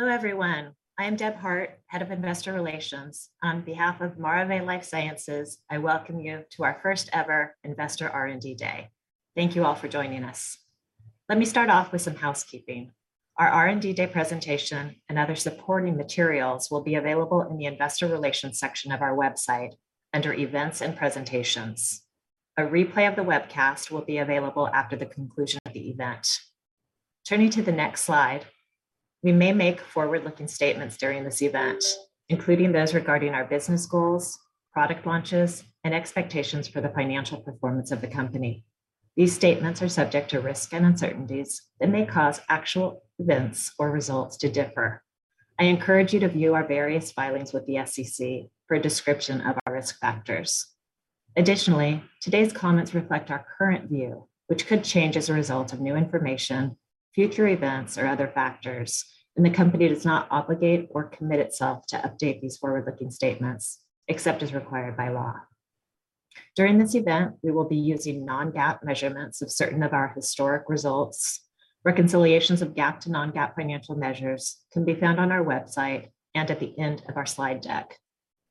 Hello everyone. I'm Deb Hart, Head of Investor Relations. On behalf of Maravai LifeSciences, I welcome you to our first ever Investor R&D Day. Thank you all for joining us. Let me start off with some housekeeping. Our R&D Day presentation and other supporting materials will be available in the Investor Relations section of our website under events and presentations. A replay of the webcast will be available after the conclusion of the event. Turning to the next slide, we may make forward-looking statements during this event, including those regarding our business goals, product launches, and expectations for the financial performance of the company. These statements are subject to risks and uncertainties that may cause actual events or results to differ. I encourage you to view our various filings with the SEC for a description of our risk factors. Additionally, today's comments reflect our current view, which could change as a result of new information, future events, or other factors, and the company does not obligate or commit itself to update these forward-looking statements except as required by law. During this event, we will be using non-GAAP measurements of certain of our historic results. Reconciliations of GAAP to non-GAAP financial measures can be found on our website and at the end of our slide deck.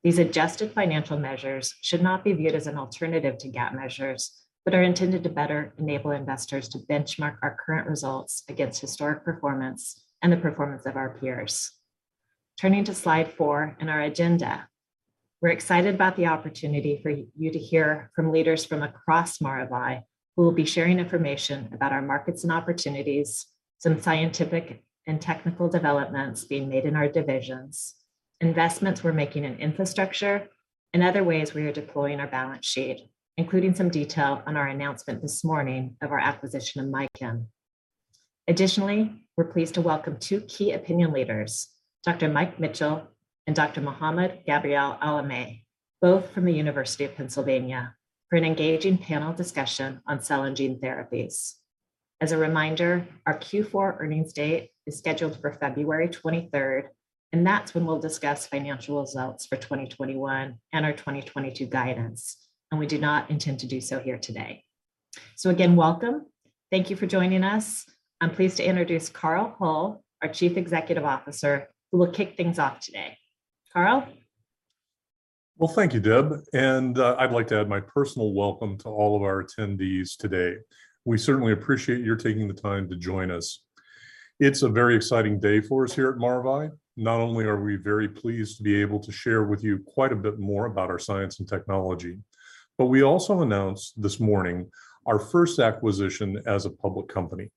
These adjusted financial measures should not be viewed as an alternative to GAAP measures, but are intended to better enable investors to benchmark our current results against historic performance and the performance of our peers. Turning to slide four in our agenda. We're excited about the opportunity for you to hear from leaders from across Maravai who will be sharing information about our markets and opportunities, some scientific and technical developments being made in our divisions, investments we're making in infrastructure, and other ways we are deploying our balance sheet, including some detail on our announcement this morning of our acquisition of MyChem. Additionally, we're pleased to welcome two key opinion leaders, Dr. Mike Mitchell and Dr. Mohamad-Gabriel Alame, both from the University of Pennsylvania, for an engaging panel discussion on cell and gene therapies. As a reminder, our Q4 earnings date is scheduled for February 23, and that's when we'll discuss financial results for 2021 and our 2022 guidance, and we do not intend to do so here today. Again, welcome. Thank you for joining us. I'm pleased to introduce Carl Hull, our Chief Executive Officer, who will kick things off today. Carl? Well, thank you, Deb, and I'd like to add my personal welcome to all of our attendees today. We certainly appreciate your taking the time to join us. It's a very exciting day for us here at Maravai. Not only are we very pleased to be able to share with you quite a bit more about our science and technology, but we also announced this morning our first acquisition as a public company.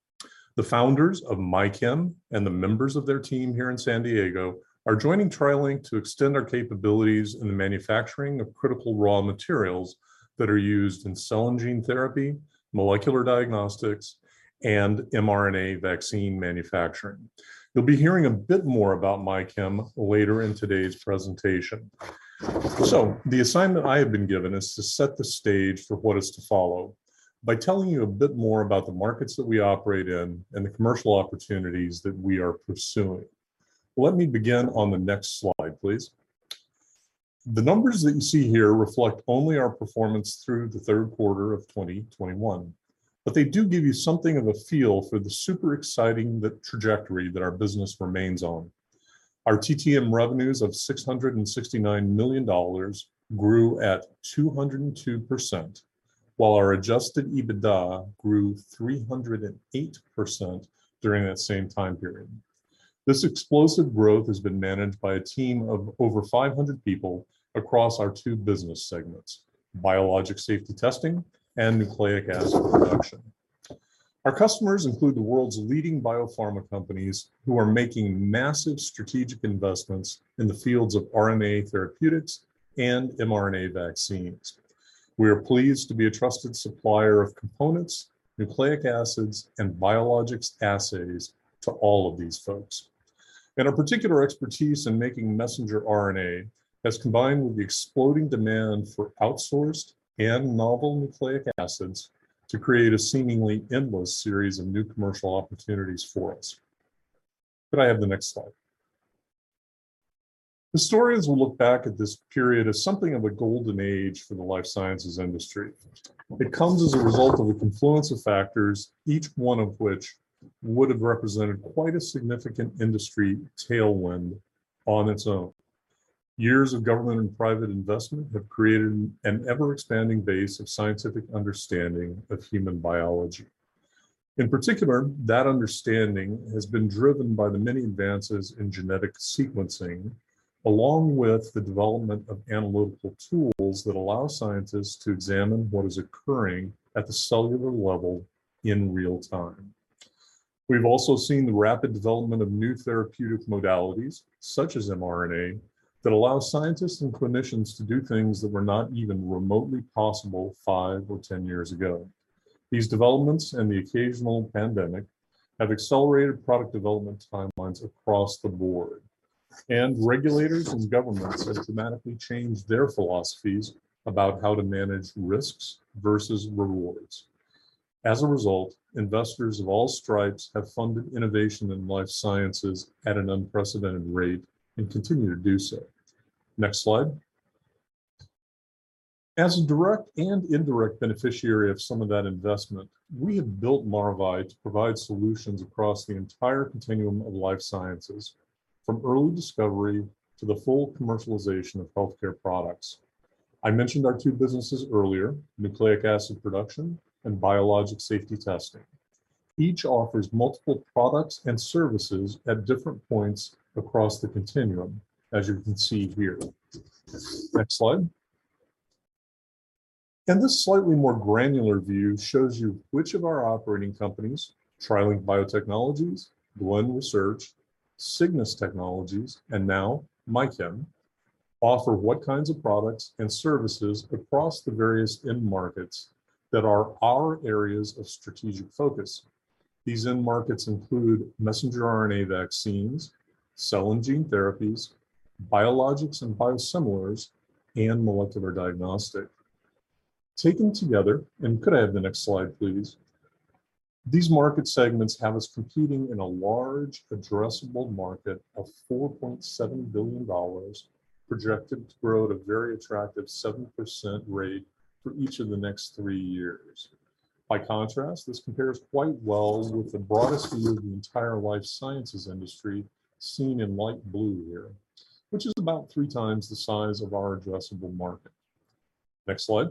The founders of MyChem and the members of their team here in San Diego are joining TriLink to extend our capabilities in the manufacturing of critical raw materials that are used in cell and gene therapy, molecular diagnostics, and mRNA vaccine manufacturing. You'll be hearing a bit more about MyChem later in today's presentation. The assignment I have been given is to set the stage for what is to follow by telling you a bit more about the markets that we operate in and the commercial opportunities that we are pursuing. Let me begin on the next slide, please. The numbers that you see here reflect only our performance through the third quarter of 2021, but they do give you something of a feel for the super exciting trajectory that our business remains on. Our TTM revenues of $669 million grew at 202%, while our Adjusted EBITDA grew 308% during that same time period. This explosive growth has been managed by a team of over 500 people across our two business segments, Biologics Safety Testing and Nucleic Acid Production. Our customers include the world's leading biopharma companies who are making massive strategic investments in the fields of RNA therapeutics and mRNA vaccines. We are pleased to be a trusted supplier of components, nucleic acids, and biologics assays to all of these folks. Our particular expertise in making messenger RNA has combined with the exploding demand for outsourced and novel nucleic acids to create a seemingly endless series of new commercial opportunities for us. Could I have the next slide? Historians will look back at this period as something of a golden age for the life sciences industry. It comes as a result of a confluence of factors, each one of which would have represented quite a significant industry tailwind on its own. Years of government and private investment have created an ever-expanding base of scientific understanding of human biology. In particular, that understanding has been driven by the many advances in genetic sequencing, along with the development of analytical tools that allow scientists to examine what is occurring at the cellular level in real time. We've also seen the rapid development of new therapeutic modalities, such as mRNA, that allow scientists and clinicians to do things that were not even remotely possible five or ten years ago. These developments and the occasional pandemic have accelerated product development timelines across the board. Regulators and governments have dramatically changed their philosophies about how to manage risks versus rewards. As a result, investors of all stripes have funded innovation in life sciences at an unprecedented rate and continue to do so. Next slide. As a direct and indirect beneficiary of some of that investment, we have built Maravai to provide solutions across the entire continuum of life sciences, from early discovery to the full commercialization of healthcare products. I mentioned our two businesses earlier, Nucleic Acid Production and Biologics Safety Testing. Each offers multiple products and services at different points across the continuum, as you can see here. Next slide. This slightly more granular view shows you which of our operating companies, TriLink BioTechnologies, Glen Research, Cygnus Technologies, and now MyChem, offer what kinds of products and services across the various end markets that are our areas of strategic focus. These end markets include messenger RNA vaccines, cell and gene therapies, biologics and biosimilars, and molecular diagnostic. Taken together, could I have the next slide, please, these market segments have us competing in a large addressable market of $4.7 billion projected to grow at a very attractive 7% rate for each of the next three years. By contrast, this compares quite well with the broadest view of the entire life sciences industry seen in light blue here, which is about 3x the size of our addressable market. Next slide.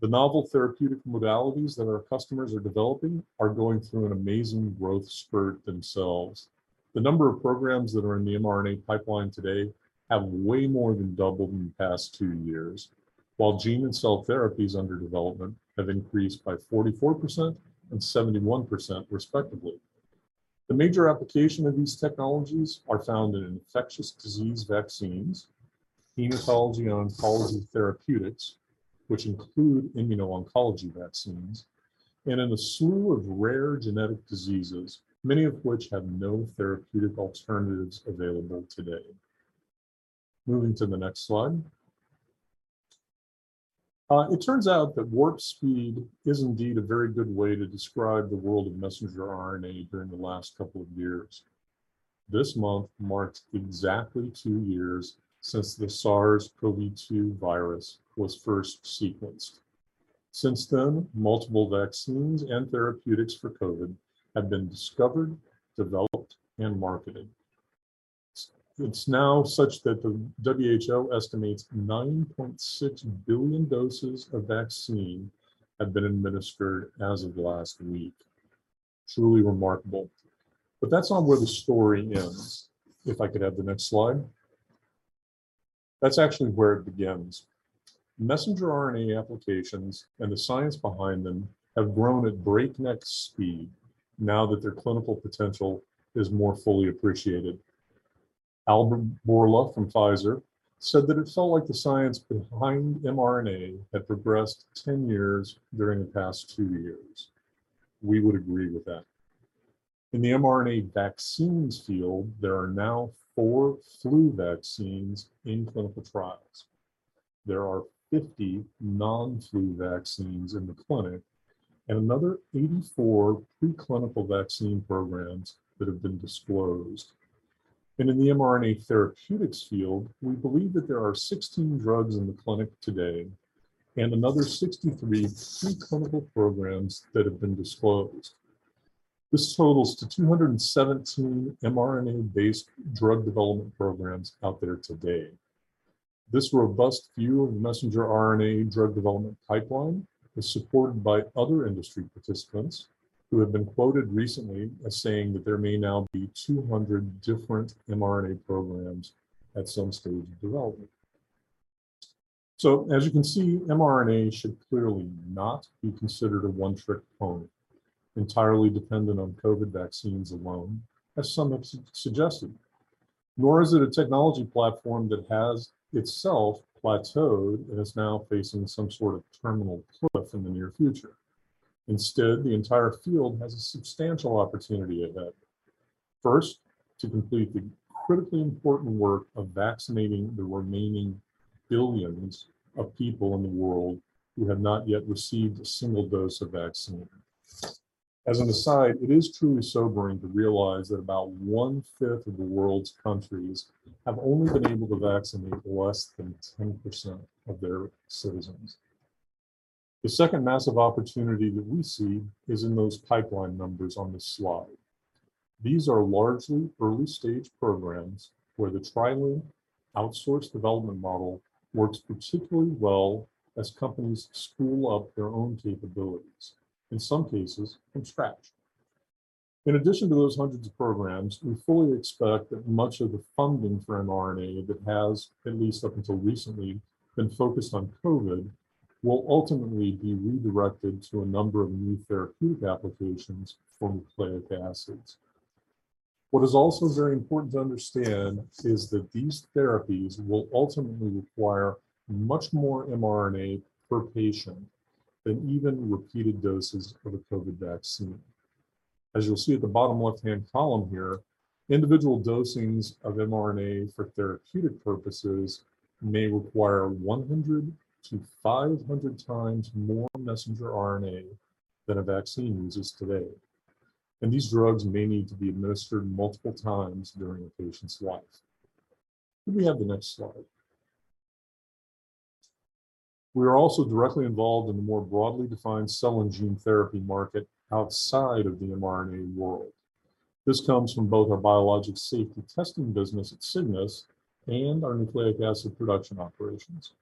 The novel therapeutic modalities that our customers are developing are going through an amazing growth spurt themselves. The number of programs that are in the mRNA pipeline today have way more than doubled in the past two years, while gene and cell therapies under development have increased by 44% and 71% respectively. The major application of these technologies are found in infectious disease vaccines, hematology and oncology therapeutics, which include immuno-oncology vaccines, and in a slew of rare genetic diseases, many of which have no therapeutic alternatives available today. Moving to the next slide. It turns out that warp speed is indeed a very good way to describe the world of messenger RNA during the last couple of years. This month marked exactly two years since the SARS-CoV-2 virus was first sequenced. Since then, multiple vaccines and therapeutics for COVID have been discovered, developed, and marketed. It's now such that the WHO estimates 9.6 billion doses of vaccine have been administered as of last week. Truly remarkable. That's not where the story ends. If I could have the next slide. That's actually where it begins. Messenger RNA applications and the science behind them have grown at breakneck speed now that their clinical potential is more fully appreciated. Albert Bourla from Pfizer said that it felt like the science behind mRNA had progressed 10 years during the past two years. We would agree with that. In the mRNA vaccines field, there are now four flu vaccines in clinical trials. There are 50 non-flu vaccines in the clinic and another 84 pre-clinical vaccine programs that have been disclosed. In the mRNA therapeutics field, we believe that there are 16 drugs in the clinic today and another 63 pre-clinical programs that have been disclosed. This totals to 217 mRNA-based drug development programs out there today. This robust view of messenger RNA drug development pipeline is supported by other industry participants who have been quoted recently as saying that there may now be 200 different mRNA programs at some stage of development. As you can see, mRNA should clearly not be considered a one-trick pony entirely dependent on COVID vaccines alone, as some have suggested, nor is it a technology platform that has itself plateaued and is now facing some sort of terminal cliff in the near future. Instead, the entire field has a substantial opportunity ahead. First, to complete the critically important work of vaccinating the remaining billions of people in the world who have not yet received a single dose of vaccine. As an aside, it is truly sobering to realize that about one-fifth of the world's countries have only been able to vaccinate less than 10% of their citizens. The second massive opportunity that we see is in those pipeline numbers on this slide. These are largely early-stage programs where the TriLink outsource development model works particularly well as companies spool up their own capabilities, in some cases from scratch. In addition to those hundreds of programs, we fully expect that much of the funding for mRNA that has, at least up until recently, been focused on COVID will ultimately be redirected to a number of new therapeutic applications for nucleic acids. What is also very important to understand is that these therapies will ultimately require much more mRNA per patient than even repeated doses of a COVID vaccine. As you'll see at the bottom left-hand column here, individual dosings of mRNA for therapeutic purposes may require 100-500x more messenger RNA than a vaccine uses today. These drugs may need to be administered multiple times during a patient's life. Could we have the next slide? We are also directly involved in the more broadly defined cell and gene therapy market outside of the mRNA world. This comes from both our Biologics Safety Testing business at Cygnus and our Nucleic Acid Production operations.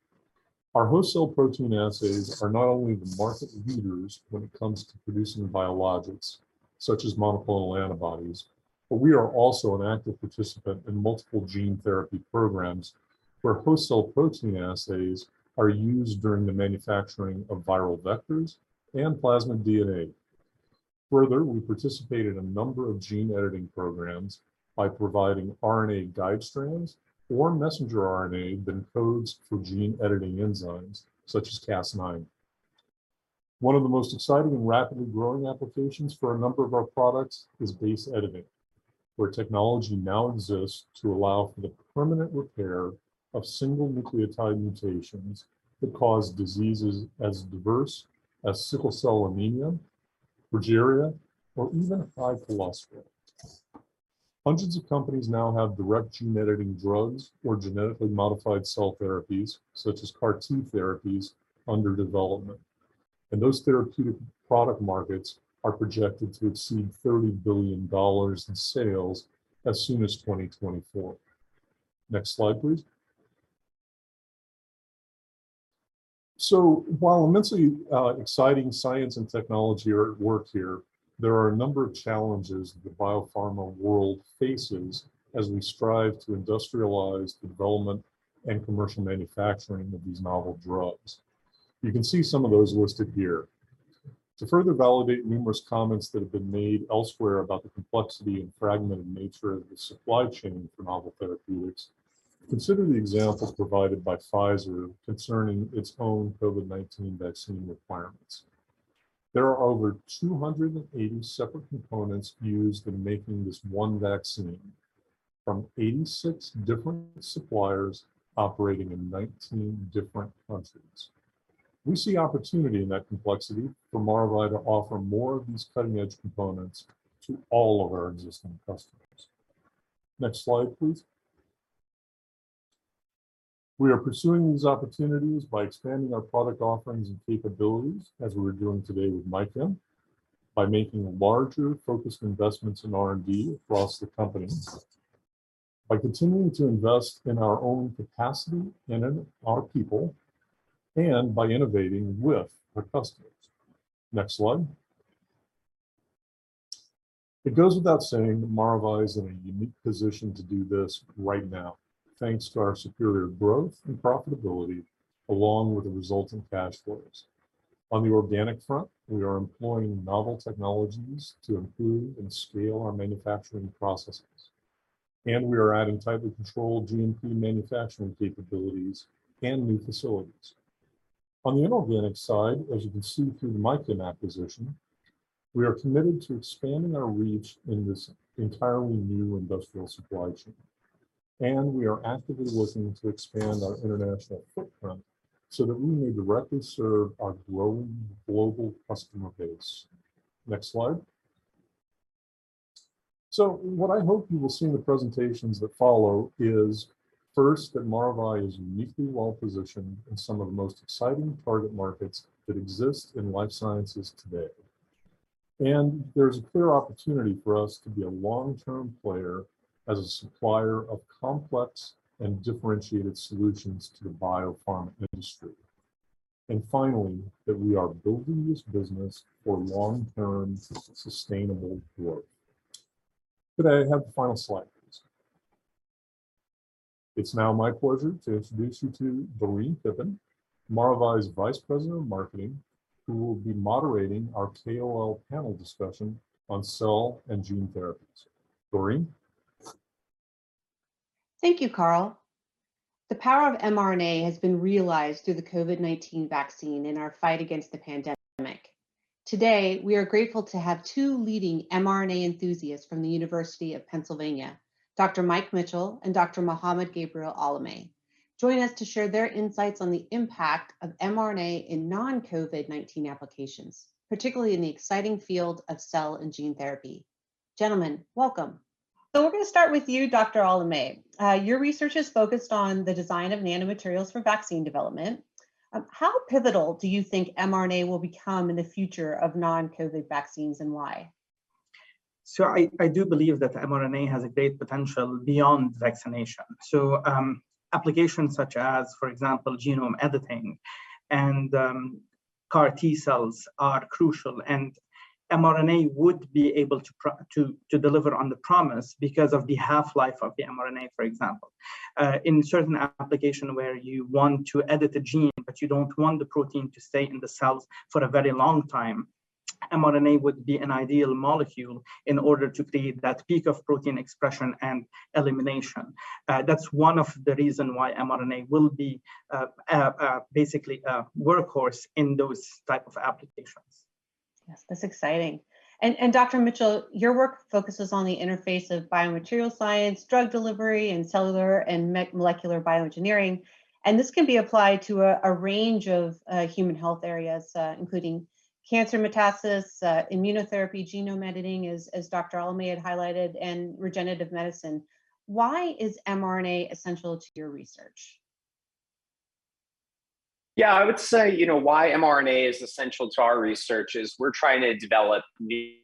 Our host cell protein assays are not only the market leaders when it comes to producing biologics, such as monoclonal antibodies, but we are also an active participant in multiple gene therapy programs where host cell protein assays are used during the manufacturing of viral vectors and plasmid DNA. Further, we participate in a number of gene editing programs by providing RNA guide strands or messenger RNA that encodes for gene editing enzymes such as Cas9. One of the most exciting and rapidly growing applications for a number of our products is base editing, where technology now exists to allow for the permanent repair of single nucleotide mutations that cause diseases as diverse as sickle cell anemia, progeria, or even high cholesterol. Hundreds of companies now have direct gene editing drugs or genetically modified cell therapies such as CAR-T therapies under development, and those therapeutic product markets are projected to exceed $30 billion in sales as soon as 2024. Next slide, please. While immensely exciting science and technology are at work here, there are a number of challenges the biopharma world faces as we strive to industrialize the development and commercial manufacturing of these novel drugs. You can see some of those listed here. To further validate numerous comments that have been made elsewhere about the complexity and fragmented nature of the supply chain for novel therapeutics, consider the example provided by Pfizer concerning its own COVID-19 vaccine requirements. There are over 280 separate components used in making this one vaccine from 86 different suppliers operating in 19 different countries. We see opportunity in that complexity for Maravai to offer more of these cutting-edge components to all of our existing customers. Next slide, please. We are pursuing these opportunities by expanding our product offerings and capabilities as we are doing today with MyChem, by making larger focused investments in R&D across the company, by continuing to invest in our own capacity and in our people, and by innovating with our customers. Next slide. It goes without saying that Maravai is in a unique position to do this right now, thanks to our superior growth and profitability along with the resulting cash flows. On the organic front, we are employing novel technologies to improve and scale our manufacturing processes, and we are adding tightly controlled GMP manufacturing capabilities and new facilities. On the inorganic side, as you can see through the MyChem acquisition, we are committed to expanding our reach in this entirely new industrial supply chain, and we are actively looking to expand our international footprint so that we may directly serve our growing global customer base. Next slide. What I hope you will see in the presentations that follow is first, that Maravai is uniquely well positioned in some of the most exciting target markets that exist in life sciences today, and there's a clear opportunity for us to be a long-term player as a supplier of complex and differentiated solutions to the biopharma industry, and finally, that we are building this business for long-term sustainable growth. Could I have the final slide, please? It's now my pleasure to introduce you to Doreen Pippen, Maravai's Vice President of Marketing, who will be moderating our KOL panel discussion on cell and gene therapies. Doreen? Thank you, Carl. The power of mRNA has been realized through the COVID-19 vaccine in our fight against the pandemic. Today, we are grateful to have two leading mRNA enthusiasts from the University of Pennsylvania, Dr. Mike Mitchell and Dr. Mohamad-Gabriel Alameh. Join us to share their insights on the impact of mRNA in non-COVID-19 applications, particularly in the exciting field of cell and gene therapy. Gentlemen, welcome. We're going to start with you, Dr. Alameh. Your research is focused on the design of nanomaterials for vaccine development. How pivotal do you think mRNA will become in the future of non-COVID vaccines and why? I do believe that mRNA has a great potential beyond vaccination. Applications such as, for example, genome editing and CAR T cells are crucial, and mRNA would be able to to deliver on the promise because of the half-life of the mRNA, for example. In certain application where you want to edit a gene, but you don't want the protein to stay in the cells for a very long time, mRNA would be an ideal molecule in order to create that peak of protein expression and elimination. That's one of the reason why mRNA will be basically a workhorse in those type of applications. Yes, that's exciting. Dr. Mitchell, your work focuses on the interface of biomaterial science, drug delivery, and cellular and molecular bioengineering, and this can be applied to a range of human health areas, including cancer metastasis, immunotherapy, genome editing as Dr. Alameh had highlighted, and regenerative medicine. Why is mRNA essential to your research? Yeah, I would say, you know, why mRNA is essential to our research is we're trying to develop new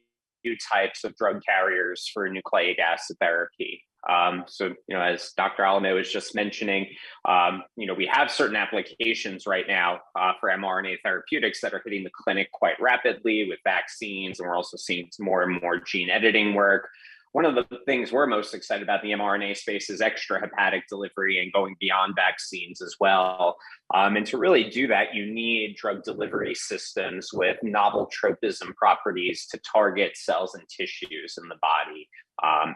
types of drug carriers for nucleic acid therapy. You know, as Dr. Alameh was just mentioning, you know, we have certain applications right now for mRNA therapeutics that are hitting the clinic quite rapidly with vaccines, and we're also seeing more and more gene editing work. One of the things we're most excited about in the mRNA space is extrahepatic delivery and going beyond vaccines as well. To really do that, you need drug delivery systems with novel tropism properties to target cells and tissues in the body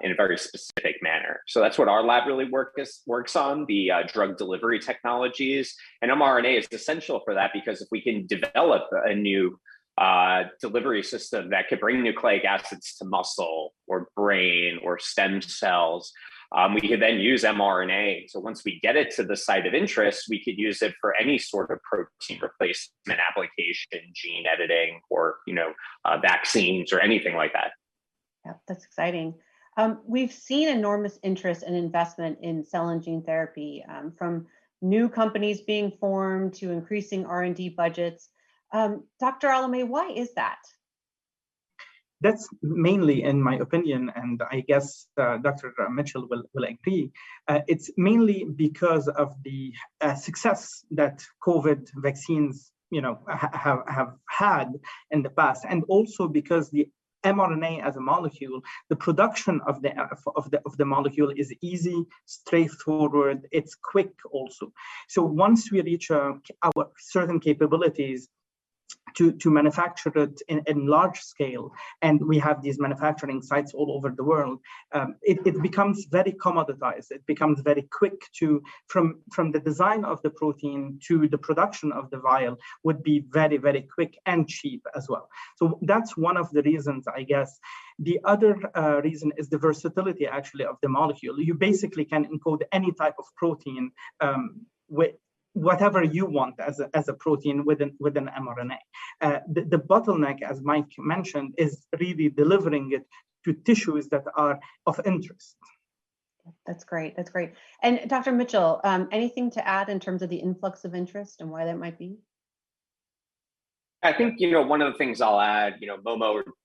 in a very specific manner. That's what our lab really works on, drug delivery technologies, and mRNA is essential for that because if we can develop a new delivery system that could bring nucleic acids to muscle or brain or stem cells, we could then use mRNA. Once we get it to the site of interest, we could use it for any sort of protein replacement application, gene editing or, you know, vaccines or anything like that. Yeah, that's exciting. We've seen enormous interest and investment in cell and gene therapy, from new companies being formed to increasing R&D budgets. Dr. Alameh, why is that? That's mainly, in my opinion, and I guess Dr. Mitchell will agree, it's mainly because of the success that COVID-19 vaccines, you know, have had in the past, and also because the mRNA as a molecule, the production of the molecule is easy, straightforward. It's quick also. Once we reach our certain capabilities to manufacture it in large scale, and we have these manufacturing sites all over the world, it becomes very commoditized. It becomes very quick. From the design of the protein to the production of the vial would be very, very quick and cheap as well. That's one of the reasons, I guess. The other reason is the versatility, actually, of the molecule. You basically can encode any type of protein with whatever you want as a protein with an mRNA. The bottleneck, as Mike mentioned, is really delivering it to tissues that are of interest. That's great. Dr. Mitchell, anything to add in terms of the influx of interest and why that might be? I think, you know, one of the things I'll add, you know,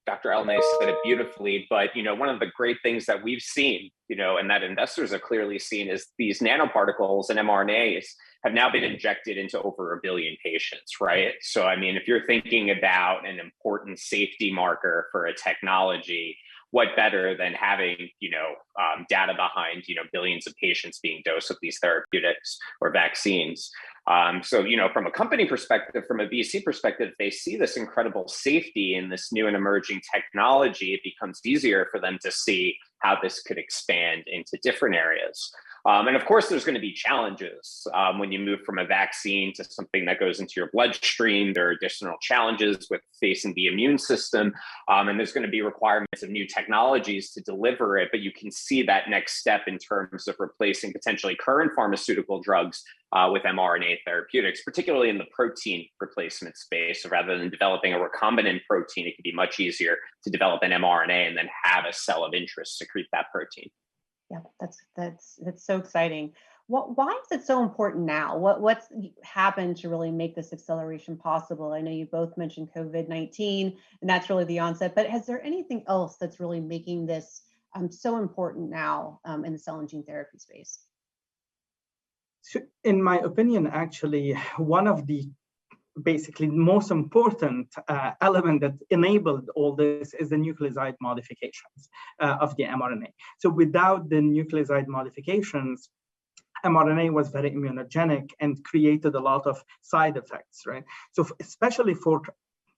Dr. Alameh said it beautifully, but, you know, one of the great things that we've seen, you know, and that investors have clearly seen is these nanoparticles and mRNAs have now been injected into over 1 billion patients, right? So I mean, if you're thinking about an important safety marker for a technology, what better than having, you know, data behind, you know, billions of patients being dosed with these therapeutics or vaccines? So, you know, from a company perspective, from a VC perspective, they see this incredible safety in this new and emerging technology. It becomes easier for them to see how this could expand into different areas. Of course, there's gonna be challenges when you move from a vaccine to something that goes into your bloodstream. There are additional challenges with facing the immune system, and there's gonna be requirements of new technologies to deliver it, but you can see that next step in terms of replacing potentially current pharmaceutical drugs with mRNA therapeutics, particularly in the protein replacement space. Rather than developing a recombinant protein, it could be much easier to develop an mRNA and then have a cell of interest secrete that protein. Yeah, that's so exciting. What, why is it so important now? What's happened to really make this acceleration possible? I know you both mentioned COVID-19, and that's really the onset, but is there anything else that's really making this so important now in the cell and gene therapy space? In my opinion, actually, one of the basically most important element that enabled all this is the nucleoside modifications of the mRNA. Without the nucleoside modifications, mRNA was very immunogenic and created a lot of side effects, right? Especially for,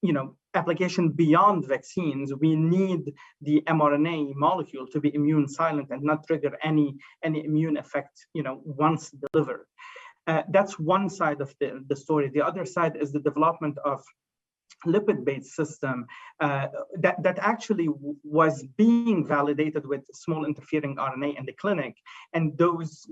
you know, application beyond vaccines, we need the mRNA molecule to be immune silent and not trigger any immune effect, you know, once delivered. That's one side of the story. The other side is the development of lipid-based system that actually was being validated with small interfering RNA in the clinic, and those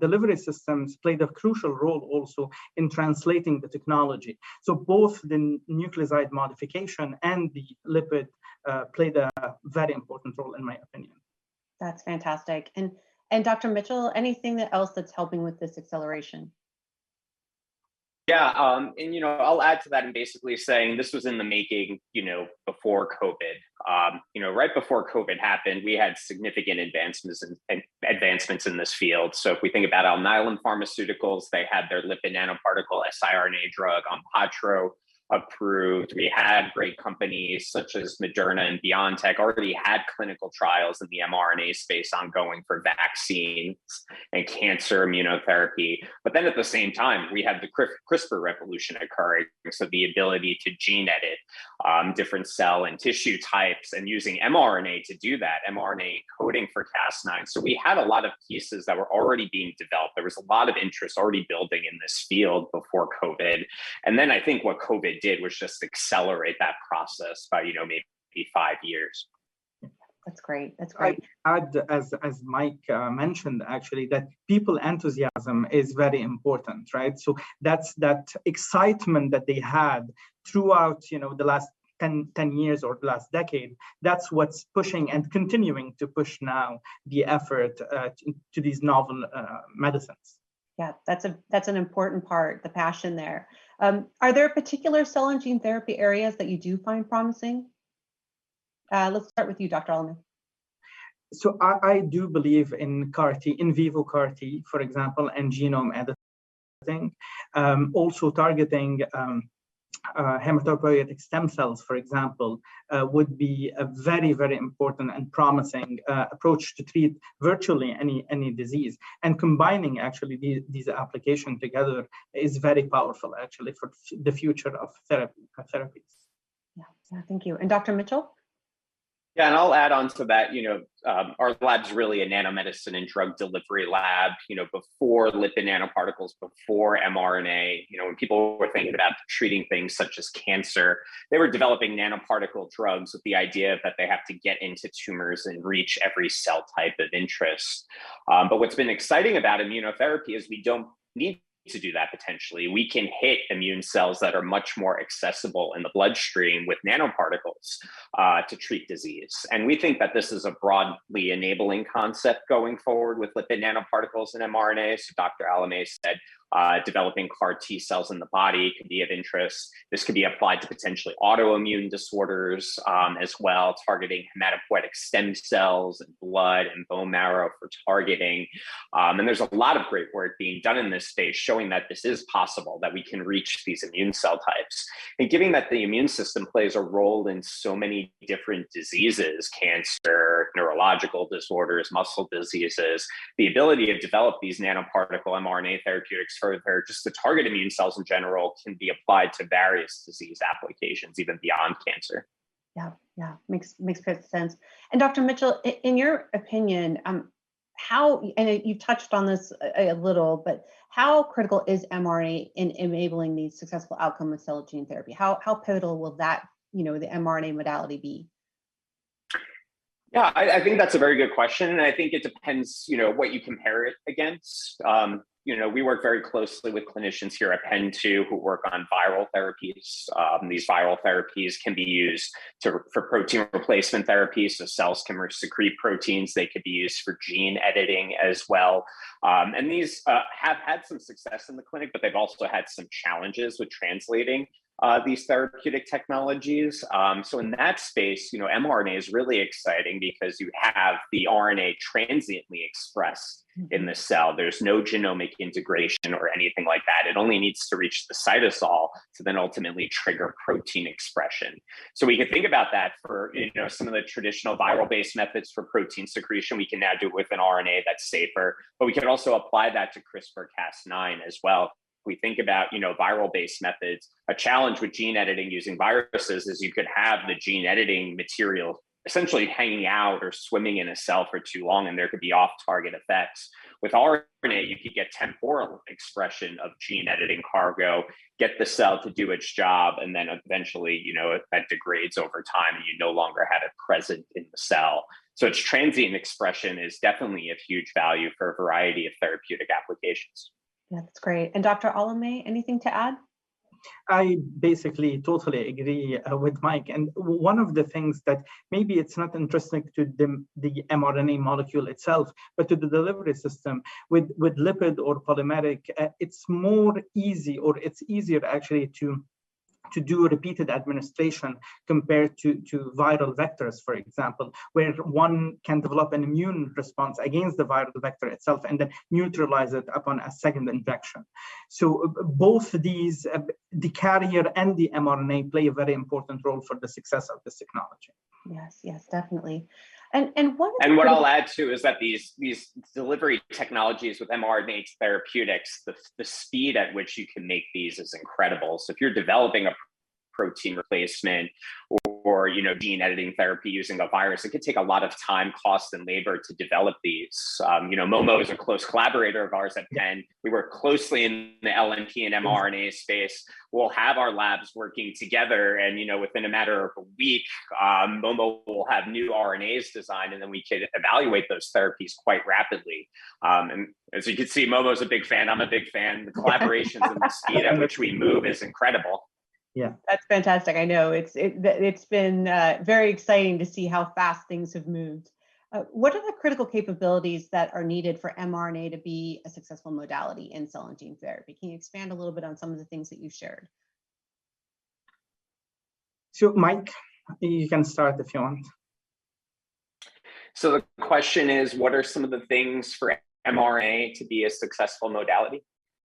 delivery systems played a crucial role also in translating the technology. Both the nucleoside modification and the lipid played a very important role in my opinion. That's fantastic. Dr. Mitchell, anything else that's helping with this acceleration? You know, I'll add to that in basically saying this was in the making, you know, before COVID. You know, right before COVID happened, we had significant advancements in this field. If we think about Alnylam Pharmaceuticals, they had their lipid nanoparticle siRNA drug Onpattro approved. We had great companies such as Moderna and BioNTech already had clinical trials in the mRNA space ongoing for vaccines and cancer immunotherapy. At the same time, we had the CRISPR revolution occurring, so the ability to gene edit different cell and tissue types and using mRNA to do that, mRNA coding for Cas9. We had a lot of pieces that were already being developed. There was a lot of interest already building in this field before COVID. I think what COVID did was just accelerate that process by, you know, maybe five years. That's great. I'd add, as Mike mentioned actually, that people's enthusiasm is very important, right? That's that excitement that they had throughout, you know, the last 10 years or the last decade, that's what's pushing and continuing to push now the effort to these novel medicines. Yeah. That's an important part, the passion there. Are there particular cell and gene therapy areas that you do find promising? Let's start with you, Dr. Alameh. I do believe in CAR-T, in vivo CAR-T, for example, and genome editing. Also targeting hematopoietic stem cells, for example, would be a very important and promising approach to treat virtually any disease, and combining actually these application together is very powerful actually for the future of therapies. Yeah. Yeah. Thank you. Dr. Mitchell? Yeah, I'll add onto that, you know, our lab's really a nanomedicine and drug delivery lab, you know, before lipid nanoparticles, before mRNA, you know, when people were thinking about treating things such as cancer, they were developing nanoparticle drugs with the idea that they have to get into tumors and reach every cell type of interest. But what's been exciting about immunotherapy is we don't need to do that potentially. We can hit immune cells that are much more accessible in the bloodstream with nanoparticles to treat disease, and we think that this is a broadly enabling concept going forward with lipid nanoparticles and mRNAs. Dr. Alameh said developing CAR-T cells in the body could be of interest. This could be applied to potentially autoimmune disorders as well as targeting hematopoietic stem cells and blood and bone marrow for targeting. There's a lot of great work being done in this space showing that this is possible, that we can reach these immune cell types. Given that the immune system plays a role in so many different diseases, cancer, neurological disorders, muscle diseases, the ability to develop these nanoparticle mRNA therapeutics further just to target immune cells in general can be applied to various disease applications, even beyond cancer. Yeah. Yeah. Makes good sense. Dr. Mitchell, in your opinion, how and you've touched on this a little, but how critical is mRNA in enabling these successful outcome with cell and gene therapy? How pivotal will that, you know, the mRNA modality be? Yeah. I think that's a very good question, and I think it depends, you know, what you compare it against. You know, we work very closely with clinicians here at Penn too who work on viral therapies. These viral therapies can be used for protein replacement therapies, so cells can re-secrete proteins. They could be used for gene editing as well. These have had some success in the clinic, but they've also had some challenges with translating these therapeutic technologies. In that space, you know, mRNA is really exciting because you have the RNA transiently expressed in the cell. There's no genomic integration or anything like that. It only needs to reach the cytosol to then ultimately trigger protein expression. We can think about that for, you know, some of the traditional viral-based methods for protein secretion, we can now do it with an RNA that's safer, but we can also apply that to CRISPR-Cas9 as well. We think about, you know, viral-based methods. A challenge with gene editing using viruses is you could have the gene editing material essentially hanging out or swimming in a cell for too long, and there could be off-target effects. With RNA, you could get temporal expression of gene editing cargo, get the cell to do its job, and then eventually, you know, it that degrades over time, and you no longer have it present in the cell. Its transient expression is definitely a huge value for a variety of therapeutic applications. That's great. Dr. Alameh, anything to add? I basically totally agree with Mike, and one of the things that maybe it's not interesting to the mRNA molecule itself, but to the delivery system with lipid or polymeric, it's easier actually to do a repeated administration compared to viral vectors, for example, where one can develop an immune response against the viral vector itself and then neutralize it upon a second infection. So both these, the carrier and the mRNA play a very important role for the success of this technology. Yes. Yes. Definitely. What I'll add too is that these delivery technologies with mRNA therapeutics, the speed at which you can make these is incredible. If you're developing a protein replacement or, you know, gene editing therapy using a virus, it can take a lot of time, cost, and labor to develop these. You know, Momo is a close collaborator of ours at Penn. We work closely in the LNP and mRNA space. We'll have our labs working together and, you know, within a matter of a week, Momo will have new RNAs designed, and then we can evaluate those therapies quite rapidly. As you can see, Momo's a big fan. I'm a big fan. The collaborations and the speed at which we move is incredible. Yeah. That's fantastic. I know it's been very exciting to see how fast things have moved. What are the critical capabilities that are needed for mRNA to be a successful modality in cell and gene therapy? Can you expand a little bit on some of the things that you've shared? Mike, you can start if you want. The question is, what are some of the things for mRNA to be a successful modality?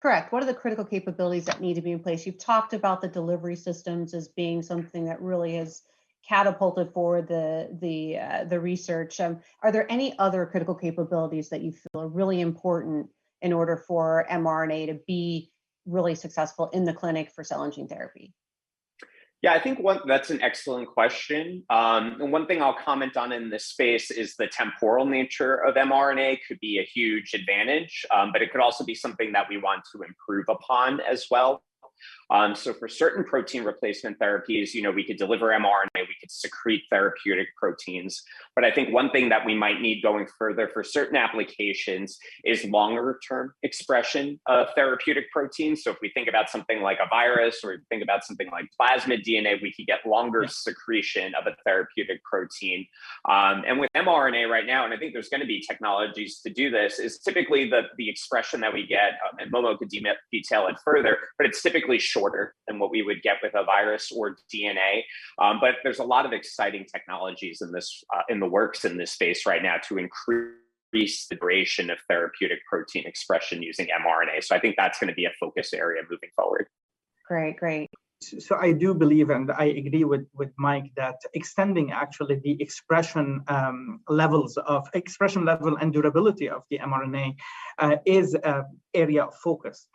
Correct. What are the critical capabilities that need to be in place? You've talked about the delivery systems as being something that really has catapulted for the research. Are there any other critical capabilities that you feel are really important in order for mRNA to be really successful in the clinic for cell and gene therapy? Yeah, I think that's an excellent question. One thing I'll comment on in this space is the temporal nature of mRNA could be a huge advantage, but it could also be something that we want to improve upon as well. For certain protein replacement therapies, you know, we could deliver mRNA, we could secrete therapeutic proteins. I think one thing that we might need going further for certain applications is longer term expression of therapeutic proteins. If we think about something like a virus, or think about something like plasmid DNA, we could get longer secretion of a therapeutic protein. With mRNA right now, I think there's going to be technologies to do this, is typically the expression that we get, and Momo could detail it further, but it's typically shorter than what we would get with a virus or DNA. There's a lot of exciting technologies in the works in this space right now to increase the duration of therapeutic protein expression using mRNA. I think that's going to be a focus area moving forward. Great. Great. I do believe, and I agree with Mike, that extending actually the expression levels of expression level and durability of the mRNA is an area of focus.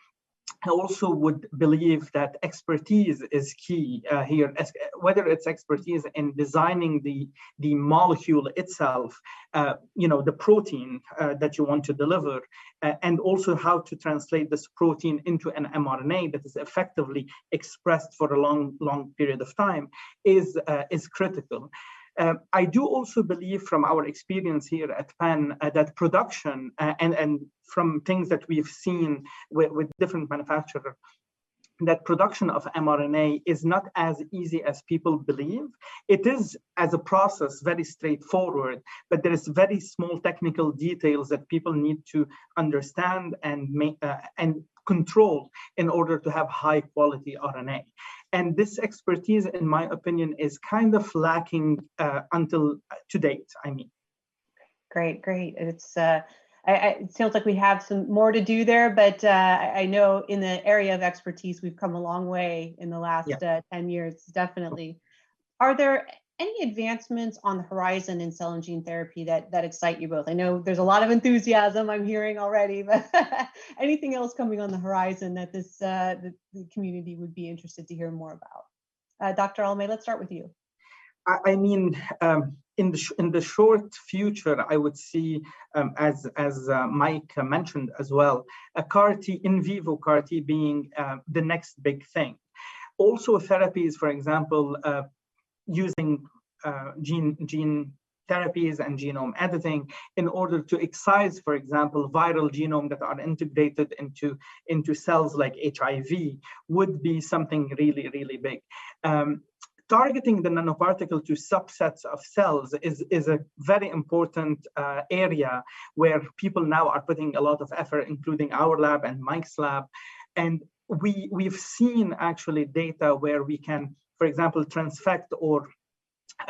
I also would believe that expertise is key here. Whether it's expertise in designing the molecule itself, you know, the protein that you want to deliver, and also how to translate this protein into an mRNA that is effectively expressed for a long period of time is critical. I do also believe from our experience here at Penn that production and from things that we've seen with different manufacturers, that production of mRNA is not as easy as people believe. It is as a process very straightforward, but there is very small technical details that people need to understand and control in order to have high quality RNA. This expertise in my opinion is kind of lacking to date, I mean. Great. It sounds like we have some more to do there, but I know in the area of expertise, we've come a long way in the last- Yeah... 10 years, definitely. Are there any advancements on the horizon in cell and gene therapy that excite you both? I know there's a lot of enthusiasm I'm hearing already, but anything else coming on the horizon that the community would be interested to hear more about? Dr. Alameh, let's start with you. I mean, in the short future, I would see, as Mike mentioned as well, a CAR-T, in vivo CAR-T being the next big thing. Also therapies for example, using gene therapies and genome editing in order to excise for example, viral genome that are integrated into cells like HIV would be something really big. Targeting the nanoparticle to subsets of cells is a very important area where people now are putting a lot of effort, including our lab and Mike's lab, and we've seen actually data where we can, for example, transfect or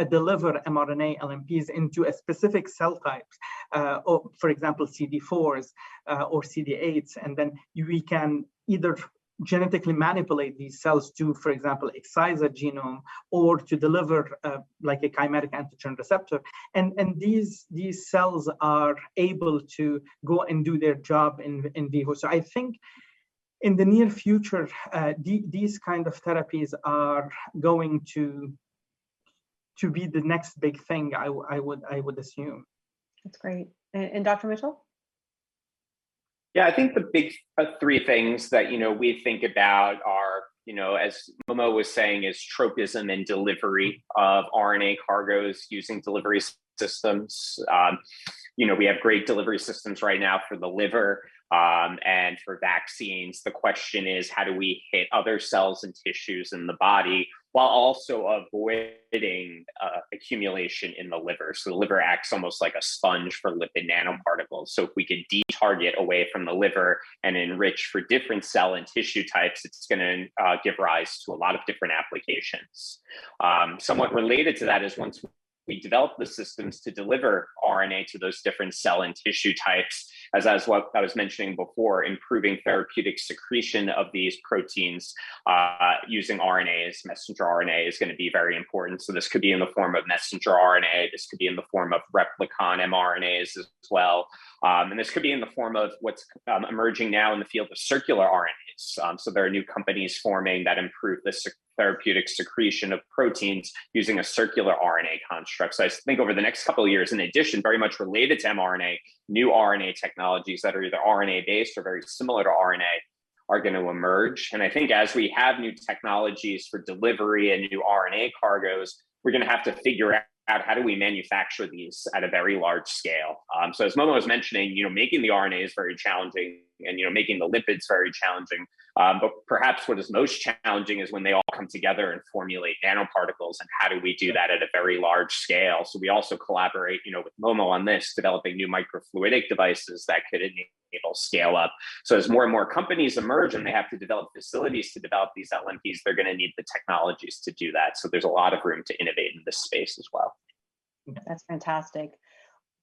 deliver mRNA LNPs into a specific cell types, or for example CD4+, or CD8s, and then we can either genetically manipulate these cells to, for example, excise a genome or to deliver, like a chimeric antigen receptor, and these cells are able to go and do their job in vivo. I think in the near future, these kind of therapies are going to be the next big thing, I would assume. That's great. Dr. Mitchell? Yeah. I think the big three things that, you know, we think about are, you know, as Momo was saying, is tropism and delivery of RNA cargos using delivery systems. You know, we have great delivery systems right now for the liver and for vaccines. The question is how do we hit other cells and tissues in the body while also avoiding accumulation in the liver. The liver acts almost like a sponge for lipid nanoparticles. If we can de-target away from the liver and enrich for different cell and tissue types, it's gonna give rise to a lot of different applications. Somewhat related to that is once we develop the systems to deliver RNA to those different cell and tissue types, as I was mentioning before, improving therapeutic secretion of these proteins using RNAs, messenger RNA is going to be very important. This could be in the form of messenger RNA. This could be in the form of replicon mRNAs as well. This could be in the form of what's emerging now in the field of circular RNAs. There are new companies forming that improve the therapeutic secretion of proteins using a circular RNA construct. I think over the next couple of years, in addition, very much related to mRNA, new RNA technologies that are either RNA based or very similar to RNA are going to emerge, and I think as we have new technologies for delivery and new RNA cargos, we're going to have to figure out how do we manufacture these at a very large scale. As Momo was mentioning, you know, making the RNA is very challenging and, you know, making the lipids very challenging. But perhaps what is most challenging is when they all come together and formulate nanoparticles, and how do we do that at a very large scale? We also collaborate, you know, with Momo on this, developing new microfluidic devices that could enable scale up. As more and more companies emerge and they have to develop facilities to develop these LNPs, they're going to need the technologies to do that. There's a lot of room to innovate in this space as well. That's fantastic.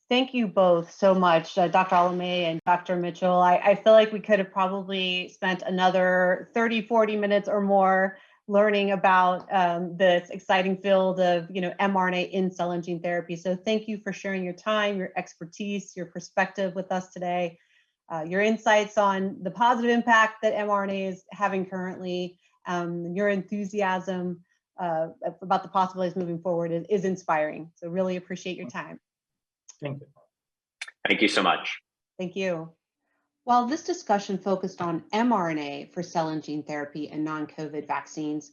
Thank you both so much, Dr. Alameh and Dr. Mitchell. I feel like we could have probably spent another 30, 40 minutes or more learning about this exciting field of, you know, mRNA in cell and gene therapy. Thank you for sharing your time, your expertise, your perspective with us today, your insights on the positive impact that mRNA is having currently, your enthusiasm about the possibilities moving forward is inspiring. Really appreciate your time. Thank you. Thank you so much. Thank you. While this discussion focused on mRNA for cell and gene therapy and non-COVID vaccines,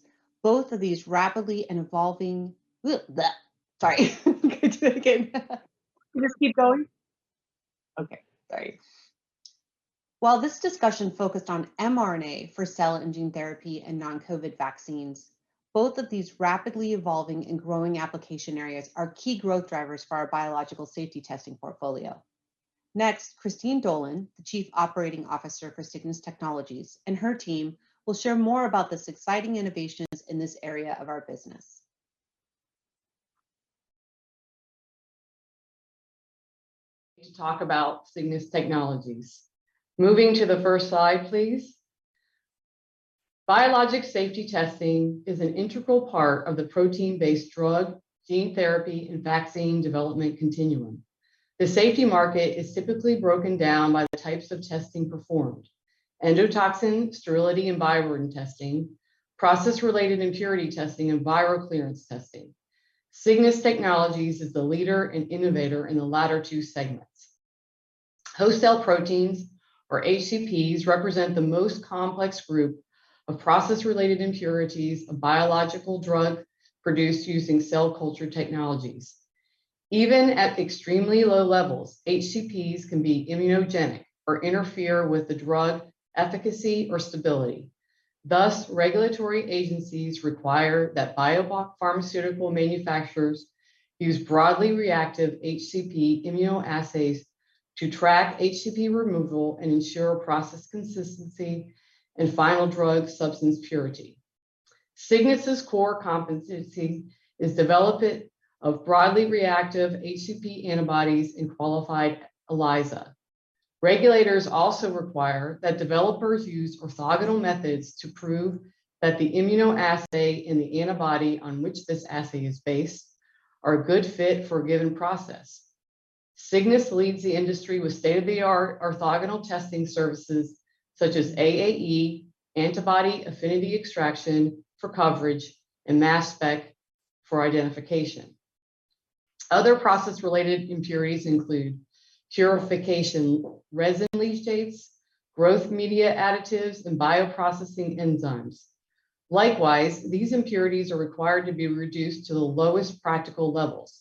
both of these rapidly evolving and growing application areas are key growth drivers for our biologics safety testing portfolio. Next, Christine Dolan, the Chief Operating Officer for Cygnus Technologies, and her team will share more about this exciting innovations in this area of our business. To talk about Cygnus Technologies. Moving to the first slide, please. Biologics Safety Testing is an integral part of the protein-based drug, gene therapy, and vaccine development continuum. The safety market is typically broken down by the types of testing performed: endotoxin, sterility, and pyrogen testing, process-related impurity testing, and viral clearance testing. Cygnus Technologies is the leader and innovator in the latter two segments. Host cell proteins, or HCPs, represent the most complex group of process-related impurities, a biological drug produced using cell culture technologies. Even at extremely low levels, HCPs can be immunogenic or interfere with the drug efficacy or stability. Thus, regulatory agencies require that biopharmaceutical manufacturers use broadly reactive HCP immunoassays to track HCP removal and ensure process consistency and final drug substance purity. Cygnus' core competency is development of broadly reactive HCP antibodies in qualified ELISA. Regulators also require that developers use orthogonal methods to prove that the immunoassay and the antibody on which this assay is based are a good fit for a given process. Cygnus leads the industry with state-of-the-art orthogonal testing services such as AAE, antibody affinity extraction for coverage, and mass spec for identification. Other process-related impurities include purification resin leachates, growth media additives, and bioprocessing enzymes. Likewise, these impurities are required to be reduced to the lowest practical levels.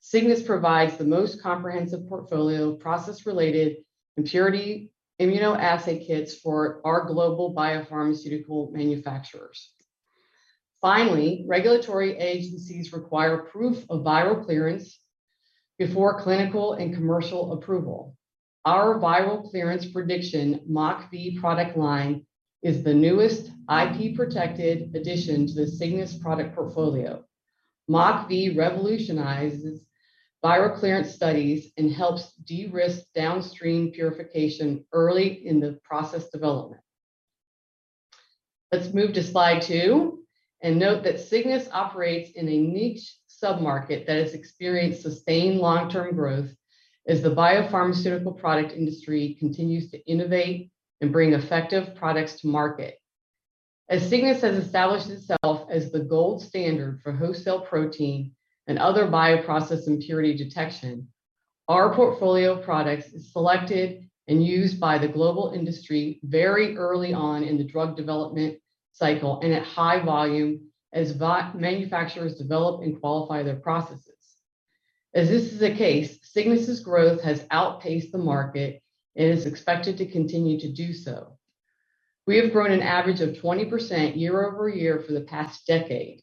Cygnus provides the most comprehensive portfolio of process-related impurity immunoassay kits for our global biopharmaceutical manufacturers. Finally, regulatory agencies require proof of viral clearance before clinical and commercial approval. Our viral clearance prediction, MockV product line, is the newest IP protected addition to the Cygnus product portfolio. MockV revolutionizes viral clearance studies and helps de-risk downstream purification early in the process development. Let's move to slide two and note that Cygnus operates in a niche submarket that has experienced sustained long-term growth as the biopharmaceutical product industry continues to innovate and bring effective products to market. As Cygnus has established itself as the gold standard for host cell protein and other bioprocess impurity detection, our portfolio of products is selected and used by the global industry very early on in the drug development cycle and at high volume as manufacturers develop and qualify their processes. As this is the case, Cygnus' growth has outpaced the market and is expected to continue to do so. We have grown an average of 20% year-over-year for the past decade.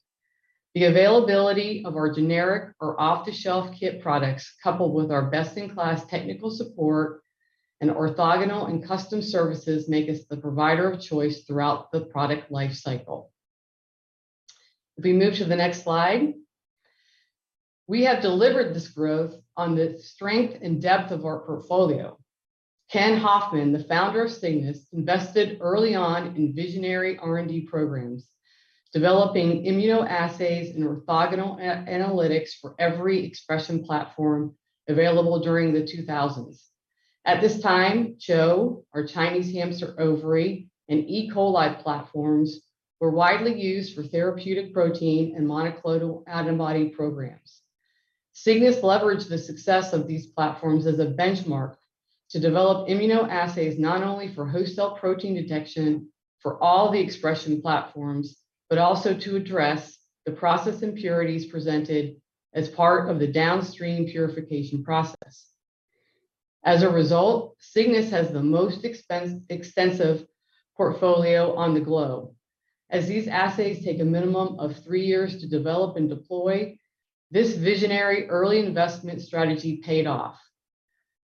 The availability of our generic or off-the-shelf kit products, coupled with our best-in-class technical support and orthogonal and custom services, make us the provider of choice throughout the product life cycle. If we move to the next slide. We have delivered this growth on the strength and depth of our portfolio. Ken Hoffman, the Founder of Cygnus, invested early on in visionary R&D programs, developing immunoassays and orthogonal analytics for every expression platform available during the 2000s. At this time, CHO, our Chinese hamster ovary, and E. coli platforms were widely used for therapeutic protein and monoclonal antibody programs. Cygnus leveraged the success of these platforms as a benchmark to develop immunoassays not only for host cell protein detection for all the expression platforms, but also to address the process impurities presented as part of the downstream purification process. As a result, Cygnus has the most extensive portfolio on the globe. As these assays take a minimum of three years to develop and deploy, this visionary early investment strategy paid off.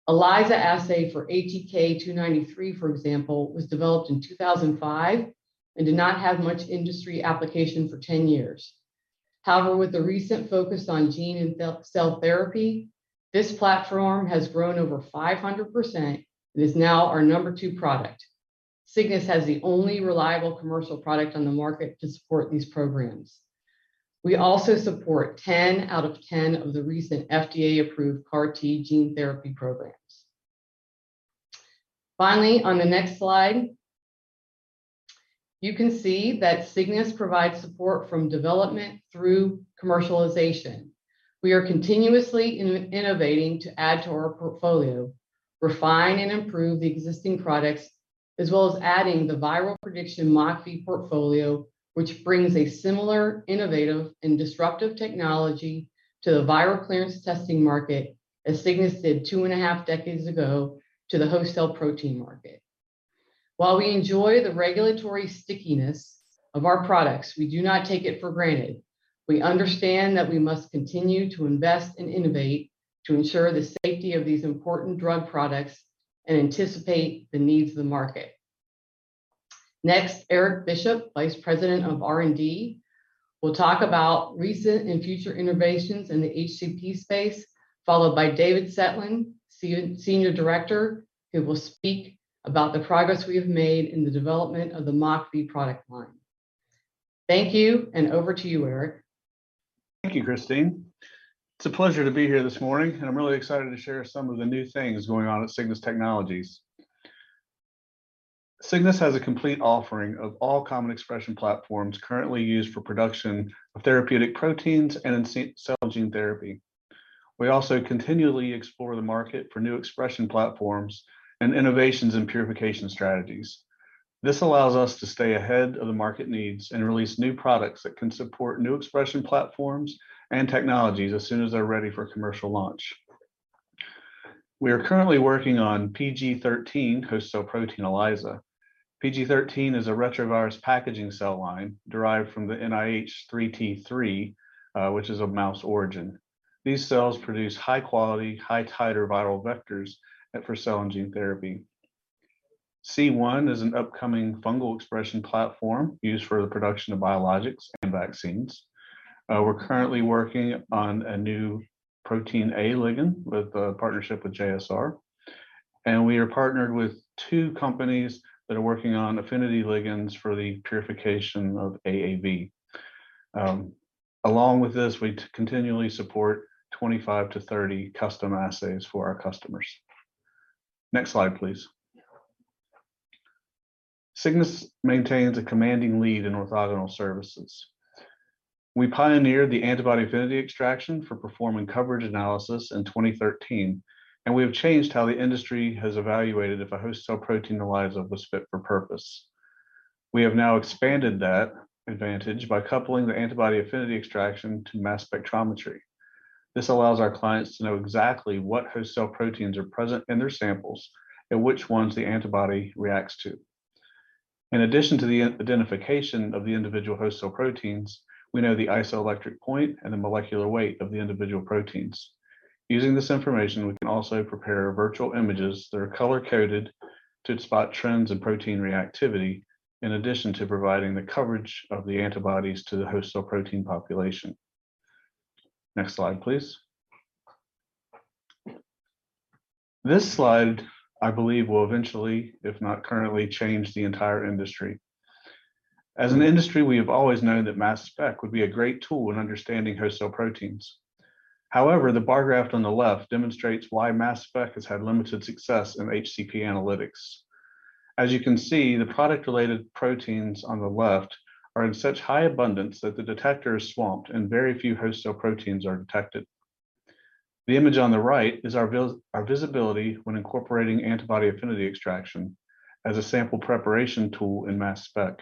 ELISA assay for HEK 293, for example, was developed in 2005 and did not have much industry application for 10 years. However, with the recent focus on gene and cell therapy, this platform has grown over 500% and is now our number two product. Cygnus has the only reliable commercial product on the market to support these programs. We also support 10 out of 10 of the recent FDA-approved CAR T gene therapy programs. Finally, on the next slide, you can see that Cygnus provides support from development through commercialization. We are continuously innovating to add to our portfolio, refine and improve the existing products, as well as adding the viral prediction MockV portfolio, which brings a similar innovative and disruptive technology to the viral clearance testing market as Cygnus did 2.5 decades ago to the host cell protein market. While we enjoy the regulatory stickiness of our products, we do not take it for granted. We understand that we must continue to invest and innovate to ensure the safety of these important drug products and anticipate the needs of the market. Next, Eric Bishop, Vice President of R&D, will talk about recent and future innovations in the HCP space, followed by David Cetlin, Senior Director, who will speak about the progress we have made in the development of the MockV product line. Thank you, and over to you, Eric. Thank you, Christine. It's a pleasure to be here this morning, and I'm really excited to share some of the new things going on at Cygnus Technologies. Cygnus has a complete offering of all common expression platforms currently used for production of therapeutic proteins and in cell gene therapy. We also continually explore the market for new expression platforms and innovations in purification strategies. This allows us to stay ahead of the market needs and release new products that can support new expression platforms and technologies as soon as they're ready for commercial launch. We are currently working on PG13 host cell protein ELISA. PG13 is a retrovirus packaging cell line derived from the NIH 3T3, which is of mouse origin. These cells produce high quality, high titer viral vectors for cell and gene therapy. C1 is an upcoming fungal expression platform used for the production of biologics and vaccines. We're currently working on a new Protein A ligand with a partnership with JSR, and we are partnered with two companies that are working on affinity ligands for the purification of AAV. Along with this, we continually support 25-30 custom assays for our customers. Next slide, please. Cygnus maintains a commanding lead in orthogonal services. We pioneered the antibody affinity extraction for performing coverage analysis in 2013, and we have changed how the industry has evaluated if a host cell protein ELISA was fit for purpose. We have now expanded that advantage by coupling the antibody affinity extraction to mass spectrometry. This allows our clients to know exactly what host cell proteins are present in their samples and which ones the antibody reacts to. In addition to the identification of the individual host cell proteins, we know the isoelectric point and the molecular weight of the individual proteins. Using this information, we can also prepare virtual images that are color-coded to spot trends in protein reactivity in addition to providing the coverage of the antibodies to the host cell protein population. Next slide, please. This slide, I believe, will eventually, if not currently, change the entire industry. As an industry, we have always known that mass spec would be a great tool in understanding host cell proteins. However, the bar graph on the left demonstrates why mass spec has had limited success in HCP analytics. As you can see, the product related proteins on the left are in such high abundance that the detector is swamped and very few host cell proteins are detected. The image on the right is our visibility when incorporating antibody affinity extraction as a sample preparation tool in mass spec.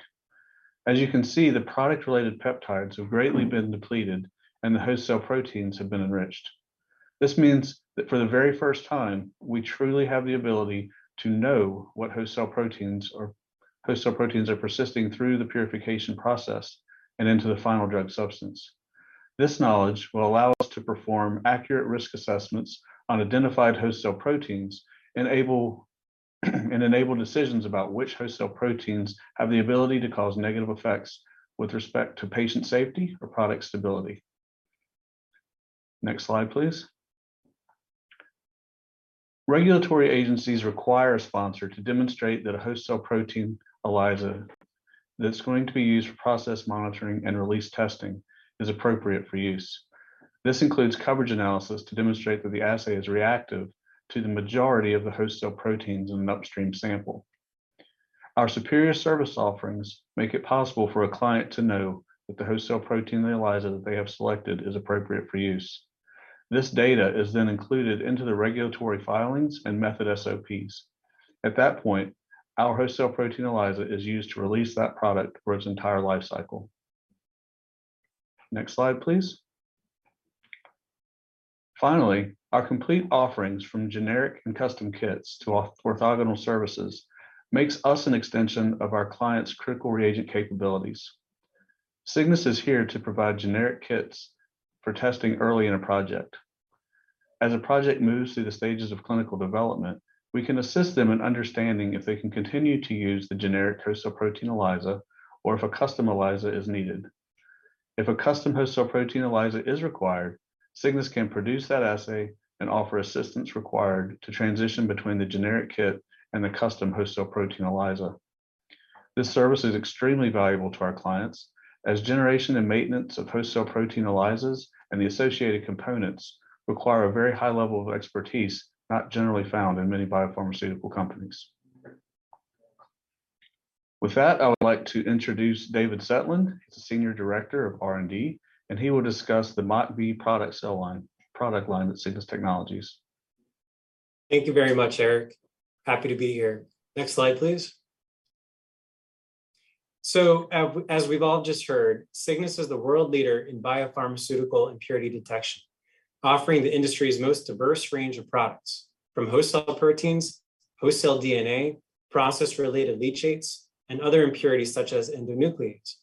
As you can see, the product related peptides have greatly been depleted and the host cell proteins have been enriched. This means that for the very first time, we truly have the ability to know what host cell proteins are persisting through the purification process and into the final drug substance. This knowledge will allow us to perform accurate risk assessments on identified host cell proteins, enable decisions about which host cell proteins have the ability to cause negative effects with respect to patient safety or product stability. Next slide, please. Regulatory agencies require a sponsor to demonstrate that a host cell protein ELISA that's going to be used for process monitoring and release testing is appropriate for use. This includes coverage analysis to demonstrate that the assay is reactive to the majority of the host cell proteins in an upstream sample. Our superior service offerings make it possible for a client to know that the host cell protein ELISA that they have selected is appropriate for use. This data is then included into the regulatory filings and method SOPs. At that point, our host cell protein ELISA is used to release that product for its entire life cycle. Next slide, please. Finally, our complete offerings from generic and custom kits to orthogonal services makes us an extension of our clients' critical reagent capabilities. Cygnus is here to provide generic kits for testing early in a project. As a project moves through the stages of clinical development, we can assist them in understanding if they can continue to use the generic host cell protein ELISA or if a custom ELISA is needed. If a custom host cell protein ELISA is required, Cygnus can produce that assay and offer assistance required to transition between the generic kit and the custom host cell protein ELISA. This service is extremely valuable to our clients as generation and maintenance of host cell protein ELISAs and the associated components require a very high level of expertise not generally found in many biopharmaceutical companies. With that, I would like to introduce David Cetlin. He's the Senior Director of R&D, and he will discuss the MockV product line at Cygnus Technologies. Thank you very much, Eric. Happy to be here. Next slide, please. We've all just heard, Cygnus is the world leader in biopharmaceutical impurity detection, offering the industry's most diverse range of products from host cell proteins, host cell DNA, process-related leachables, and other impurities such as endotoxins.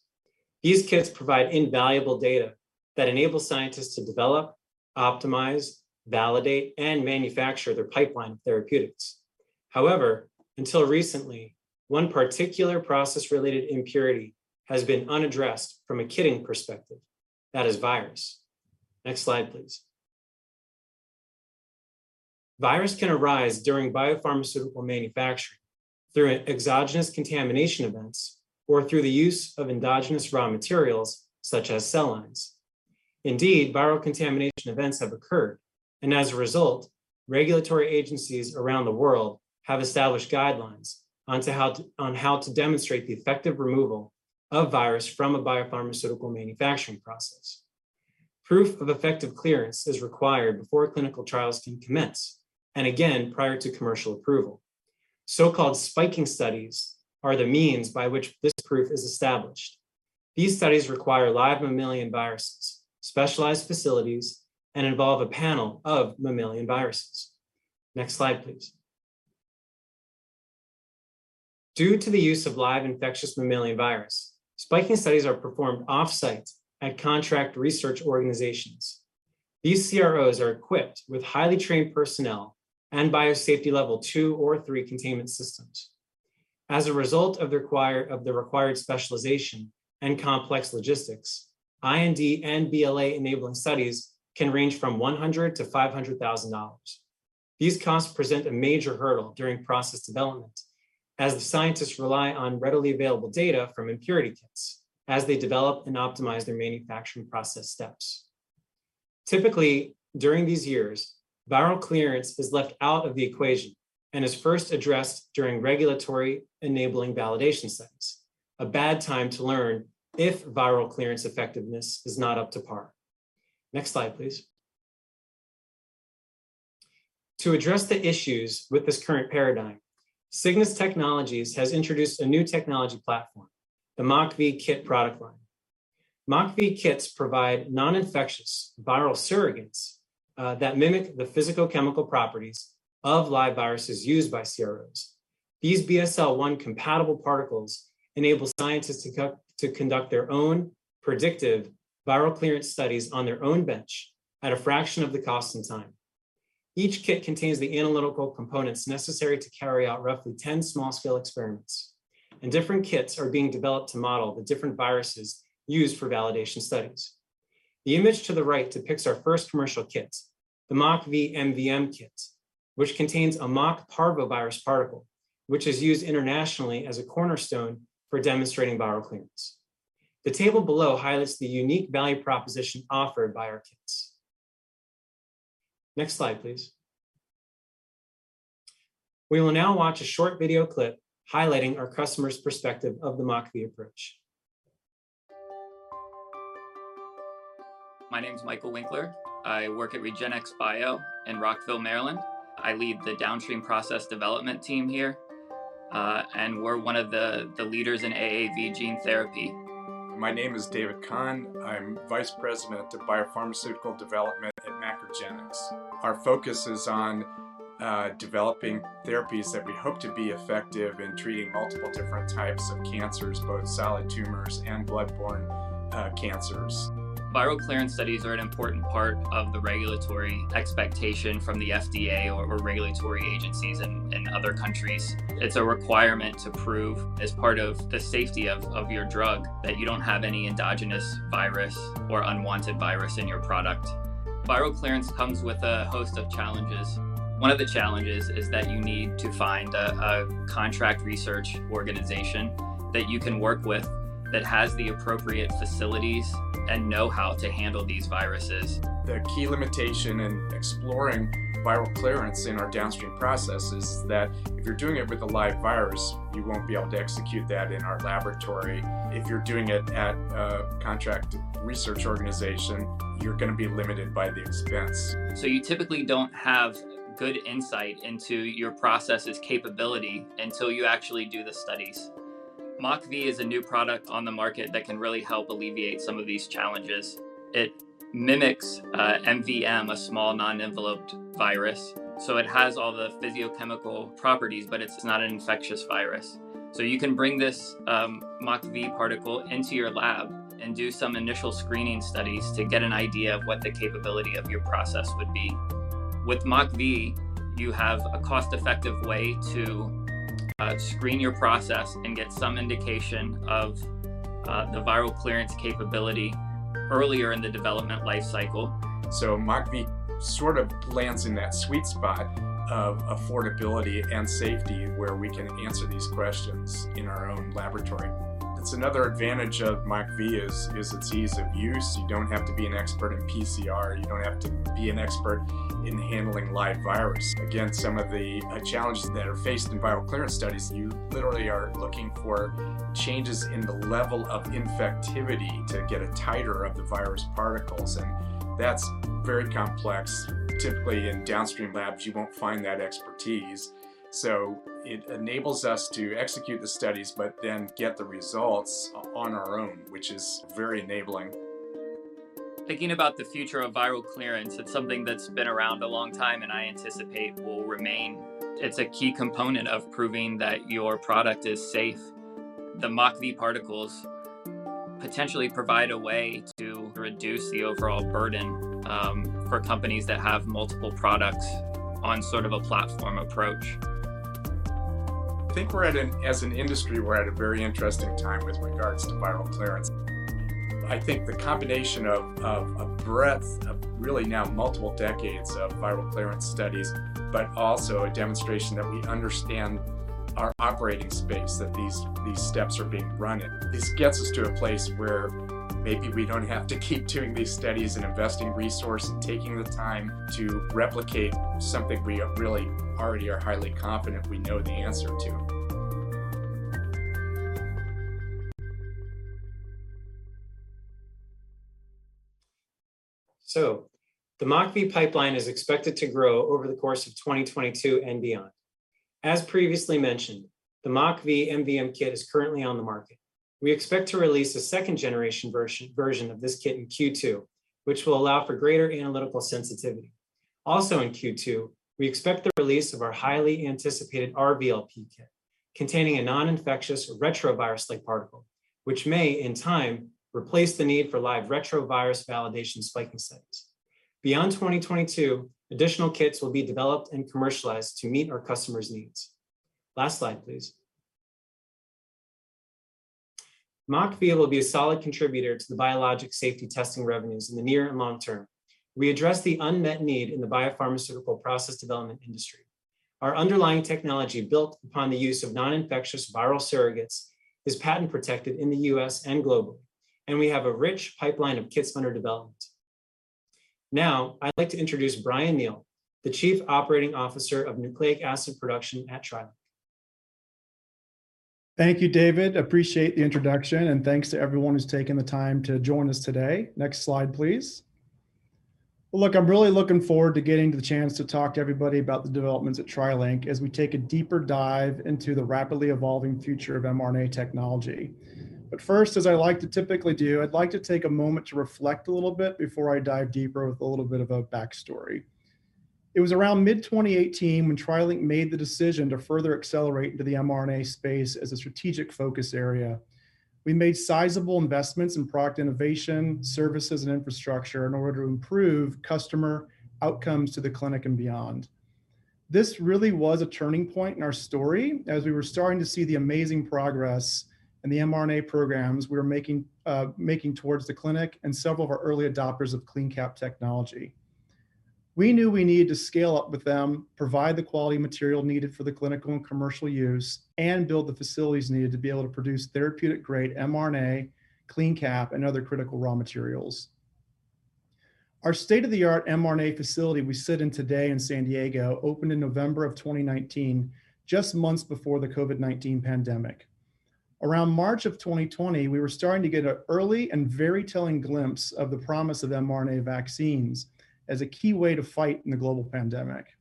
These kits provide invaluable data that enable scientists to develop, optimize, validate, and manufacture their pipeline of therapeutics. However, until recently, one particular process-related impurity has been unaddressed from a kitting perspective, that is virus. Next slide, please. Virus can arise during biopharmaceutical manufacture through exogenous contamination events or through the use of endogenous raw materials such as cell lines. Indeed, viral contamination events have occurred, and as a result, regulatory agencies around the world have established guidelines on how to demonstrate the effective removal of virus from a biopharmaceutical manufacturing process. Proof of effective clearance is required before clinical trials can commence, and again prior to commercial approval. So-called spiking studies are the means by which this proof is established. These studies require live mammalian viruses, specialized facilities, and involve a panel of mammalian viruses. Next slide, please. Due to the use of live infectious mammalian virus, spiking studies are performed off-site at contract research organizations. These CROs are equipped with highly trained personnel and biosafety level two or three containment systems. As a result of the required specialization and complex logistics, IND and BLA enabling studies can range from $100,000-$500,000. These costs present a major hurdle during process development as the scientists rely on readily available data from impurity kits as they develop and optimize their manufacturing process steps. Typically, during these years, viral clearance is left out of the equation and is first addressed during regulatory enabling validation studies, a bad time to learn if viral clearance effectiveness is not up to par. Next slide, please. To address the issues with this current paradigm, Cygnus Technologies has introduced a new technology platform, the MockV kit product line. MockV kits provide non-infectious viral surrogates that mimic the physical chemical properties of live viruses used by CROs. These BSL-1 compatible particles enable scientists to conduct their own predictive viral clearance studies on their own bench at a fraction of the cost and time. Each kit contains the analytical components necessary to carry out roughly 10 small-scale experiments, and different kits are being developed to model the different viruses used for validation studies. The image to the right depicts our first commercial kits, the MockV MVM Kits, which contains a mock parvovirus particle, which is used internationally as a cornerstone for demonstrating viral clearance. The table below highlights the unique value proposition offered by our kits. Next slide, please. We will now watch a short video clip highlighting our customer's perspective of the MockV approach. My name is Michael Winkler. I work at REGENXBIO in Rockville, Maryland. I lead the downstream process development team here, and we're one of the leaders in AAV gene therapy. My name is David Kahn. I'm Vice President of Biopharmaceutical Development at MacroGenics. Our focus is on developing therapies that we hope to be effective in treating multiple different types of cancers, both solid tumors and blood-borne cancers. Viral clearance studies are an important part of the regulatory expectation from the FDA or regulatory agencies in other countries. It's a requirement to prove as part of the safety of your drug that you don't have any endogenous virus or unwanted virus in your product. Viral clearance comes with a host of challenges. One of the challenges is that you need to find a contract research organization that you can work with that has the appropriate facilities and know-how to handle these viruses. The key limitation in exploring viral clearance in our downstream process is that if you're doing it with a live virus, you won't be able to execute that in our laboratory. If you're doing it at a contract research organization, you're gonna be limited by the expense. You typically don't have good insight into your process's capability until you actually do the studies. MockV is a new product on the market that can really help alleviate some of these challenges. It mimics MVM, a small non-enveloped virus. It has all the physicochemical properties, but it's not an infectious virus. You can bring this MockV particle into your lab and do some initial screening studies to get an idea of what the capability of your process would be. With MockV, you have a cost-effective way to screen your process and get some indication of the viral clearance capability earlier in the development life cycle. MockV sort of lands in that sweet spot of affordability and safety where we can answer these questions in our own laboratory. It's another advantage of MockV is its ease of use. You don't have to be an expert in PCR. You don't have to be an expert in handling live virus. Again, some of the challenges that are faced in viral clearance studies, you literally are looking for changes in the level of infectivity to get a titer of the virus particles, and that's very complex. Typically in downstream labs, you won't find that expertise. It enables us to execute the studies, but then get the results on our own, which is very enabling. Thinking about the future of viral clearance, it's something that's been around a long time and I anticipate will remain. It's a key component of proving that your product is safe. The MockV particles potentially provide a way to reduce the overall burden for companies that have multiple products on sort of a platform approach. I think as an industry, we're at a very interesting time with regards to viral clearance. I think the combination of a breadth of really now multiple decades of viral clearance studies, but also a demonstration that we understand our operating space that these steps are being run in. This gets us to a place where maybe we don't have to keep doing these studies and investing resource and taking the time to replicate something we really already are highly confident we know the answer to. The MockV pipeline is expected to grow over the course of 2022 and beyond. As previously mentioned, the MockV MVM kit is currently on the market. We expect to release a second generation version of this kit in Q2, which will allow for greater analytical sensitivity. Also in Q2, we expect the release of our highly anticipated RVLP kit containing a non-infectious retrovirus-like particle, which may in time replace the need for live retrovirus validation spiking studies. Beyond 2022, additional kits will be developed and commercialized to meet our customers' needs. Last slide, please. MockV will be a solid contributor to the Biologics Safety Testing revenues in the near and long term. We address the unmet need in the biopharmaceutical process development industry. Our underlying technology built upon the use of non-infectious viral surrogates is patent protected in the U.S. and globally, and we have a rich pipeline of kits under development. Now I'd like to introduce Brian Neel, the Chief Operating Officer of Nucleic Acid Production at TriLink. Thank you, David. Appreciate the introduction, and thanks to everyone who's taken the time to join us today. Next slide, please. Look, I'm really looking forward to getting the chance to talk to everybody about the developments at TriLink as we take a deeper dive into the rapidly evolving future of mRNA technology. First, as I like to typically do, I'd like to take a moment to reflect a little bit before I dive deeper with a little bit of a backstory. It was around mid-2018 when TriLink made the decision to further accelerate into the mRNA space as a strategic focus area. We made sizable investments in product innovation, services, and infrastructure in order to improve customer outcomes to the clinic and beyond. This really was a turning point in our story as we were starting to see the amazing progress in the mRNA programs we were making towards the clinic and several of our early adopters of CleanCap technology. We knew we needed to scale up with them, provide the quality material needed for the clinical and commercial use, and build the facilities needed to be able to produce therapeutic-grade mRNA, CleanCap, and other critical raw materials. Our state-of-the-art mRNA facility we sit in today in San Diego opened in November 2019, just months before the COVID-19 pandemic. Around March 2020, we were starting to get an early and very telling glimpse of the promise of mRNA vaccines as a key way to fight in the global pandemic.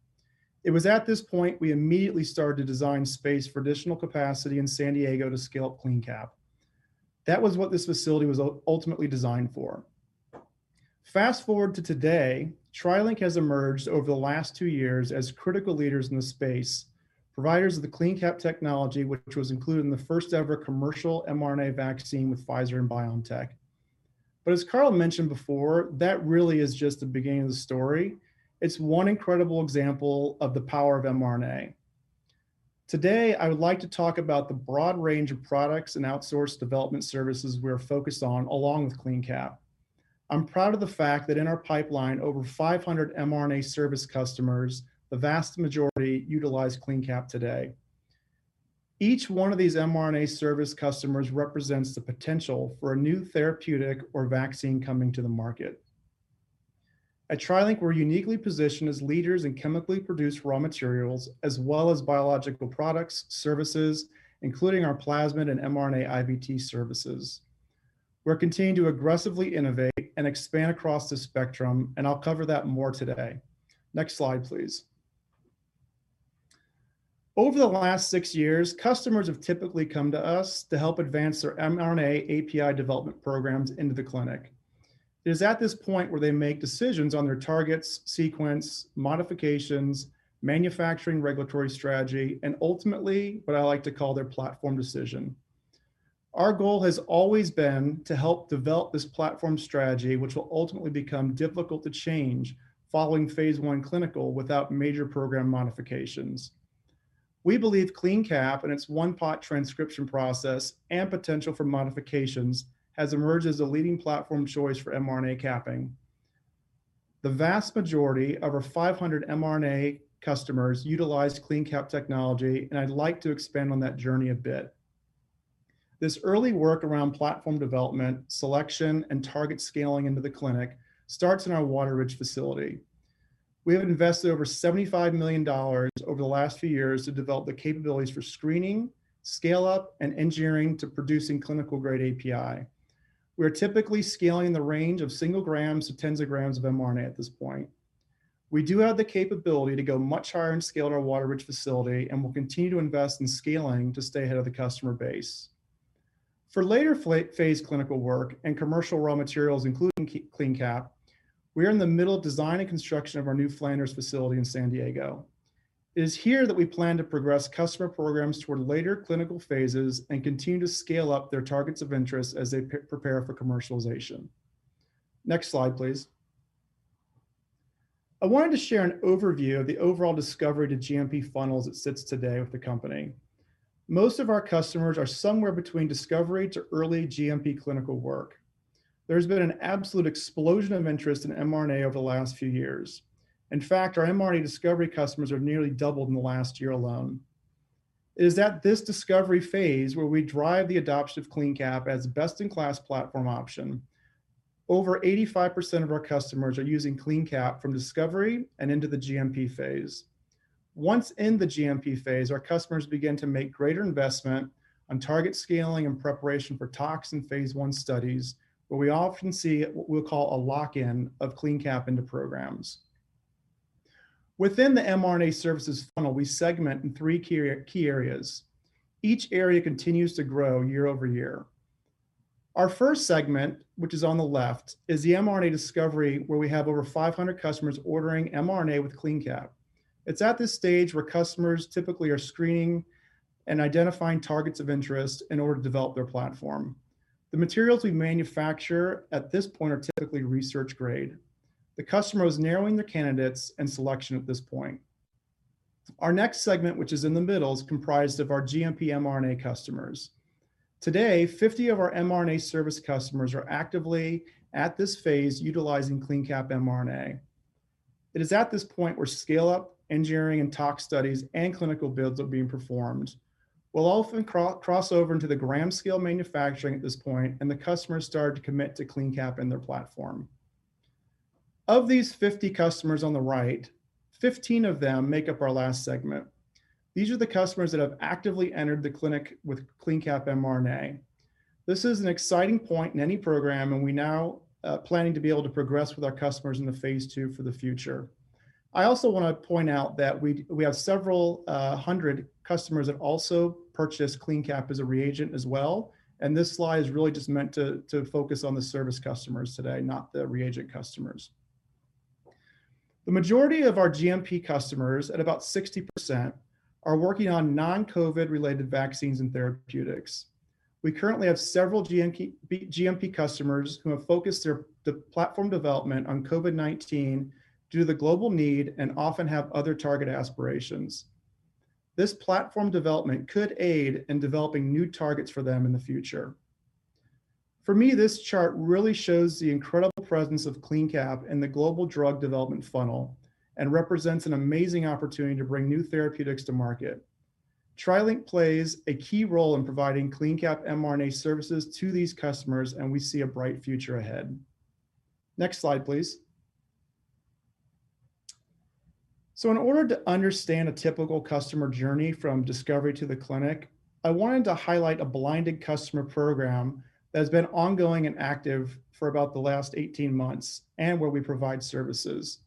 It was at this point we immediately started to design space for additional capacity in San Diego to scale up CleanCap. That was what this facility was ultimately designed for. Fast forward to today, TriLink has emerged over the last two years as critical leaders in the space, providers of the CleanCap technology, which was included in the first ever commercial mRNA vaccine with Pfizer and BioNTech. As Carl mentioned before, that really is just the beginning of the story. It's one incredible example of the power of mRNA. Today, I would like to talk about the broad range of products and outsourced development services we are focused on along with CleanCap. I'm proud of the fact that in our pipeline, over 500 mRNA service customers, the vast majority utilize CleanCap today. Each one of these mRNA service customers represents the potential for a new therapeutic or vaccine coming to the market. At TriLink, we're uniquely positioned as leaders in chemically produced raw materials as well as biological products, services, including our plasmid and mRNA IVT services. We're continuing to aggressively innovate and expand across the spectrum, and I'll cover that more today. Next slide, please. Over the last six years, customers have typically come to us to help advance their mRNA API development programs into the clinic. It is at this point where they make decisions on their targets, sequence, modifications, manufacturing, regulatory strategy, and ultimately what I like to call their platform decision. Our goal has always been to help develop this platform strategy, which will ultimately become difficult to change following phase I clinical without major program modifications. We believe CleanCap and its one-pot transcription process and potential for modifications has emerged as a leading platform choice for mRNA capping. The vast majority of our 500 mRNA customers utilize CleanCap technology, and I'd like to expand on that journey a bit. This early work around platform development, selection, and target scaling into the clinic starts in our Wateridge facility. We have invested over $75 million over the last few years to develop the capabilities for screening, scale-up, and engineering to producing clinical grade API. We're typically scaling the range of 1 gram to tens of grams of mRNA at this point. We do have the capability to go much higher in scale at our Wateridge facility, and we'll continue to invest in scaling to stay ahead of the customer base. For later phase clinical work and commercial raw materials, including CleanCap, we are in the middle of design and construction of our new Flanders facility in San Diego. It is here that we plan to progress customer programs toward later clinical phases and continue to scale up their targets of interest as they prepare for commercialization. Next slide, please. I wanted to share an overview of the overall discovery to GMP funnels that sits today with the company. Most of our customers are somewhere between discovery to early GMP clinical work. There's been an absolute explosion of interest in mRNA over the last few years. In fact, our mRNA discovery customers have nearly doubled in the last year alone. It is at this discovery phase where we drive the adoption of CleanCap as best-in-class platform option. Over 85% of our customers are using CleanCap from discovery and into the GMP phase. Once in the GMP phase, our customers begin to make greater investment on target scaling and preparation for tox in phase I studies, where we often see what we'll call a lock-in of CleanCap into programs. Within the mRNA services funnel, we segment in three key areas. Each area continues to grow year-over-year. Our first segment, which is on the left, is the mRNA discovery, where we have over 500 customers ordering mRNA with CleanCap. It's at this stage where customers typically are screening and identifying targets of interest in order to develop their platform. The materials we manufacture at this point are typically research grade. The customer is narrowing their candidates and selection at this point. Our next segment, which is in the middle, is comprised of our GMP mRNA customers. Today, 50 of our mRNA service customers are actively at this phase utilizing CleanCap mRNA. It is at this point where scale-up, engineering, and tox studies and clinical builds are being performed. We'll often cross over into the gram scale manufacturing at this point, and the customers start to commit to CleanCap in their platform. Of these 50 customers on the right, 15 of them make up our last segment. These are the customers that have actively entered the clinic with CleanCap mRNA. This is an exciting point in any program, and we're now planning to be able to progress with our customers into phase II for the future. I also want to point out that we have several hundred customers that also purchase CleanCap as a reagent as well, and this slide is really just meant to focus on the service customers today, not the reagent customers. The majority of our GMP customers, at about 60%, are working on non-COVID-related vaccines and therapeutics. We currently have several GMP customers who have focused the platform development on COVID-19 due to the global need and often have other target aspirations. This platform development could aid in developing new targets for them in the future. For me, this chart really shows the incredible presence of CleanCap in the global drug development funnel and represents an amazing opportunity to bring new therapeutics to market. TriLink plays a key role in providing CleanCap mRNA services to these customers, and we see a bright future ahead. Next slide, please. In order to understand a typical customer journey from discovery to the clinic, I wanted to highlight a blinded customer program that has been ongoing and active for about the last 18 months and where we provide services.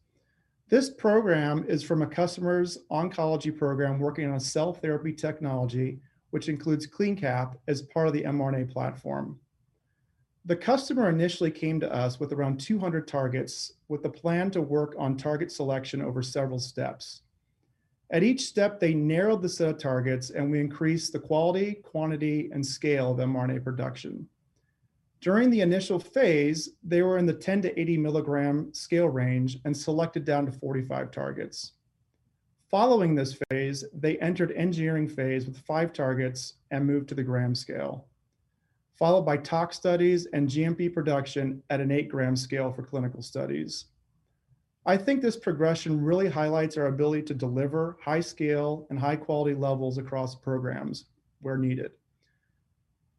This program is from a customer's oncology program working on cell therapy technology, which includes CleanCap as part of the mRNA platform. The customer initially came to us with around 200 targets with a plan to work on target selection over several steps. At each step, they narrowed the set of targets, and we increased the quality, quantity, and scale of the mRNA production. During the initial phase, they were in the 10- to 80-mg scale range and selected down to 45 targets. Following this phase, they entered engineering phase with five targets and moved to the gram scale, followed by tox studies and GMP production at an 8-gram scale for clinical studies. I think this progression really highlights our ability to deliver high scale and high quality levels across programs where needed.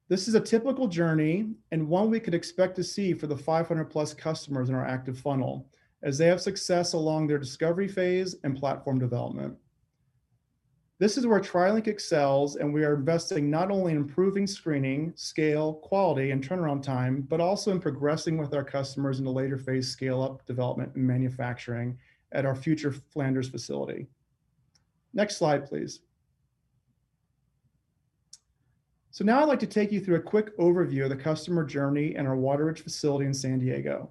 This is a typical journey and one we could expect to see for the 500+ customers in our active funnel as they have success along their discovery phase and platform development. This is where TriLink excels, and we are investing not only in improving screening, scale, quality, and turnaround time, but also in progressing with our customers in the later phase scale-up development and manufacturing at our future Flanders facility. Next slide, please. Now I'd like to take you through a quick overview of the customer journey in our Wateridge facility in San Diego.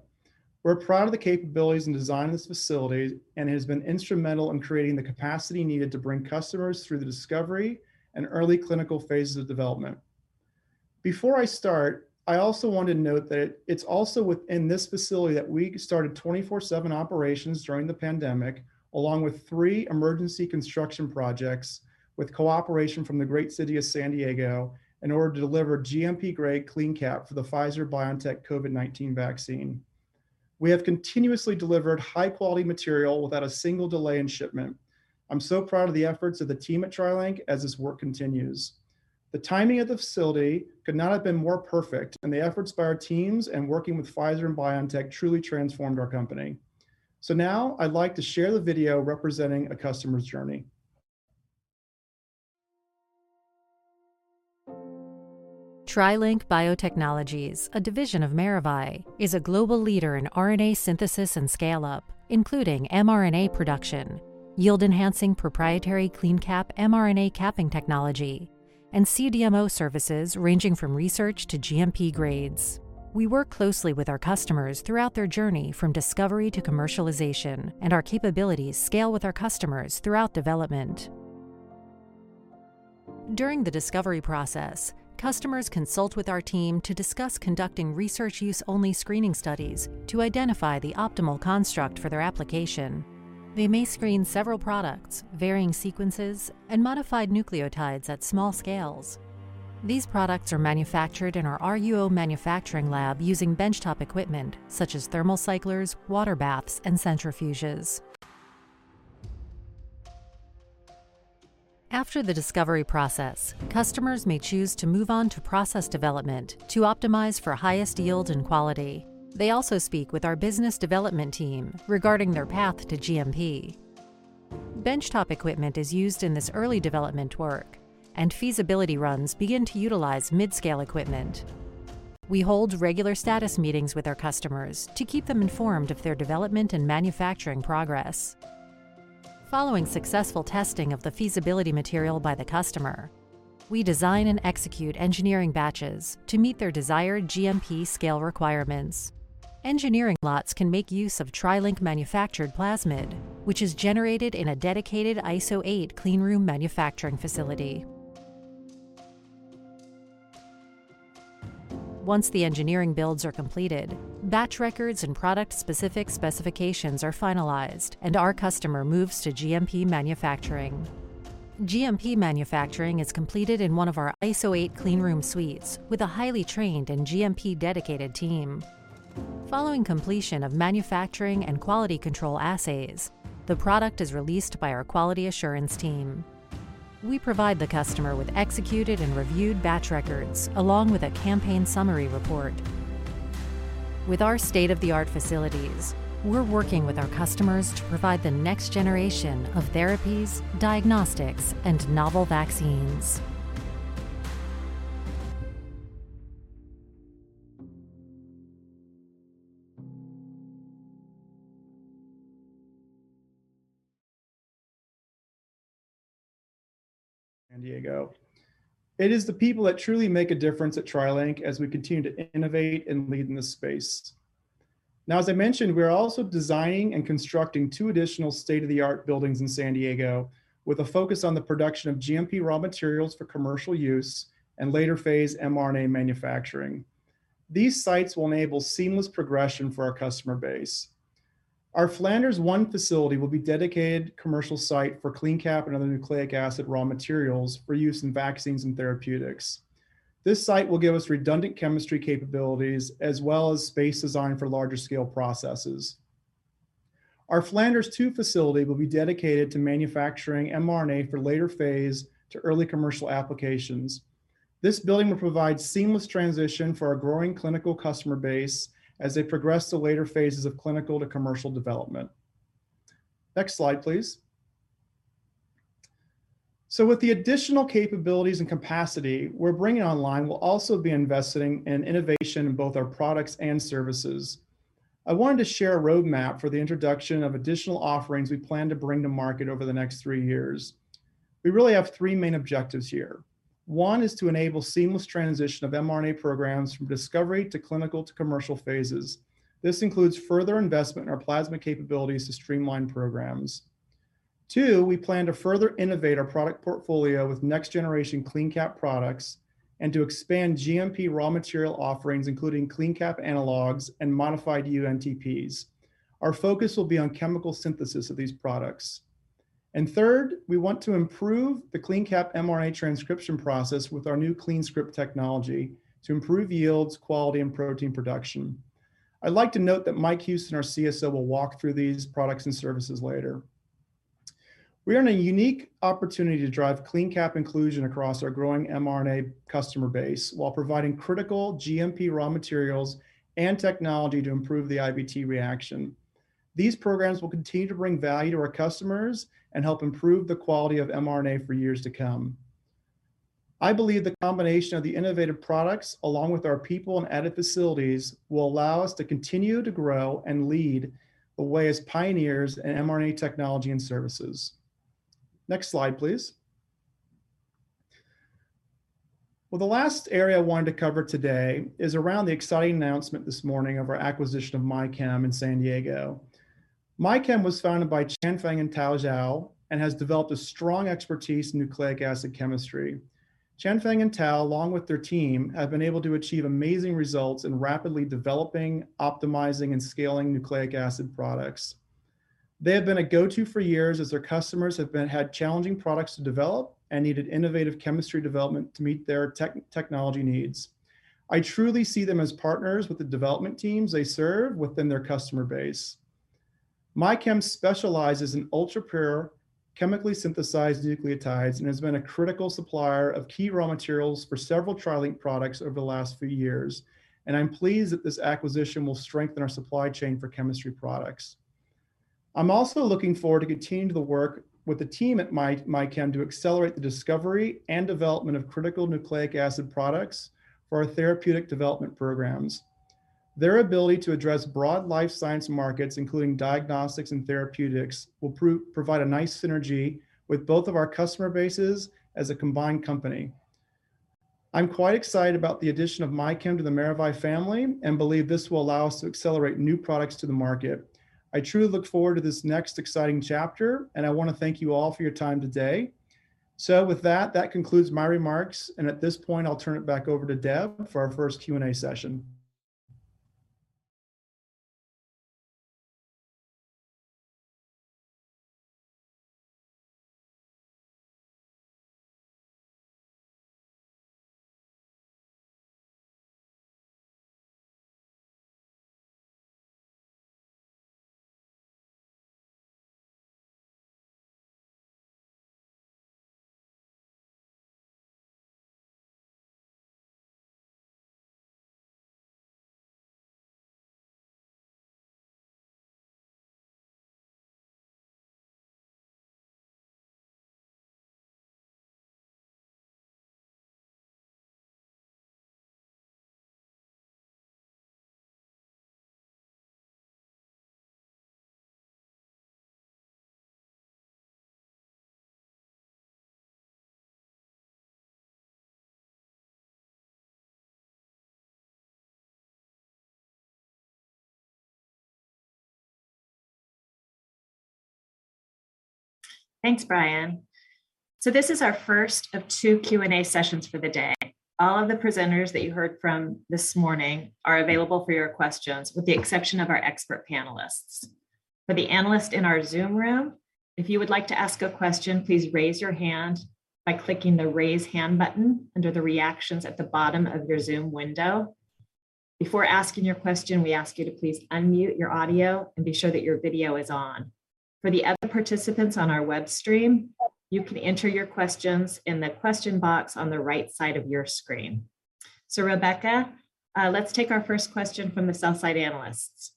We're proud of the capabilities and design of this facility, and it has been instrumental in creating the capacity needed to bring customers through the discovery and early clinical phases of development. Before I start, I also want to note that it's also within this facility that we started 24/7 operations during the pandemic, along with three emergency construction projects with cooperation from the great city of San Diego in order to deliver GMP-grade CleanCap for the Pfizer BioNTech COVID-19 vaccine. We have continuously delivered high quality material without a single delay in shipment. I'm so proud of the efforts of the team at TriLink as this work continues. The timing of the facility could not have been more perfect, and the efforts by our teams in working with Pfizer and BioNTech truly transformed our company. Now I'd like to share the video representing a customer's journey. TriLink BioTechnologies, a division of Maravai, is a global leader in RNA synthesis and scale-up, including mRNA production, yield enhancing proprietary CleanCap mRNA capping technology, and CDMO services ranging from research to GMP grades. We work closely with our customers throughout their journey from discovery to commercialization, and our capabilities scale with our customers throughout development. During the discovery process, customers consult with our team to discuss conducting research use only screening studies to identify the optimal construct for their application. They may screen several products, varying sequences, and modified nucleotides at small scales. These products are manufactured in our RUO manufacturing lab using benchtop equipment such as thermal cyclers, water baths, and centrifuges. After the discovery process, customers may choose to move on to process development to optimize for highest yield and quality. They also speak with our business development team regarding their path to GMP. Benchtop equipment is used in this early development work, and feasibility runs begin to utilize mid-scale equipment. We hold regular status meetings with our customers to keep them informed of their development and manufacturing progress. Following successful testing of the feasibility material by the customer, we design and execute engineering batches to meet their desired GMP scale requirements. Engineering lots can make use of TriLink manufactured plasmid, which is generated in a dedicated ISO 8 clean room manufacturing facility. Once the engineering builds are completed, batch records and product specific specifications are finalized, and our customer moves to GMP manufacturing. GMP manufacturing is completed in one of our ISO 8 clean room suites with a highly trained and GMP dedicated team. Following completion of manufacturing and quality control assays, the product is released by our quality assurance team. We provide the customer with executed and reviewed batch records along with a campaign summary report. With our state-of-the-art facilities, we're working with our customers to provide the next generation of therapies, diagnostics, and novel vaccines. San Diego, it is the people that truly make a difference at TriLink as we continue to innovate and lead in this space. Now, as I mentioned, we are also designing and constructing two additional state-of-the-art buildings in San Diego with a focus on the production of GMP raw materials for commercial use and later phase mRNA manufacturing. These sites will enable seamless progression for our customer base. Our Flanders 1 facility will be dedicated commercial site for CleanCap and other nucleic acid raw materials for use in vaccines and therapeutics. This site will give us redundant chemistry capabilities as well as space design for larger scale processes. Our Flanders 2 facility will be dedicated to manufacturing mRNA for later phase to early commercial applications. This building will provide seamless transition for our growing clinical customer base as they progress to later phases of clinical to commercial development. Next slide, please. With the additional capabilities and capacity we're bringing online, we'll also be investing in innovation in both our products and services. I wanted to share a roadmap for the introduction of additional offerings we plan to bring to market over the next three years. We really have three main objectives here. One is to enable seamless transition of mRNA programs from discovery to clinical to commercial phases. This includes further investment in our plasmid capabilities to streamline programs. Two, we plan to further innovate our product portfolio with next generation CleanCap products and to expand GMP raw material offerings including CleanCap analogs and modified NTPs. Our focus will be on chemical synthesis of these products. Third, we want to improve the CleanCap mRNA transcription process with our new CleanScript technology to improve yields, quality, and protein production. I'd like to note that Mike Houston, our CSO, will walk through these products and services later. We earn a unique opportunity to drive CleanCap inclusion across our growing mRNA customer base while providing critical GMP raw materials and technology to improve the IVT reaction. These programs will continue to bring value to our customers and help improve the quality of mRNA for years to come. I believe the combination of the innovative products along with our people and added facilities will allow us to continue to grow and lead the way as pioneers in mRNA technology and services. Next slide, please. Well, the last area I wanted to cover today is around the exciting announcement this morning of our acquisition of MyChem in San Diego. MyChem was founded by Chanfeng Zhao and Tao Jiang and has developed a strong expertise in nucleic acid chemistry. Chanfeng and Tao, along with their team, have been able to achieve amazing results in rapidly developing, optimizing, and scaling nucleic acid products. They have been a go-to for years as their customers have had challenging products to develop and needed innovative chemistry development to meet their technology needs. I truly see them as partners with the development teams they serve within their customer base. MyChem specializes in ultra-pure chemically synthesized nucleotides and has been a critical supplier of key raw materials for several TriLink products over the last few years, and I'm pleased that this acquisition will strengthen our supply chain for chemistry products. I'm also looking forward to continuing to work with the team at MyChem to accelerate the discovery and development of critical nucleic acid products for our therapeutic development programs. Their ability to address broad life science markets, including diagnostics and therapeutics, will provide a nice synergy with both of our customer bases as a combined company. I'm quite excited about the addition of MyChem to the Maravai family and believe this will allow us to accelerate new products to the market. I truly look forward to this next exciting chapter, and I wanna thank you all for your time today. With that concludes my remarks, and at this point I'll turn it back over to Deb for our first Q&A session. Thanks, Brian. This is our first of two Q&A sessions for the day. All of the presenters that you heard from this morning are available for your questions, with the exception of our expert panelists. For the analysts in our Zoom room, if you would like to ask a question, please raise your hand by clicking the Raise Hand button under the reactions at the bottom of your Zoom window. Before asking your question, we ask you to please unmute your audio and be sure that your video is on. For the other participants on our web stream, you can enter your questions in the question box on the right side of your screen. Rebecca, let's take our first question from the sell-side analysts.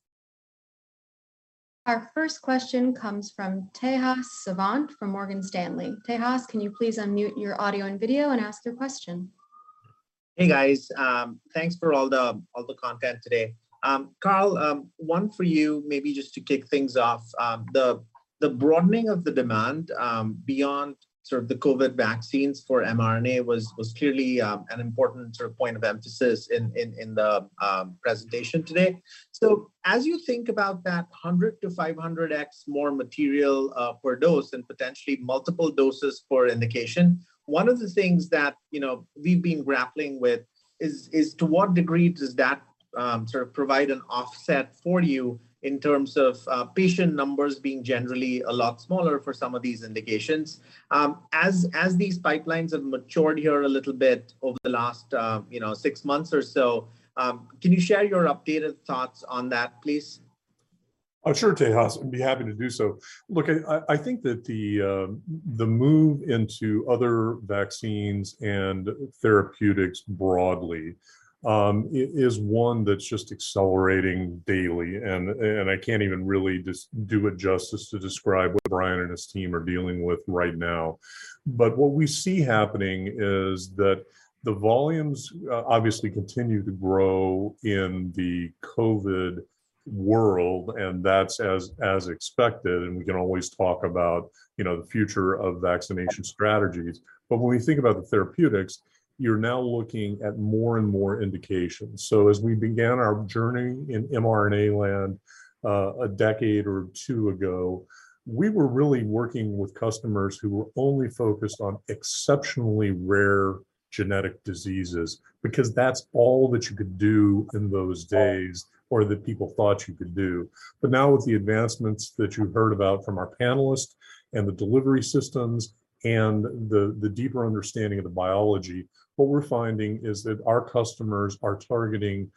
Our first question comes from Tejas Savant from Morgan Stanley. Tejas, can you please unmute your audio and video and ask your question? Hey, guys. Thanks for all the content today. Carl, one for you maybe just to kick things off. The broadening of the demand beyond sort of the COVID vaccines for mRNA was clearly an important sort of point of emphasis in the presentation today. As you think about that 100x-500x more material per dose and potentially multiple doses per indication, one of the things that, you know, we've been grappling with is to what degree does that sort of provide an offset for you in terms of patient numbers being generally a lot smaller for some of these indications? As these pipelines have matured here a little bit over the last, you know, six months or so, can you share your updated thoughts on that, please? Oh, sure, Tejas, I'd be happy to do so. Look, I think that the move into other vaccines and therapeutics broadly is one that's just accelerating daily and I can't even really do it justice to describe what Brian and his team are dealing with right now. What we see happening is that the volumes obviously continue to grow in the COVID world, and that's as expected, and we can always talk about, you know, the future of vaccination strategies. When we think about the therapeutics, you're now looking at more and more indications. As we began our journey in mRNA land, a decade or two ago, we were really working with customers who were only focused on exceptionally rare genetic diseases because that's all that you could do in those days or that people thought you could do. Now with the advancements that you heard about from our panelists and the delivery systems and the deeper understanding of the biology, what we're finding is that our customers are targeting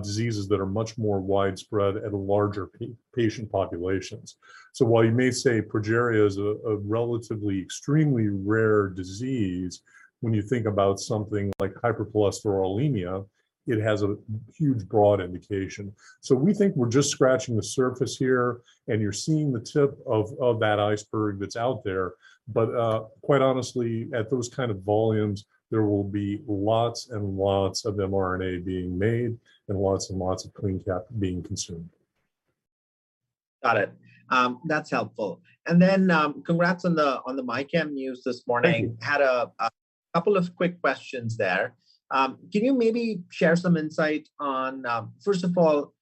diseases that are much more widespread and larger patient populations. While you may say progeria is a relatively extremely rare disease, when you think about something like hypercholesterolemia, it has a huge broad indication. We think we're just scratching the surface here, and you're seeing the tip of that iceberg that's out there. Quite honestly, at those kind of volumes, there will be lots and lots of mRNA being made and lots and lots of CleanCap being consumed. Got it. That's helpful. Then, congrats on the MyChem news this morning. Thank you. Couple of quick questions there. Can you maybe share some insight on, first of all,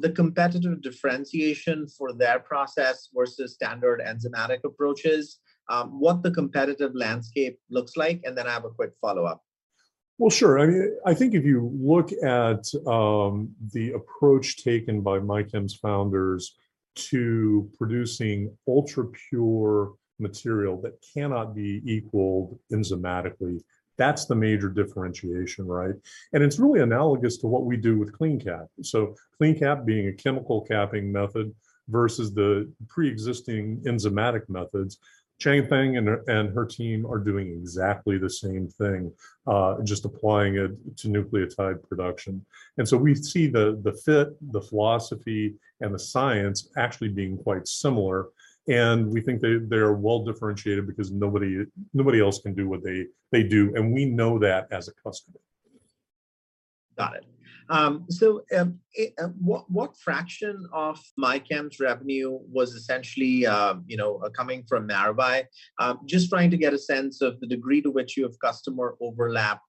the competitive differentiation for their process versus standard enzymatic approaches, what the competitive landscape looks like? I have a quick follow-up. Well, sure. I think if you look at the approach taken by MyChem's founders to producing ultrapure material that cannot be equaled enzymatically, that's the major differentiation, right? It's really analogous to what we do with CleanCap. CleanCap being a chemical capping method versus the preexisting enzymatic methods, Qianfeng and her team are doing exactly the same thing, just applying it to nucleotide production. We see the fit, the philosophy, and the science actually being quite similar, and we think they're well-differentiated because nobody else can do what they do, and we know that as a customer. Got it. What fraction of MyChem's revenue was essentially, you know, coming from Maravai? Just trying to get a sense of the degree to which you have customer overlap,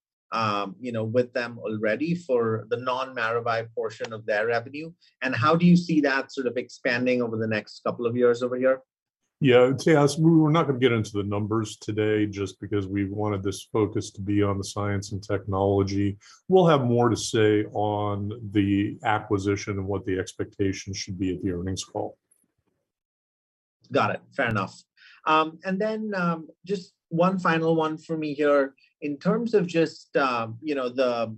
you know, with them already for the non-Maravai portion of their revenue, and how do you see that sort of expanding over the next couple of years over here? Yeah. Tejas, we're not gonna get into the numbers today just because we wanted this focus to be on the science and technology. We'll have more to say on the acquisition and what the expectations should be at the earnings call. Got it. Fair enough. Just one final one for me here. In terms of just you know the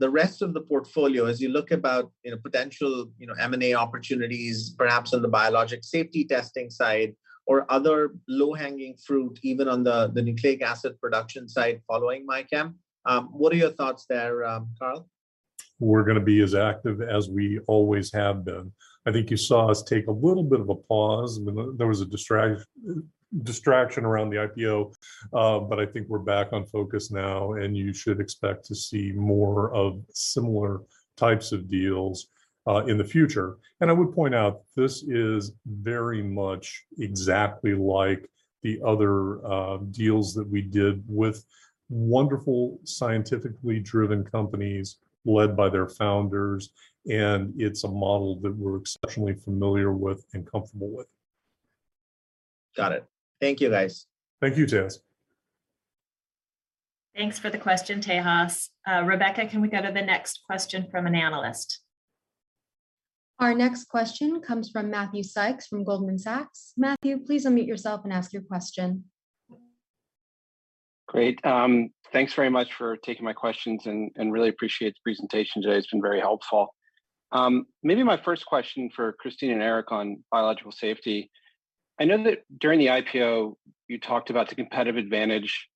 rest of the portfolio as you look about you know potential you know M&A opportunities perhaps on the Biologics Safety Testing side or other low-hanging fruit even on the Nucleic Acid Production side following MyChem what are your thoughts there Carl? We're gonna be as active as we always have been. I think you saw us take a little bit of a pause when there was a distraction around the IPO, but I think we're back on focus now, and you should expect to see more of similar types of deals in the future. I would point out this is very much exactly like the other deals that we did with wonderful scientifically driven companies led by their founders, and it's a model that we're exceptionally familiar with and comfortable with. Got it. Thank you, guys. Thank you, Tejas. Thanks for the question, Tejas. Rebecca, can we go to the next question from an analyst? Our next question comes from Matthew Sykes from Goldman Sachs. Matthew, please unmute yourself and ask your question. Great. Thanks very much for taking my questions, and really appreciate the presentation today. It's been very helpful. Maybe my first question for Christine and Eric on biologics safety. I know that during the IPO you talked about the competitive advantage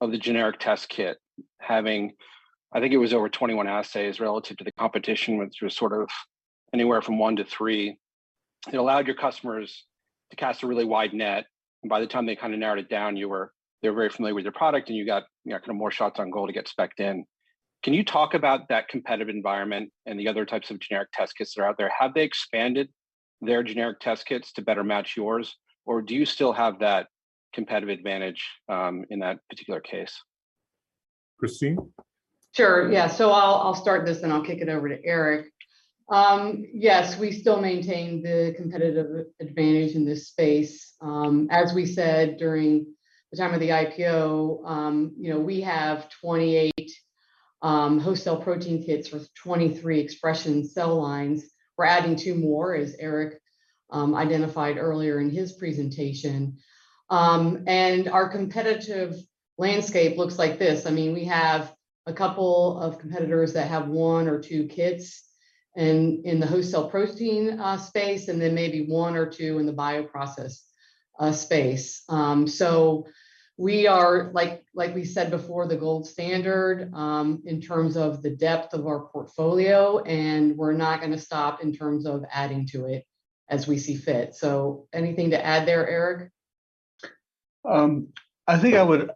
of the generic test kit having I think it was over 21 assays relative to the competition, which was sort of anywhere from one to three, that allowed your customers to cast a really wide net, and by the time they kind of narrowed it down, they were very familiar with your product, and you got, you know, kind of more shots on goal to get specced in. Can you talk about that competitive environment and the other types of generic test kits that are out there? Have they expanded their generic test kits to better match yours, or do you still have that competitive advantage, in that particular case? Christine? Sure, yeah. I'll start this, and I'll kick it over to Eric. Yes, we still maintain the competitive advantage in this space. As we said during the time of the IPO, you know, we have 28 host cell protein kits with 23 expression cell lines. We're adding two more, as Eric identified earlier in his presentation. And our competitive landscape looks like this. I mean, we have a couple of competitors that have one or two kits in the host cell protein space, and then maybe one or two in the bioprocess space. We are, like we said before, the gold standard in terms of the depth of our portfolio, and we're not gonna stop in terms of adding to it as we see fit. Anything to add there, Eric? I think I would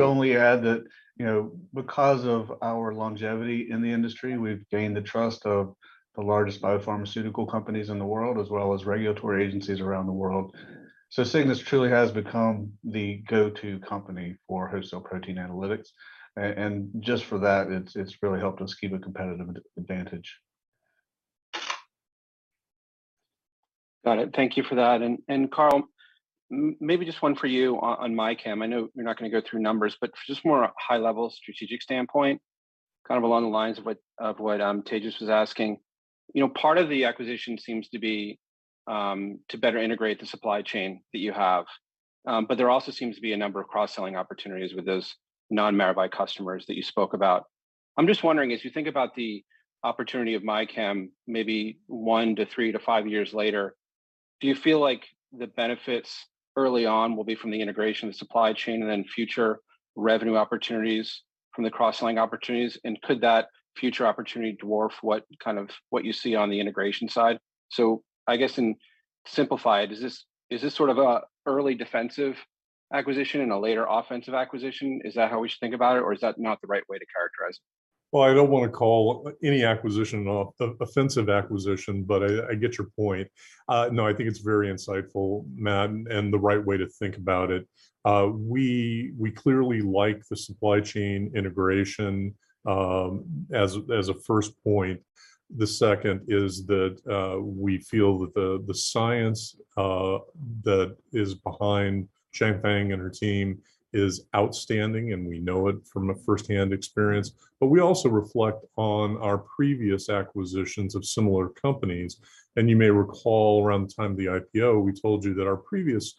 only add that, you know, because of our longevity in the industry, we've gained the trust of the largest biopharmaceutical companies in the world as well as regulatory agencies around the world. Cygnus truly has become the go-to company for host cell protein analytics, and just for that, it's really helped us keep a competitive advantage. Got it. Thank you for that. Carl, maybe just one for you on MyChem. I know you're not gonna go through numbers, but just more a high-level strategic standpoint, kind of along the lines of what Tejas was asking. You know, part of the acquisition seems to be to better integrate the supply chain that you have. But there also seems to be a number of cross-selling opportunities with those non-Maravai customers that you spoke about. I'm just wondering, as you think about the opportunity of MyChem maybe 1-3-5 years later, do you feel like the benefits early on will be from the integration of the supply chain and then future revenue opportunities from the cross-selling opportunities, and could that future opportunity dwarf what you see on the integration side? I guess to simplify it, is this sort of a early defensive acquisition and a later offensive acquisition? Is that how we should think about it, or is that not the right way to characterize it? Well, I don't wanna call any acquisition an offensive acquisition, but I get your point. No, I think it's very insightful, Matt, and the right way to think about it. We clearly like the supply chain integration, as a first point. The second is that we feel that the science that is behind Chanfeng and her team is outstanding, and we know it from a first-hand experience. We also reflect on our previous acquisitions of similar companies, and you may recall around the time of the IPO, we told you that our previous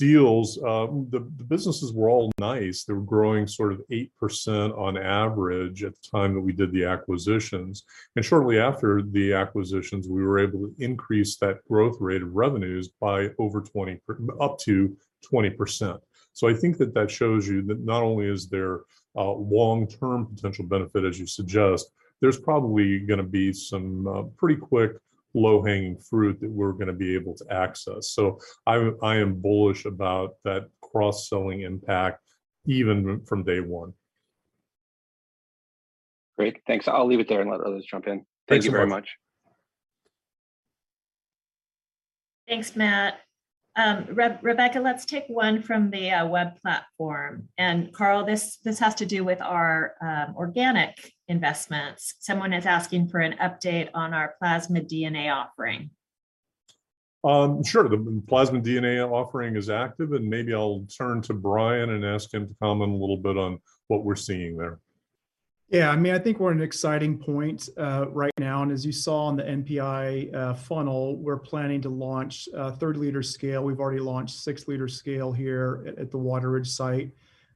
deals, the businesses were all nice. They were growing sort of 8% on average at the time that we did the acquisitions. Shortly after the acquisitions, we were able to increase that growth rate of revenues by over 20% up to 20%. I think that shows you that not only is there a long-term potential benefit, as you suggest, there's probably gonna be some pretty quick low-hanging fruit that we're gonna be able to access. I am bullish about that cross-selling impact even from day one. Great. Thanks. I'll leave it there and let others jump in. Thanks so much. Thank you very much. Thanks, Matt. Rebecca, let's take one from the web platform. Carl, this has to do with our organic investments. Someone is asking for an update on our plasmid DNA offering. Sure. The plasmid DNA offering is active, and maybe I'll turn to Brian and ask him to comment a little bit on what we're seeing there. Yeah. I mean, I think we're at an exciting point right now, and as you saw on the NPI funnel, we're planning to launch a 3-liter scale. We've already launched 6-liter scale here at the Wateridge site.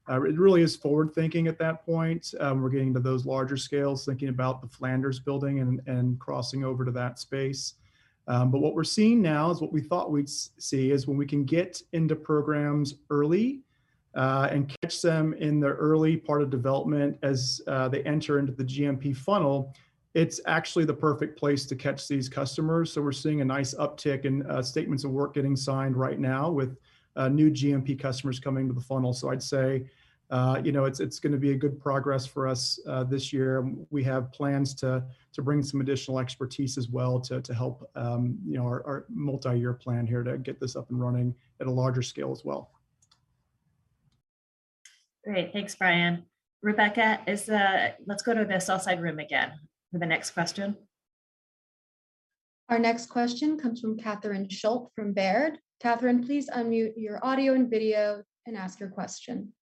It really is forward-thinking at that point. We're getting to those larger scales, thinking about the Flanders building and crossing over to that space. What we're seeing now is what we thought we'd see, is when we can get into programs early and catch them in the early part of development as they enter into the GMP funnel, it's actually the perfect place to catch these customers. We're seeing a nice uptick in statements of work getting signed right now with new GMP customers coming to the funnel. I'd say, you know, it's gonna be a good progress for us this year. We have plans to bring some additional expertise as well to help, you know, our multi-year plan here to get this up and running at a larger scale as well. Great. Thanks, Brian. Rebecca, let's go to the south side room again for the next question. Our next question comes from Catherine Schulte from Baird. Catherine, please unmute your audio and video and ask your question.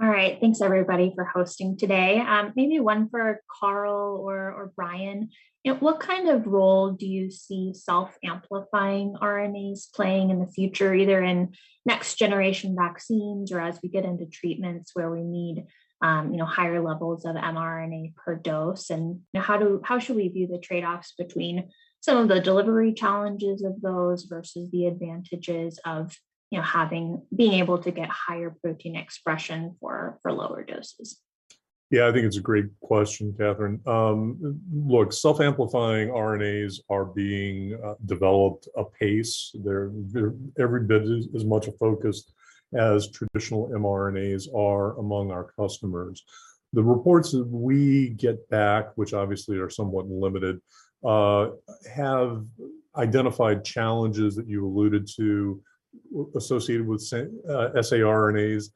All right. Thanks everybody for hosting today. Maybe one for Carl or Brian. You know, what kind of role do you see self-amplifying RNAs playing in the future, either in next generation vaccines or as we get into treatments where we need, you know, higher levels of mRNA per dose? You know, how should we view the trade-offs between some of the delivery challenges of those versus the advantages of, you know, having, being able to get higher protein expression for lower doses? Yeah, I think it's a great question, Catherine. Look, self-amplifying RNAs are being developed apace. They're every bit as much a focus as traditional mRNAs are among our customers. The reports that we get back, which obviously are somewhat limited, have identified challenges that you alluded to associated with saRNAs,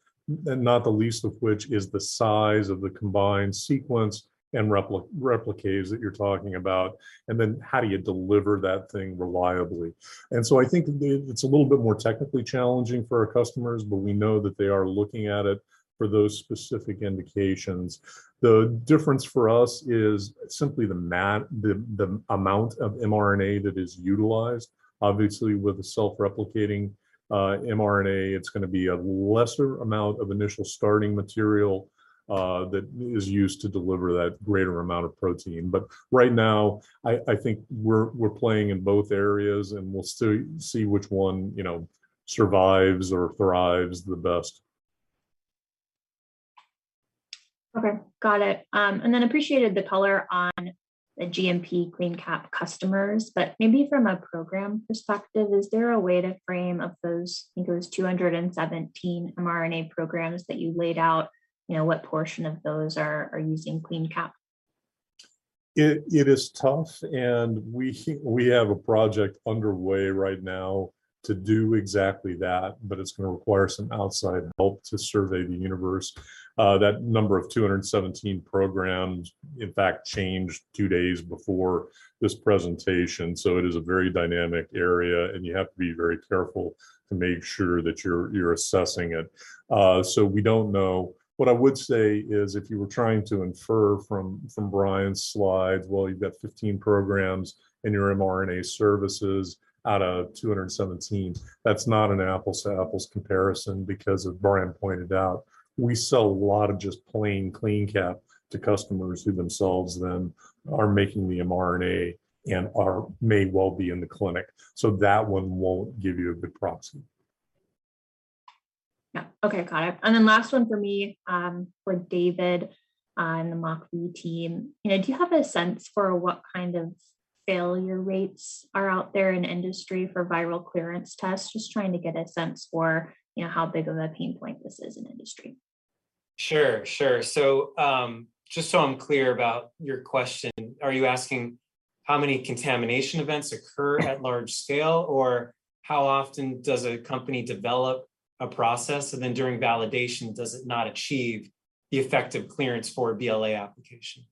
and not the least of which is the size of the combined sequence and replicase that you're talking about, and then how do you deliver that thing reliably. I think it's a little bit more technically challenging for our customers, but we know that they are looking at it for those specific indications. The difference for us is simply the amount of mRNA that is utilized. Obviously with the self-replicating mRNA, it's gonna be a lesser amount of initial starting material that is used to deliver that greater amount of protein. But right now I think we're playing in both areas, and we'll see which one, you know, survives or thrives the best. Okay. Got it. Appreciated the color on the GMP CleanCap customers, but maybe from a program perspective, is there a way to frame of those, I think it was 217 mRNA programs that you laid out, you know, what portion of those are using CleanCap? It is tough, and we have a project underway right now to do exactly that, but it's gonna require some outside help to survey the universe. That number of 217 programs in fact changed two days before this presentation, so it is a very dynamic area, and you have to be very careful to make sure that you're assessing it. We don't know. What I would say is if you were trying to infer from Brian's slide, well, you've got 15 programs in your mRNA services out of 217, that's not an apples to apples comparison because, as Brian pointed out, we sell a lot of just plain CleanCap to customers who themselves then are making the mRNA and may well be in the clinic. That one won't give you a good proxy. Yeah. Okay. Got it. Last one for me, for David on the MockV team. You know, do you have a sense for what kind of failure rates are out there in industry for viral clearance tests? Just trying to get a sense for, you know, how big of a pain point this is in industry. Sure, sure. Just so I'm clear about your question, are you asking how many contamination events occur at large scale, or how often does a company develop a process, and then during validation does it not achieve the effective clearance for a BLA application?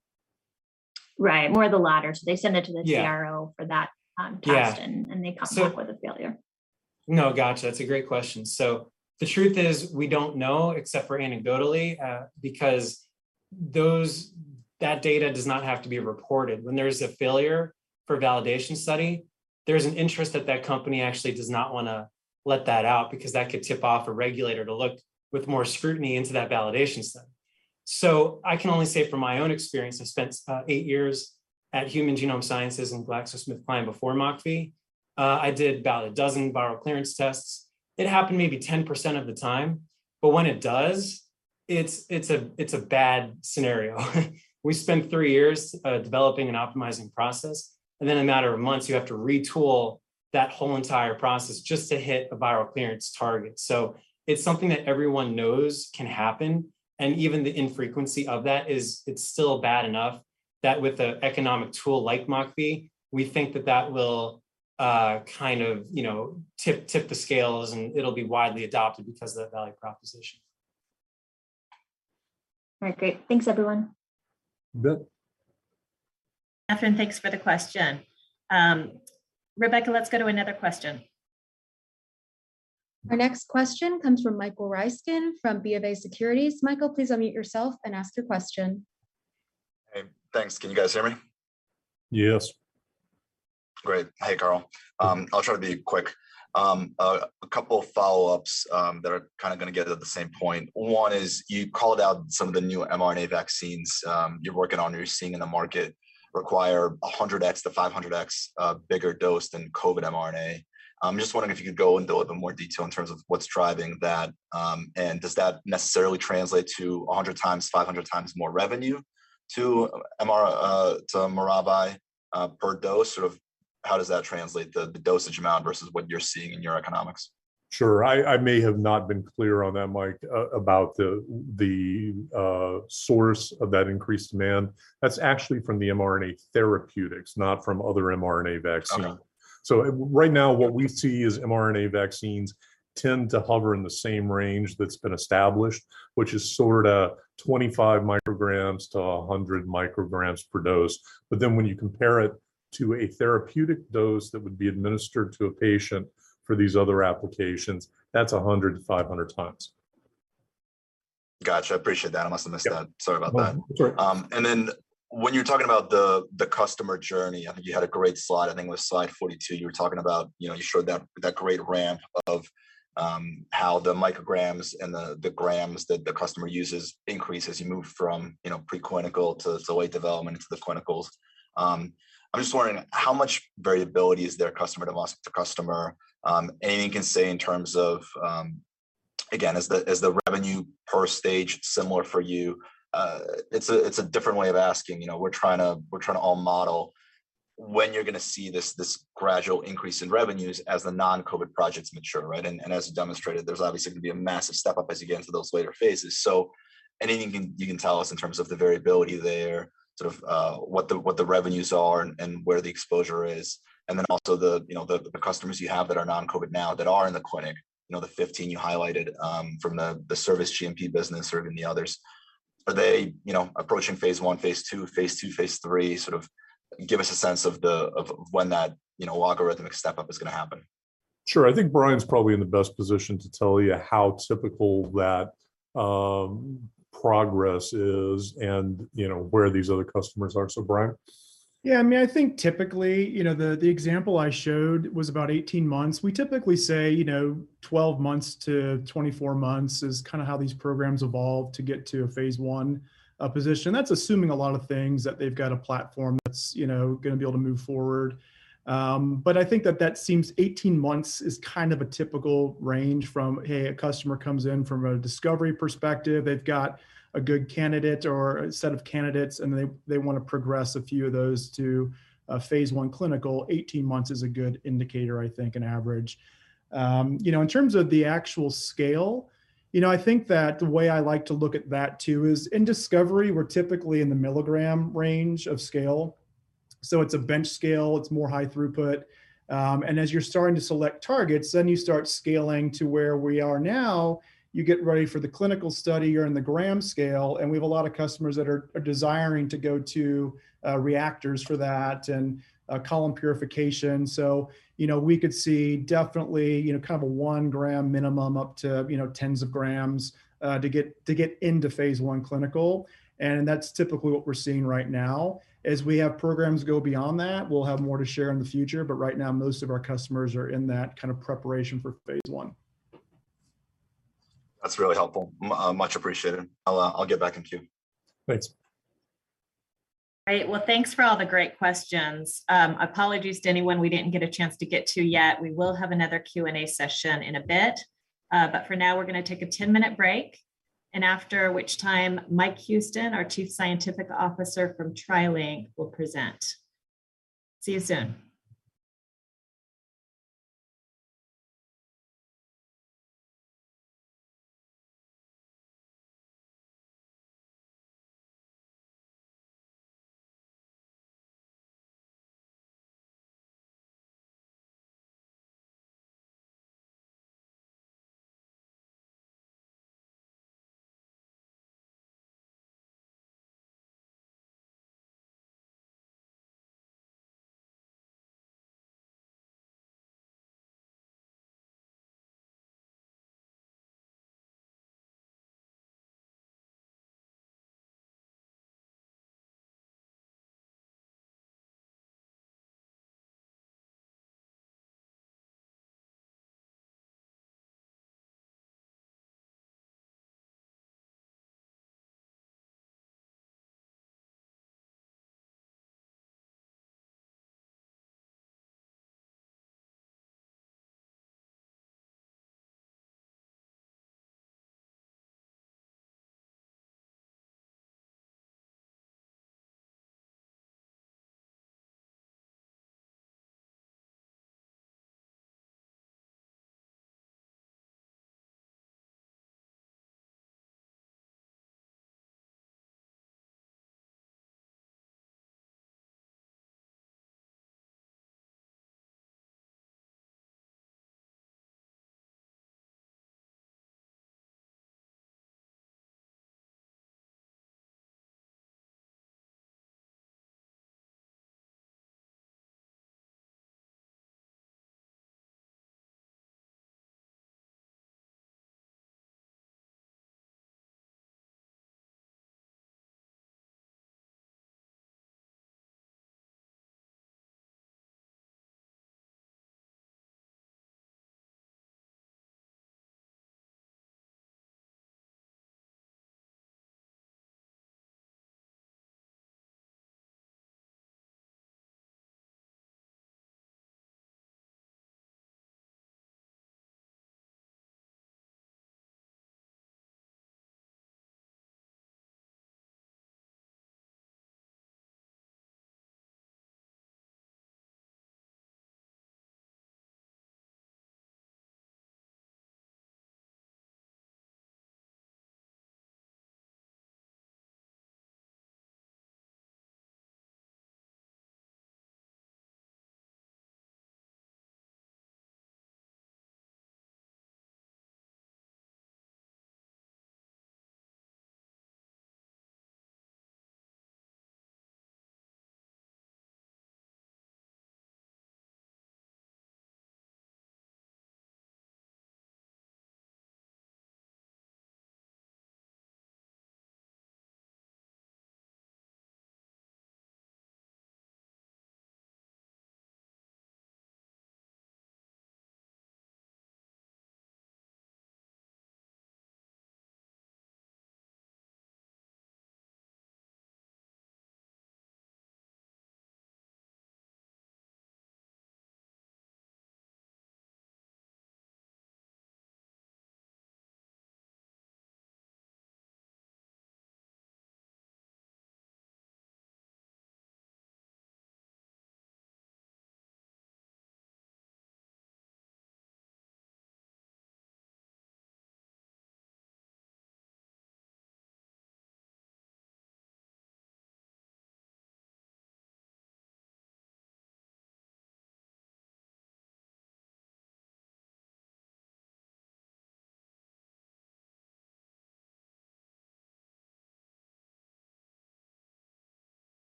Right, more the latter. They send that to the Yeah CRO for that test Yeah They come up with a failure. No, gotcha. That's a great question. The truth is we don't know except for anecdotally, because those, that data does not have to be reported. When there's a failure for a validation study, there's an interest that that company actually does not wanna let that out because that could tip off a regulator to look with more scrutiny into that validation study. I can only say from my own experience, I've spent about eight years at Human Genome Sciences and GlaxoSmithKline before MockV. I did about a dozen viral clearance tests. It happened maybe 10% of the time, but when it does, it's a bad scenario. We spent three years developing and optimizing process, and in a matter of months you have to retool that whole entire process just to hit a viral clearance target. It's something that everyone knows can happen, and even the infrequency of that, it's still bad enough that with an economic tool like MockV, we think that will, kind of, you know, tip the scales, and it'll be widely adopted because of that value proposition. All right, great. Thanks everyone. Good. Catherine, thanks for the question. Rebecca, let's go to another question. Our next question comes from Michael Ryskin from BofA Securities. Michael, please unmute yourself and ask your question. Hey, thanks. Can you guys hear me? Yes. Great. Hey, Carl. I'll try to be quick. A couple follow-ups that are kind of gonna get at the same point. One is you called out some of the new mRNA vaccines you're working on or you're seeing in the market require 100x-500x bigger dose than COVID mRNA. I'm just wondering if you could go into a little bit more detail in terms of what's driving that, and does that necessarily translate to 100x-500x more revenue to Maravai per dose? Sort of how does that translate, the dosage amount versus what you're seeing in your economics? Sure. I may have not been clear on that, Mike, about the source of that increased demand. That's actually from the mRNA therapeutics, not from other mRNA vaccines. Got it. Right now what we see is mRNA vaccines tend to hover in the same range that's been established, which is sort of 25-100 micrograms per dose. When you compare it to a therapeutic dose that would be administered to a patient for these other applications, that's 100x-500x. Gotcha. I appreciate that. I must have missed that. Yeah. Sorry about that. No, it's all right. Then when you're talking about the customer journey, I think you had a great slide, I think it was slide 42, you were talking about, you know, you showed that great ramp of how the micrograms and the grams that the customer uses increases. You move from, you know, pre-clinical to late development into the clinicals. I'm just wondering how much variability is there customer to customer to customer? Anything you can say in terms of, again, is the revenue per stage similar for you? It's a different way of asking. You know, we're trying to all model when you're gonna see this gradual increase in revenues as the non-COVID projects mature, right? As demonstrated, there's obviously going to be a massive step-up as you get into those later phases. Anything you can tell us in terms of the variability there, sort of, what the revenues are and where the exposure is. Then also the customers you have that are non-COVID now that are in the clinic, the 15 you highlighted from the service GMP business or in the others, are they approaching phase I, phase II, phase III? Give us a sense of when that algorithmic step-up is gonna happen. Sure. I think Brian's probably in the best position to tell you how typical that progress is and, you know, where these other customers are. Brian? Yeah, I mean, I think typically, you know, the example I showed was about 18 months. We typically say, you know, 12-24 months is kind of how these programs evolve to get to a phase I position. That's assuming a lot of things, that they've got a platform that's, you know, gonna be able to move forward. I think that seems 18 months is kind of a typical range from, hey, a customer comes in from a discovery perspective, they've got a good candidate or a set of candidates, and they want to progress a few of those to a phase I clinical. 18 months is a good indicator, I think, an average. You know, in terms of the actual scale, you know, I think that the way I like to look at that too is in discovery, we're typically in the milligram range of scale, so it's a bench scale, it's more high throughput. As you're starting to select targets, you start scaling to where we are now. You get ready for the clinical study, you're in the gram scale, and we have a lot of customers that are desiring to go to reactors for that and column purification. You know, we could see definitely, you know, kind of a 1 gram minimum up to, you know, tens of grams to get into phase I clinical, and that's typically what we're seeing right now. As we have programs go beyond that, we'll have more to share in the future, but right now most of our customers are in that kind of preparation for phase I. That's really helpful. Much appreciated. I'll get back in queue. Thanks. All right. Well, thanks for all the great questions. Apologies to anyone we didn't get a chance to get to yet. We will have another Q&A session in a bit. For now we're gonna take a 10-minute break, and after which time Mike Houston, our Chief Scientific Officer from TriLink, will present. See you soon.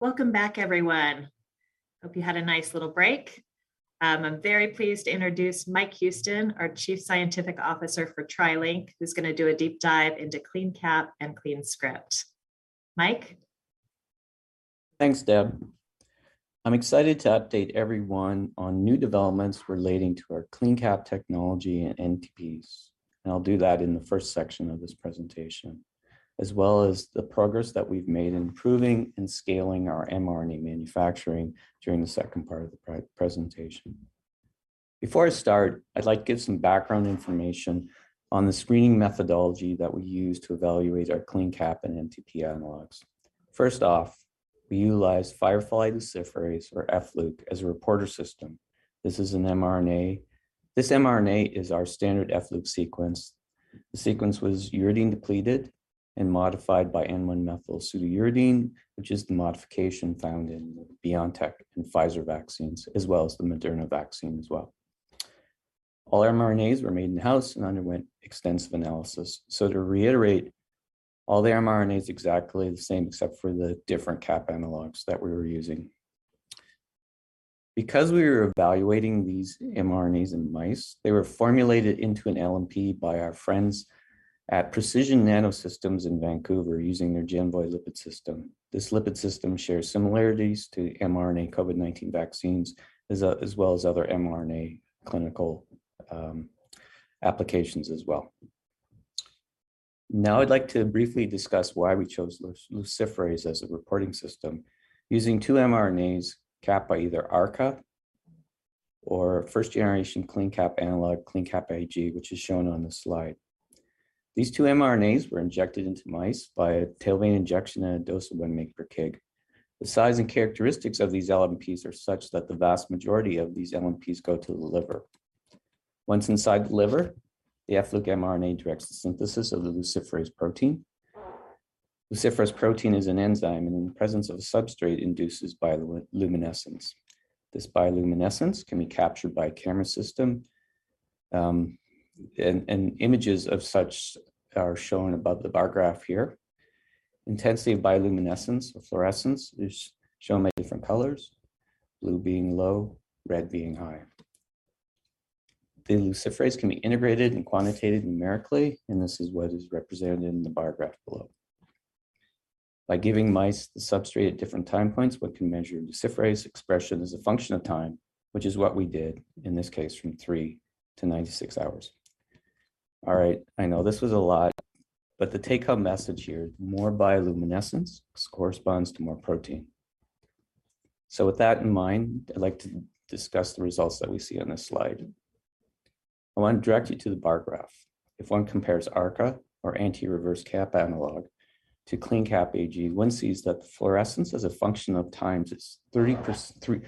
Welcome back everyone. Hope you had a nice little break. I'm very pleased to introduce Mike Houston, our Chief Scientific Officer for TriLink, who's gonna do a deep dive into CleanCap and CleanScript. Mike? Thanks, Deb. I'm excited to update everyone on new developments relating to our CleanCap technology and NTPs, and I'll do that in the first section of this presentation, as well as the progress that we've made in improving and scaling our mRNA manufacturing during the second part of the pre-presentation. Before I start, I'd like to give some background information on the screening methodology that we use to evaluate our CleanCap and NTP analogs. First off, we utilize firefly luciferase or fLuc as a reporter system. This is an mRNA. This mRNA is our standard fLuc sequence. The sequence was uridine depleted and modified by N1-methylpseudouridine, which is the modification found in the BioNTech and Pfizer vaccines, as well as the Moderna vaccine as well. All our mRNAs were made in-house and underwent extensive analysis. To reiterate, all the mRNA is exactly the same except for the different cap analogs that we were using. Because we were evaluating these mRNAs in mice, they were formulated into an LNP by our friends at Precision NanoSystems in Vancouver using their GenVoy lipid system. This lipid system shares similarities to mRNA COVID-19 vaccines as well as other mRNA clinical applications as well. Now I'd like to briefly discuss why we chose luciferase as a reporting system using two mRNAs capped by either ARCA or first-generation CleanCap analog CleanCap AG, which is shown on the slide. These two mRNAs were injected into mice via tail vein injection at a dose of 1 mg per kg. The size and characteristics of these LNPs are such that the vast majority of these LNPs go to the liver. Once inside the liver, the FLuc mRNA directs the synthesis of the luciferase protein. Luciferase protein is an enzyme, and in the presence of a substrate induces bioluminescence. This bioluminescence can be captured by a camera system, and images of such are shown above the bar graph here. Intensity of bioluminescence or fluorescence is shown by different colors, blue being low, red being high. The luciferase can be integrated and quantitated numerically, and this is what is represented in the bar graph below. By giving mice the substrate at different time points, one can measure luciferase expression as a function of time, which is what we did in this case from 3-96 hours. All right. I know this was a lot, but the take-home message here, more bioluminescence corresponds to more protein. With that in mind, I'd like to discuss the results that we see on this slide. I wanna direct you to the bar graph. If one compares ARCA or anti-reverse cap analog to CleanCap AG, one sees that fluorescence as a function of time is 300%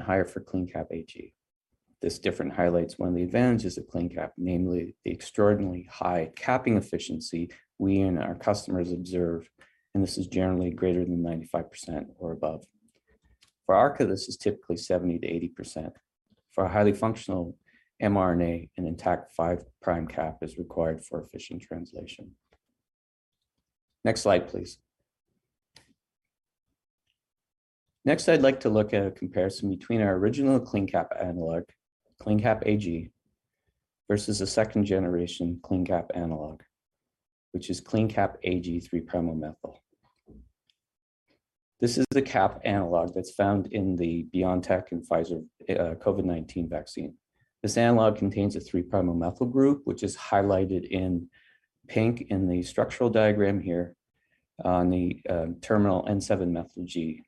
higher for CleanCap AG. This difference highlights one of the advantages of CleanCap, namely the extraordinarily high capping efficiency we and our customers observe, and this is generally greater than 95% or above. For ARCA, this is typically 70%-80%. For a highly functional mRNA, an intact 5' cap is required for efficient translation. Next slide, please. Next, I'd like to look at a comparison between our original CleanCap analog, CleanCap AG, versus a second generation CleanCap analog, which is CleanCap AG (3'OMe). This is the cap analog that's found in the BioNTech and Pfizer COVID-19 vaccine. This analog contains a 3'-O-methyl group, which is highlighted in pink in the structural diagram here on the terminal N7-methyl-G.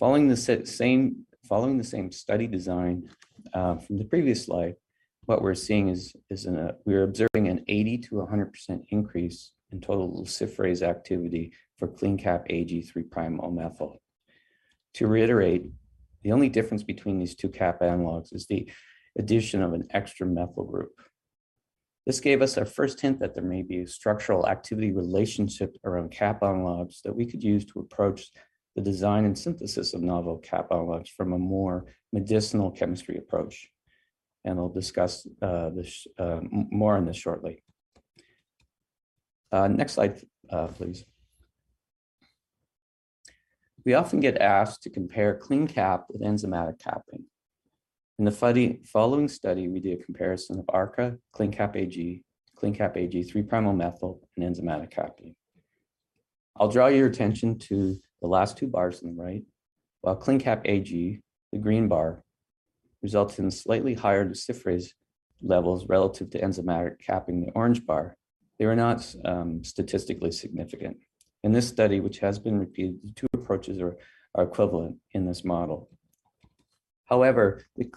Following the same study design from the previous slide, what we're observing is an 80%-100% increase in total luciferase activity for CleanCap AG 3'-O-methyl. To reiterate, the only difference between these two cap analogs is the addition of an extra methyl group. This gave us our first hint that there may be a structure-activity relationship around cap analogs that we could use to approach the design and synthesis of novel cap analogs from a more medicinal chemistry approach, and I'll discuss this more on this shortly. Next slide, please. We often get asked to compare CleanCap with enzymatic capping. In the following study, we did a comparison of ARCA, CleanCap AG, CleanCap AG 3'-O-methyl, and enzymatic capping. I'll draw your attention to the last two bars on the right. While CleanCap AG, the green bar, results in slightly higher luciferase levels relative to enzymatic capping, the orange bar, they were not statistically significant. In this study, which has been repeated, the two approaches are equivalent in this model. However, the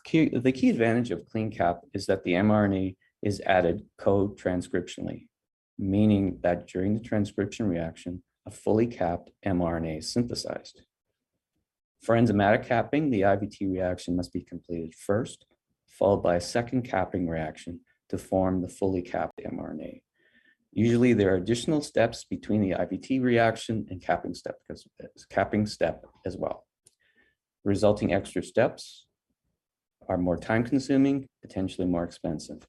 key advantage of CleanCap is that the mRNA is added co-transcriptionally, meaning that during the transcription reaction, a fully capped mRNA is synthesized. For enzymatic capping, the IVT reaction must be completed first, followed by a second capping reaction to form the fully capped mRNA. Usually, there are additional steps between the IVT reaction and capping step as well. Resulting extra steps are more time-consuming, potentially more expensive.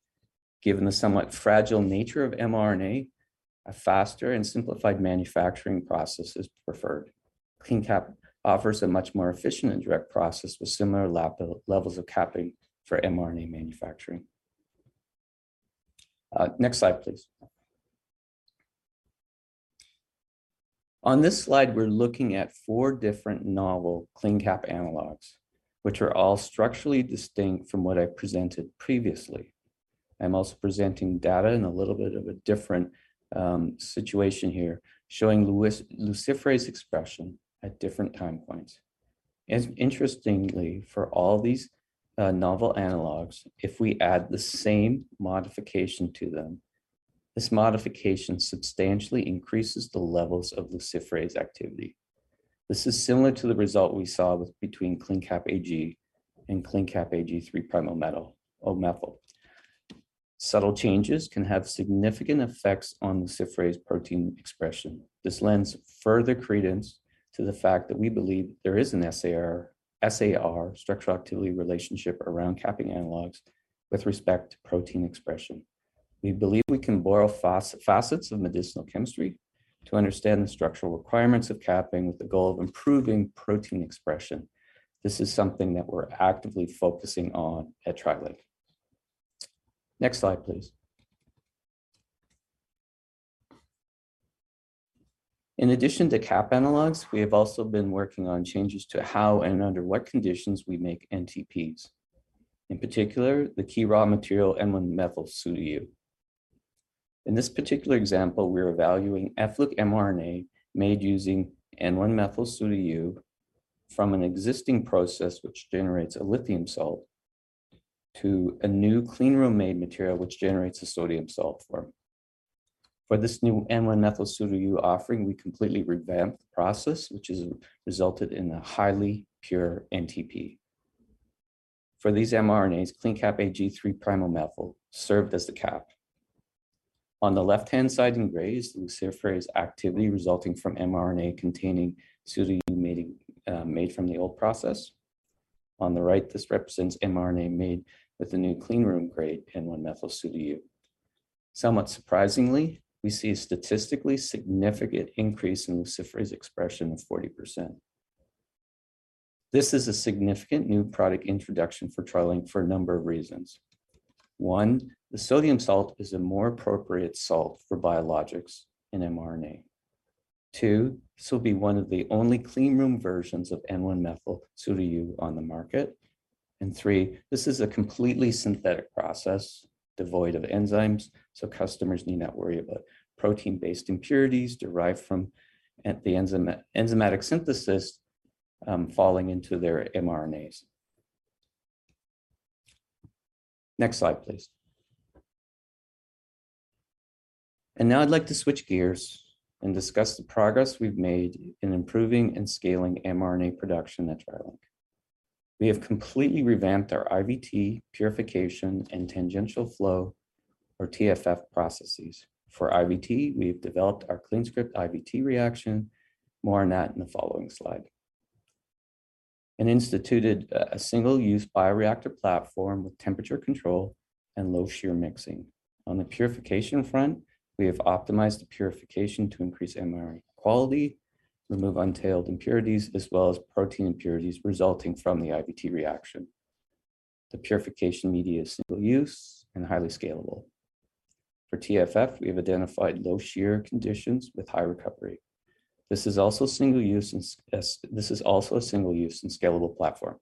Given the somewhat fragile nature of mRNA, a faster and simplified manufacturing process is preferred. CleanCap offers a much more efficient and direct process with similar lab levels of capping for mRNA manufacturing. Next slide, please. On this slide, we're looking at four different novel CleanCap analogs, which are all structurally distinct from what I presented previously. I'm also presenting data in a little bit of a different situation here, showing luciferase expression at different time points. Interestingly, for all these novel analogs, if we add the same modification to them, this modification substantially increases the levels of luciferase activity. This is similar to the result we saw what between CleanCap AG and CleanCap AG (3'OMe). Subtle changes can have significant effects on luciferase protein expression. This lends further credence to the fact that we believe there is an SAR, structure-activity relationship around capping analogs with respect to protein expression. We believe we can borrow facets of medicinal chemistry to understand the structural requirements of capping with the goal of improving protein expression. This is something that we're actively focusing on at TriLink. Next slide, please. In addition to cap analogs, we have also been working on changes to how and under what conditions we make NTPs, in particular, the key raw material N1-methylpseudouridine. In this particular example, we are evaluating FLuc mRNA made using N1-methylpseudouridine from an existing process which generates a lithium salt to a new cleanroom-made material which generates a sodium salt form. For this new N1-methylpseudouridine offering, we completely revamped the process which has resulted in a highly pure NTP. For these mRNAs, CleanCap AG (3'OMe) served as the cap. On the left-hand side in gray is the luciferase activity resulting from mRNA containing pseudouridine made from the old process. On the right, this represents mRNA made with the new cleanroom grade N1-methylpseudouridine. Somewhat surprisingly, we see a statistically significant increase in luciferase expression of 40%. This is a significant new product introduction for TriLink for a number of reasons. One, the sodium salt is a more appropriate salt for biologics in mRNA. Two, this will be one of the only cleanroom versions of N1-methylpseudouridine on the market, and three, this is a completely synthetic process devoid of enzymes, so customers need not worry about protein-based impurities derived from the enzymatic synthesis falling into their mRNAs. Next slide, please. Now I'd like to switch gears and discuss the progress we've made in improving and scaling mRNA production at TriLink. We have completely revamped our IVT purification and tangential flow or TFF processes. For IVT, we've developed our CleanScript IVT reaction, more on that in the following slide, and instituted a single-use bioreactor platform with temperature control and low shear mixing. On the purification front, we have optimized the purification to increase mRNA quality, remove untailed impurities, as well as protein impurities resulting from the IVT reaction. The purification media is single-use and highly scalable. For TFF, we have identified low shear conditions with high recovery. This is also single-use and scalable platform.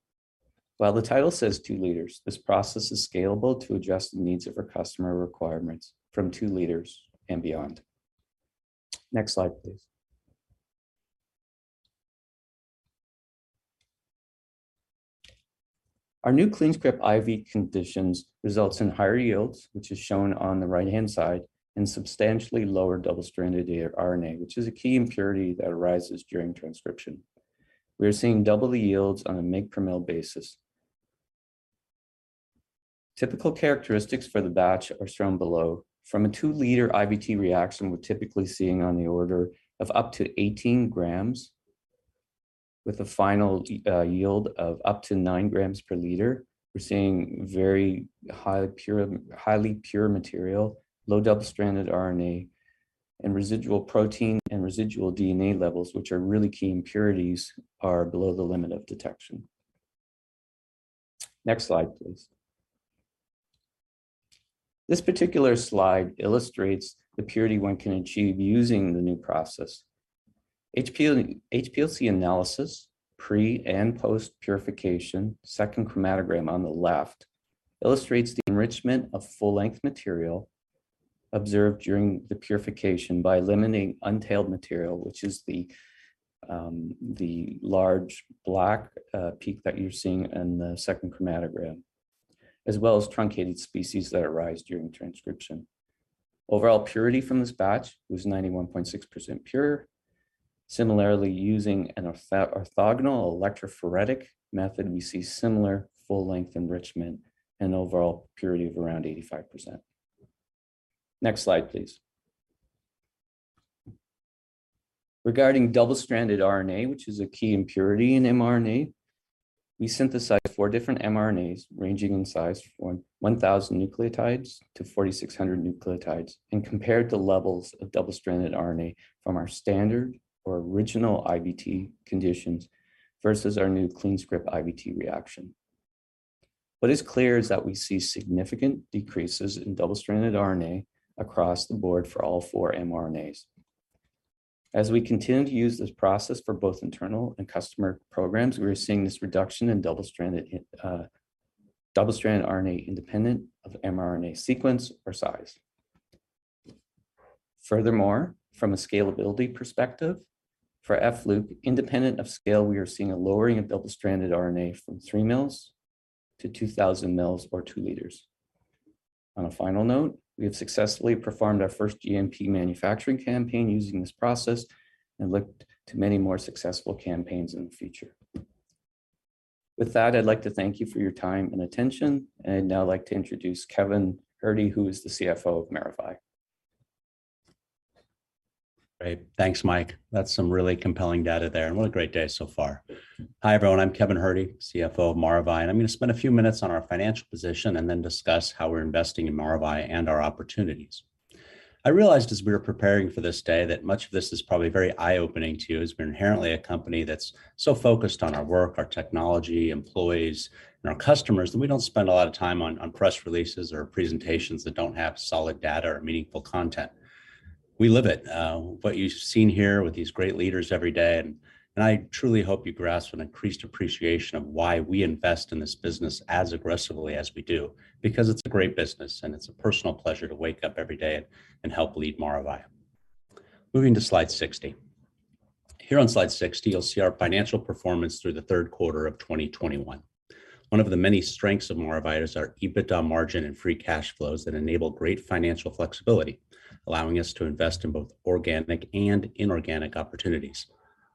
While the title says 2 liters, this process is scalable to adjust the needs of our customer requirements from 2 liters and beyond. Next slide, please. Our new CleanScript IVT conditions results in higher yields, which is shown on the right-hand side, and substantially lower double-stranded RNA, which is a key impurity that arises during transcription. We are seeing double the yields on a mg per mL basis. Typical characteristics for the batch are shown below. From a 2-liter IVT reaction, we're typically seeing on the order of up to 18 grams with a final yield of up to 9 grams per liter. We're seeing highly pure material, low double-stranded RNA, and residual protein and residual DNA levels, which are really key impurities, are below the limit of detection. Next slide, please. This particular slide illustrates the purity one can achieve using the new process. HPLC analysis pre- and post-purification, second chromatogram on the left, illustrates the enrichment of full-length material observed during the purification by eliminating untailed material, which is the large black peak that you're seeing in the second chromatogram, as well as truncated species that arise during transcription. Overall purity from this batch was 91.6% pure. Similarly, using an orthogonal electrophoretic method, we see similar full length enrichment and overall purity of around 85%. Next slide, please. Regarding double-stranded RNA, which is a key impurity in mRNA, we synthesized four different mRNAs ranging in size from 1,000 nucleotides to 4,600 nucleotides and compared the levels of double-stranded RNA from our standard or original IVT conditions versus our new CleanScript IVT reaction. What is clear is that we see significant decreases in double-stranded RNA across the board for all four mRNAs. As we continue to use this process for both internal and customer programs, we are seeing this reduction in double-stranded RNA independent of mRNA sequence or size. Furthermore, from a scalability perspective, for FLuc independent of scale, we are seeing a lowering of double-stranded RNA from 3 mL to 2,000 mL or 2 liters. On a final note, we have successfully performed our first GMP manufacturing campaign using this process and look to many more successful campaigns in the future. With that, I'd like to thank you for your time and attention, and I'd now like to introduce Kevin Herde, who is the CFO of Maravai. Great. Thanks, Mike. That's some really compelling data there, and what a great day so far. Hi, everyone. I'm Kevin Herde, CFO of Maravai, and I'm gonna spend a few minutes on our financial position and then discuss how we're investing in Maravai and our opportunities. I realized as we were preparing for this day that much of this is probably very eye-opening to you as we're inherently a company that's so focused on our work, our technology, employees, and our customers, that we don't spend a lot of time on press releases or presentations that don't have solid data or meaningful content. We live it what you've seen here with these great leaders every day, and I truly hope you grasp an increased appreciation of why we invest in this business as aggressively as we do because it's a great business, and it's a personal pleasure to wake up every day and help lead Maravai. Moving to slide 60. Here on slide 60, you'll see our financial performance through the third quarter of 2021. One of the many strengths of Maravai is our EBITDA margin and free cash flows that enable great financial flexibility, allowing us to invest in both organic and inorganic opportunities.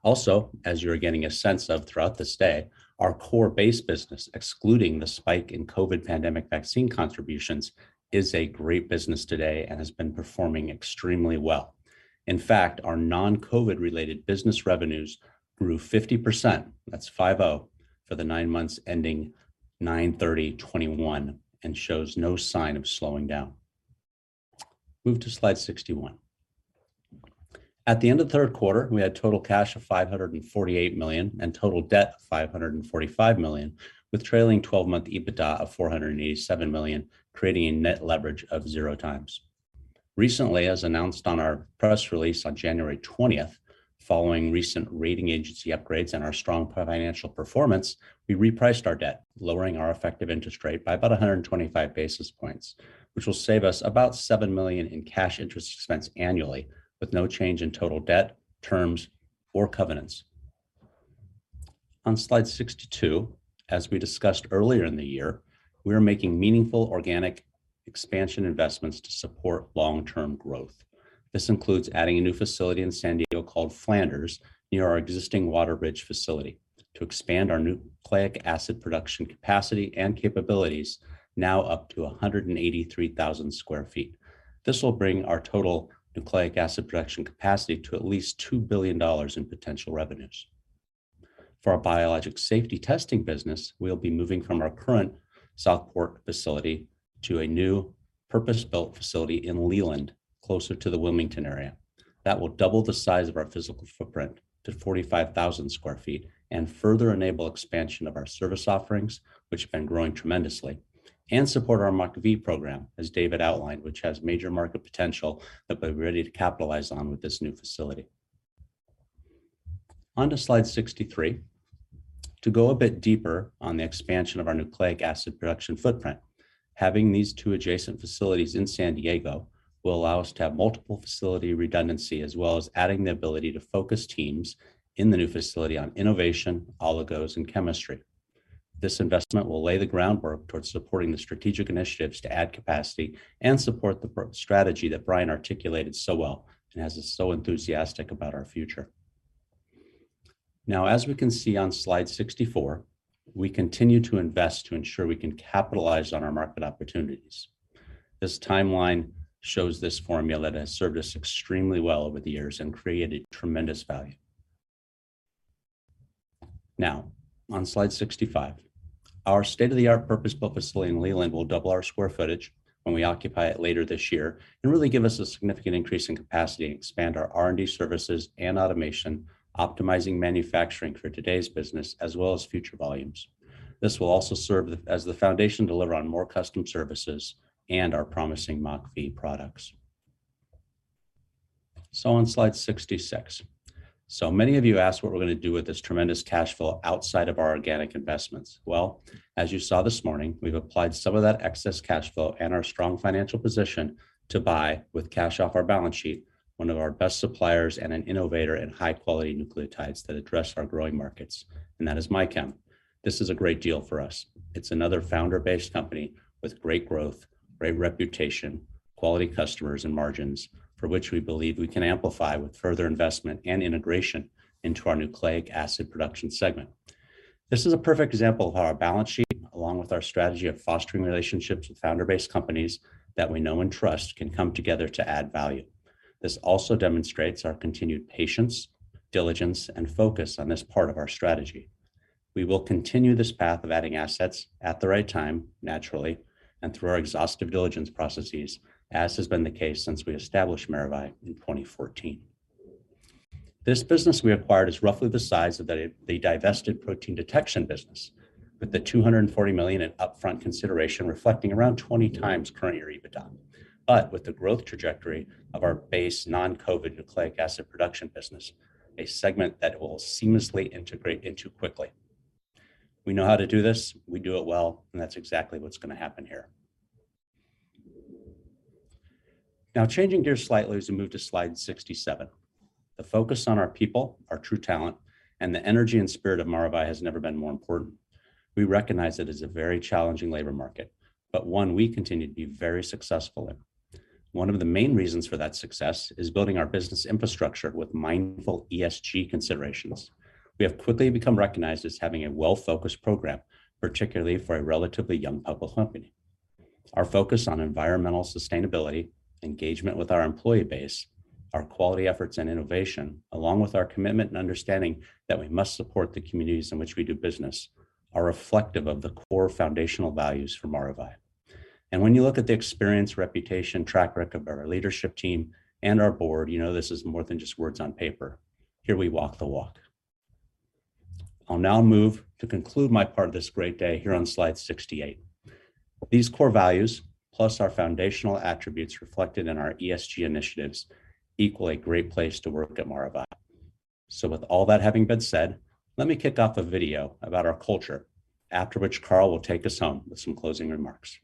Also, as you're getting a sense of throughout this day, our core base business, excluding the spike in COVID pandemic vaccine contributions, is a great business today and has been performing extremely well. In fact, our non-COVID-related business revenues grew 50%, that's 50, for the nine months ending 9/30/2021 and shows no sign of slowing down. Move to slide 61. At the end of the third quarter, we had total cash of $548 million and total debt of $545 million, with trailing 12-month EBITDA of $487 million, creating a net leverage of 0x. Recently, as announced on our press release on January 20, following recent rating agency upgrades and our strong financial performance, we repriced our debt, lowering our effective interest rate by about 125 basis points, which will save us about $7 million in cash interest expense annually with no change in total debt, terms or covenants. On slide 62, as we discussed earlier in the year, we're making meaningful organic expansion investments to support long-term growth. This includes adding a new facility in San Diego called Flanders near our existing Wateridge facility to expand our nucleic acid production capacity and capabilities now up to 183,000 sq ft. This will bring our total nucleic acid production capacity to at least $2 billion in potential revenues. For our Biologics Safety Testing business, we'll be moving from our current Southport facility to a new purpose-built facility in Leland, closer to the Wilmington area. That will double the size of our physical footprint to 45,000 sq ft and further enable expansion of our service offerings, which have been growing tremendously, and support our MockV program, as David outlined, which has major market potential that we're ready to capitalize on with this new facility. On to slide 63. To go a bit deeper on the expansion of our Nucleic Acid Production footprint, having these two adjacent facilities in San Diego will allow us to have multiple facility redundancy as well as adding the ability to focus teams in the new facility on innovation, oligos, and chemistry. This investment will lay the groundwork towards supporting the strategic initiatives to add capacity and support the strategy that Brian articulated so well and has us so enthusiastic about our future. Now as we can see on slide 64, we continue to invest to ensure we can capitalize on our market opportunities. This timeline shows this formula that has served us extremely well over the years and created tremendous value. Now on slide 65, our state-of-the-art purpose-built facility in Leland will double our square footage when we occupy it later this year and really give us a significant increase in capacity and expand our R&D services and automation, optimizing manufacturing for today's business as well as future volumes. This will also serve as the foundation to deliver on more custom services and our promising MockV products. On slide 66. Many of you asked what we're going to do with this tremendous cash flow outside of our organic investments. Well, as you saw this morning, we've applied some of that excess cash flow and our strong financial position to buy with cash off our balance sheet, one of our best suppliers and an innovator in high-quality nucleotides that address our growing markets, and that is MyChem. This is a great deal for us. It's another founder-based company with great growth, great reputation, quality customers, and margins for which we believe we can amplify with further investment and integration into our Nucleic Acid Production segment. This is a perfect example of how our balance sheet, along with our strategy of fostering relationships with founder-based companies that we know and trust, can come together to add value. This also demonstrates our continued patience, diligence, and focus on this part of our strategy. We will continue this path of adding assets at the right time, naturally, and through our exhaustive diligence processes, as has been the case since we established Maravai in 2014. This business we acquired is roughly the size of the divested protein detection business, with the $240 million in upfront consideration reflecting around 20x current year EBITDA, but with the growth trajectory of our base non-COVID nucleic acid production business, a segment that it will seamlessly integrate into quickly. We know how to do this, we do it well, and that's exactly what's going to happen here. Now changing gears slightly as we move to slide 67. The focus on our people, our true talent, and the energy and spirit of Maravai has never been more important. We recognize it is a very challenging labor market, but one we continue to be very successful in. One of the main reasons for that success is building our business infrastructure with mindful ESG considerations. We have quickly become recognized as having a well-focused program, particularly for a relatively young public company. Our focus on environmental sustainability, engagement with our employee base, our quality efforts and innovation, along with our commitment and understanding that we must support the communities in which we do business, are reflective of the core foundational values for Maravai. When you look at the experience, reputation, track record of our leadership team and our board, you know this is more than just words on paper. Here we walk the walk. I'll now move to conclude my part of this great day here on slide 68. These core values, plus our foundational attributes reflected in our ESG initiatives, equal a great place to work at Maravai. With all that having been said, let me kick off a video about our culture, after which Carl will take us home with some closing remarks.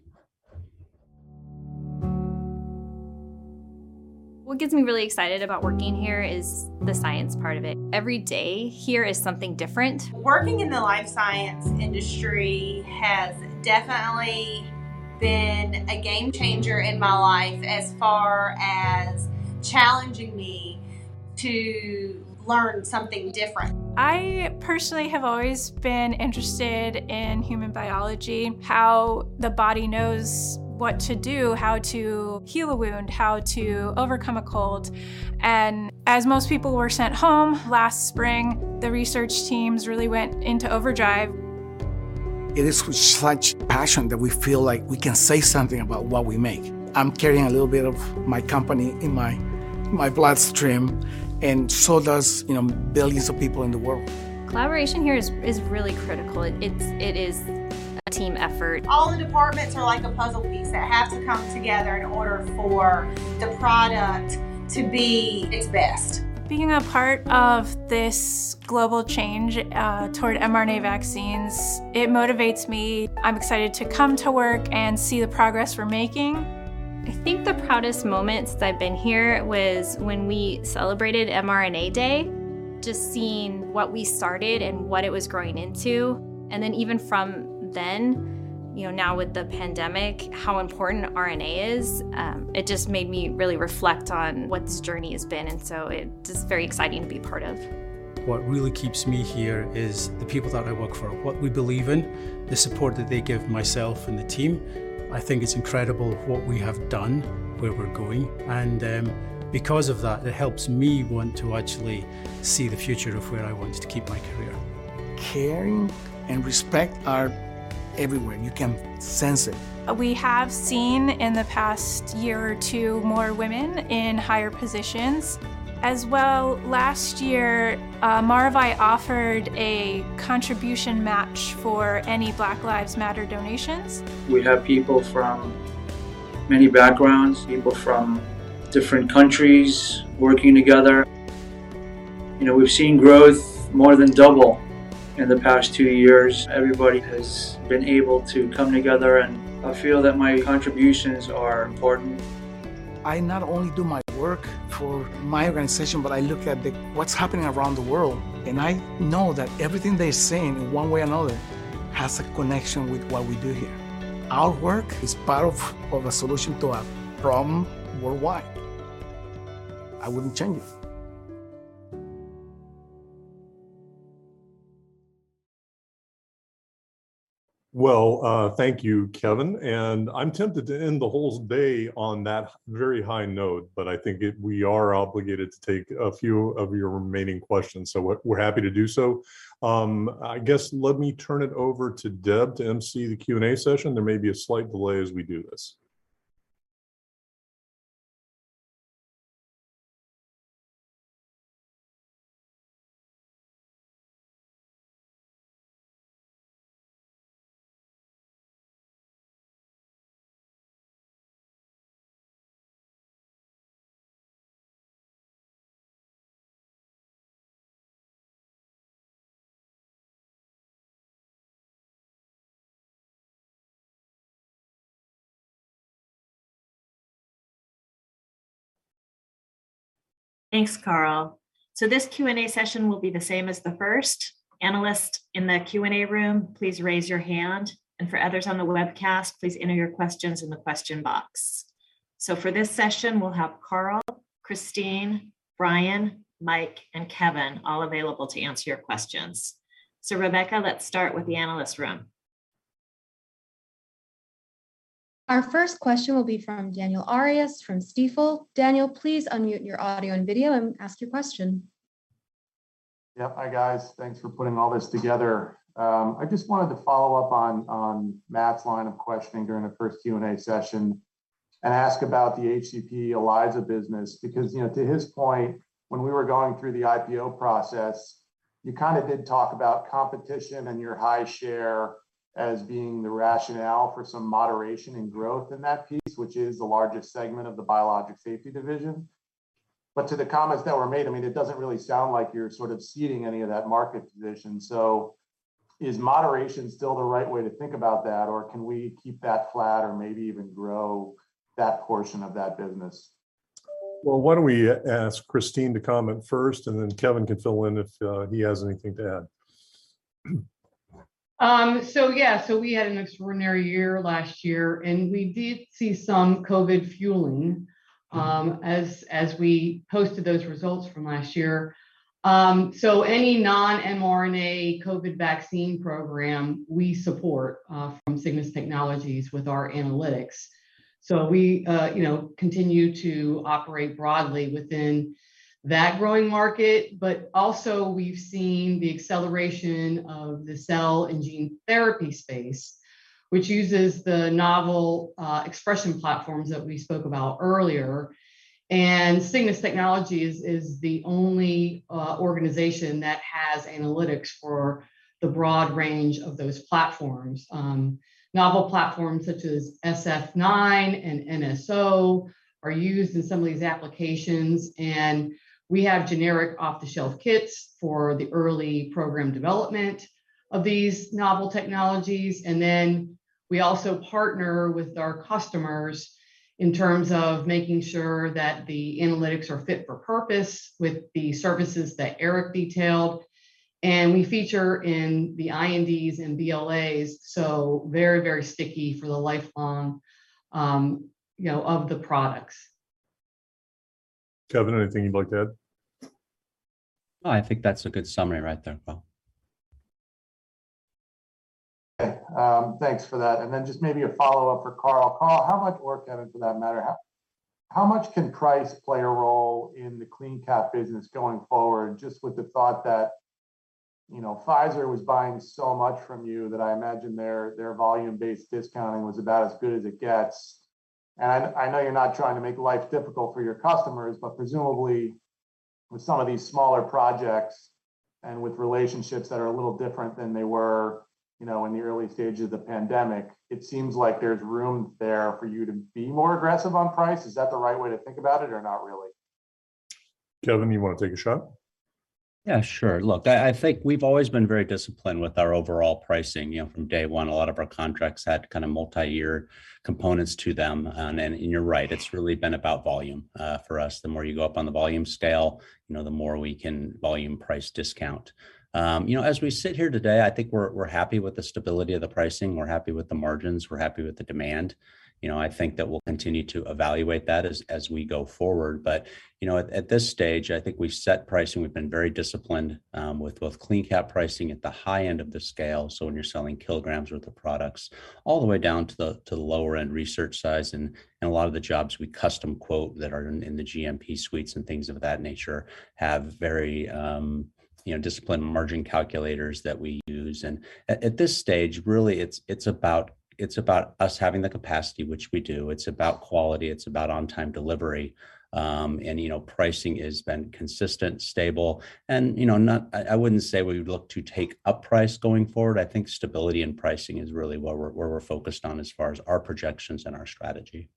What gets me really excited about working here is the science part of it. Every day here is something different. Working in the life science industry has definitely been a game changer in my life as far as challenging me to learn something different. I personally have always been interested in human biology, how the body knows what to do, how to heal a wound, how to overcome a cold. As most people were sent home last spring, the research teams really went into overdrive. It is with such passion that we feel like we can say something about what we make. I'm carrying a little bit of my company in my bloodstream, and so does, you know, billions of people in the world. Collaboration here is really critical. It is a team effort. All the departments are like a puzzle piece that have to come together in order for the product to be its best. Being a part of this global change, toward mRNA vaccines, it motivates me. I'm excited to come to work and see the progress we're making. I think the proudest moments I've been here was when we celebrated mRNA Day, just seeing what we started and what it was growing into. Even from then, you know, now with the pandemic, how important RNA is, it just made me really reflect on what this journey has been, and so it's just very exciting to be part of. What really keeps me here is the people that I work for, what we believe in, the support that they give myself and the team. I think it's incredible what we have done, where we're going. Because of that, it helps me want to actually see the future of where I want to keep my career. Caring and respect are everywhere. You can sense it. We have seen in the past year or two more women in higher positions. As well, last year, Maravai offered a contribution match for any Black Lives Matter donations. We have people from many backgrounds, people from different countries working together. You know, we've seen growth more than double in the past two years. Everybody has been able to come together, and I feel that my contributions are important. I not only do my work for my organization, but I look at what's happening around the world, and I know that everything they're saying in one way or another has a connection with what we do here. Our work is part of a solution to a problem worldwide. I wouldn't change it. Well, thank you, Kevin. I'm tempted to end the whole day on that very high note, but I think we are obligated to take a few of your remaining questions, so we're happy to do so. I guess let me turn it over to Deb to emcee the Q&A session. There may be a slight delay as we do this. Thanks, Carl. This Q&A session will be the same as the first. Analysts in the Q&A room, please raise your hand, and for others on the webcast, please enter your questions in the question box. For this session, we'll have Carl, Christine, Brian, Mike, and Kevin all available to answer your questions. Rebecca, let's start with the analyst room. Our first question will be from Daniel Arias from Stifel. Daniel, please unmute your audio and video and ask your question. Yep. Hi, guys. Thanks for putting all this together. I just wanted to follow up on Matt's line of questioning during the first Q&A session and ask about the HCP ELISA business because, you know, to his point, when we were going through the IPO process, you kind of did talk about competition and your high share as being the rationale for some moderation and growth in that piece, which is the largest segment of the Biologics Safety Testing. To the comments that were made, I mean, it doesn't really sound like you're sort of ceding any of that market position. Is moderation still the right way to think about that, or can we keep that flat or maybe even grow that portion of that business? Well, why don't we ask Christine to comment first, and then Kevin can fill in if he has anything to add. We had an extraordinary year last year, and we did see some COVID fueling, as we posted those results from last year. Any non-mRNA COVID vaccine program we support from Cygnus Technologies with our analytics. We continue to operate broadly within that growing market. We've seen the acceleration of the cell and gene therapy space, which uses the novel expression platforms that we spoke about earlier. Cygnus Technologies is the only organization that has analytics for the broad range of those platforms. Novel platforms such as Sf9 and NS0 are used in some of these applications, and we have generic off-the-shelf kits for the early program development of these novel technologies. We also partner with our customers in terms of making sure that the analytics are fit for purpose with the services that Eric detailed, and we feature in the INDs and BLAs, so very, very sticky for the lifelong, you know, of the products. Kevin, anything you'd like to add? No, I think that's a good summary right there, Carl. Okay. Thanks for that. Just maybe a follow-up for Carl. Carl, how much more, Kevin for that matter, how much can price play a role in the CleanCap business going forward, just with the thought that, you know, Pfizer was buying so much from you that I imagine their volume-based discounting was about as good as it gets. I know you're not trying to make life difficult for your customers, but presumably with some of these smaller projects and with relationships that are a little different than they were, you know, in the early stage of the pandemic, it seems like there's room there for you to be more aggressive on price. Is that the right way to think about it or not really? Kevin, you want to take a shot? Yeah, sure. Look, I think we've always been very disciplined with our overall pricing. You know, from day one, a lot of our contracts had kind of multi-year components to them. You're right, it's really been about volume, for us. The more you go up on the volume scale, you know, the more we can volume price discount. You know, as we sit here today, I think we're happy with the stability of the pricing. We're happy with the margins. We're happy with the demand. You know, I think that we'll continue to evaluate that as we go forward. You know, at this stage, I think we've set pricing. We've been very disciplined with both CleanCap pricing at the high end of the scale, so when you're selling kilograms worth of products, all the way down to the lower end research size. A lot of the jobs we custom quote that are in the GMP suites and things of that nature have very, you know, disciplined margin calculators that we use. At this stage, really it's about us having the capacity, which we do. It's about quality. It's about on-time delivery. Pricing has been consistent, stable, and, you know, not. I wouldn't say we would look to take up price going forward. I think stability in pricing is really what we're focused on as far as our projections and our strategy.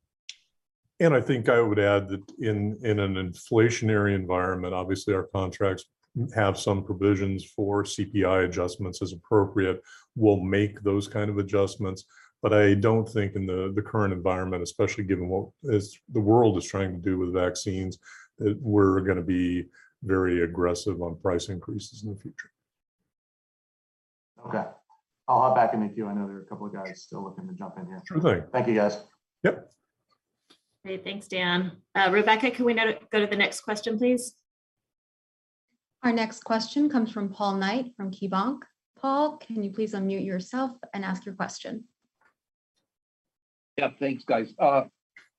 I think I would add that in an inflationary environment, obviously our contracts have some provisions for CPI adjustments as appropriate. We'll make those kind of adjustments. I don't think in the current environment, especially given what the world is trying to do with vaccines, that we're gonna be very aggressive on price increases in the future. Okay. I'll hop back in the queue. I know there are a couple of guys still looking to jump in here. Sure thing. Thank you, guys. Yep. Okay. Thanks, Dan. Rebecca, can we now go to the next question, please? Our next question comes from Paul Knight from KeyBanc. Paul, can you please unmute yourself and ask your question? Yeah, thanks, guys.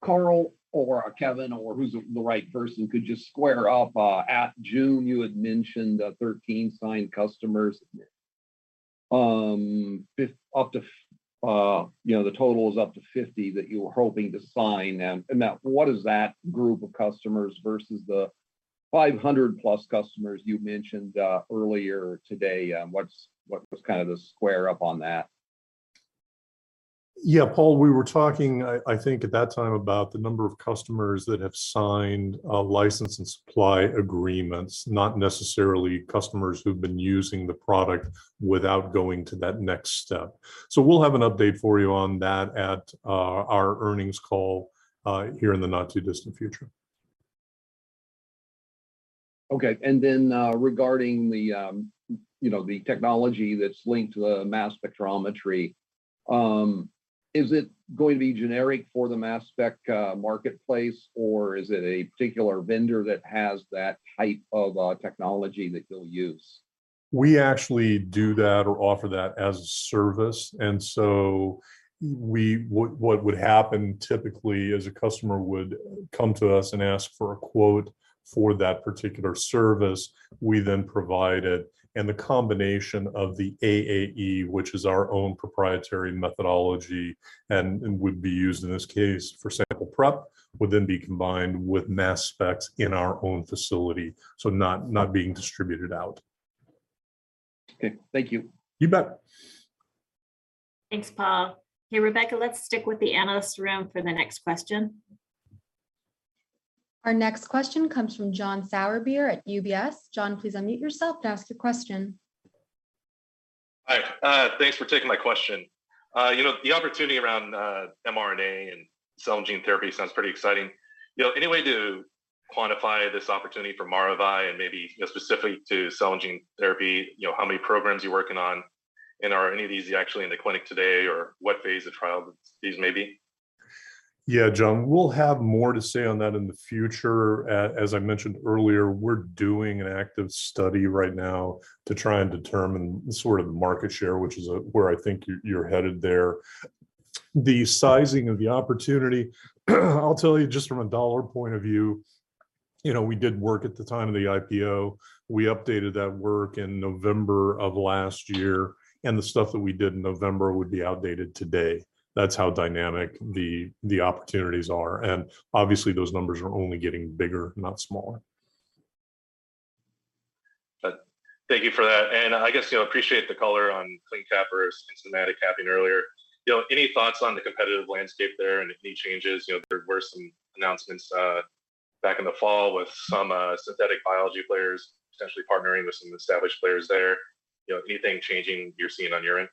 Carl or Kevin, or who's the right person, could you square up at June you had mentioned 13 signed customers, up to, you know, the total was up to 50 that you were hoping to sign. And that, what is that group of customers versus the 500 plus customers you mentioned earlier today? What's kind of the square up on that? Yeah. Paul, we were talking, I think at that time, about the number of customers that have signed license and supply agreements, not necessarily customers who've been using the product without going to that next step. We'll have an update for you on that at our earnings call here in the not too distant future. Okay. Regarding the technology that's linked to the mass spectrometry, is it going to be generic for the mass spec marketplace, or is it a particular vendor that has that type of technology that you'll use? We actually do that or offer that as a service. What would happen typically is a customer would come to us and ask for a quote for that particular service. We then provide it, and the combination of the AAE, which is our own proprietary methodology and would be used in this case for sample prep, would then be combined with mass specs in our own facility. Not being distributed out. Okay. Thank you. You bet. Thanks, Paul. Okay, Rebecca, let's stick with the analyst room for the next question. Our next question comes from John Sourbeer at UBS. John, please unmute yourself to ask your question. Hi. Thanks for taking my question. You know, the opportunity around mRNA and cell and gene therapy sounds pretty exciting. You know, any way to quantify this opportunity for Maravai and maybe, you know, specific to cell and gene therapy, you know, how many programs you're working on, and are any of these actually in the clinic today or what phase of trial these may be? Yeah, John, we'll have more to say on that in the future. As I mentioned earlier, we're doing an active study right now to try and determine the sort of market share, which is where I think you're headed there. The sizing of the opportunity, I'll tell you just from a dollar point of view, you know, we did work at the time of the IPO. We updated that work in November of last year, and the stuff that we did in November would be outdated today. That's how dynamic the opportunities are, and obviously those numbers are only getting bigger, not smaller. Thank you for that, and I guess, you know, appreciate the color on CleanCap or co-transcriptional capping earlier. You know, any thoughts on the competitive landscape there and any changes? You know, there were some announcements back in the fall with some synthetic biology players potentially partnering with some established players there. You know, anything changing you're seeing on your end?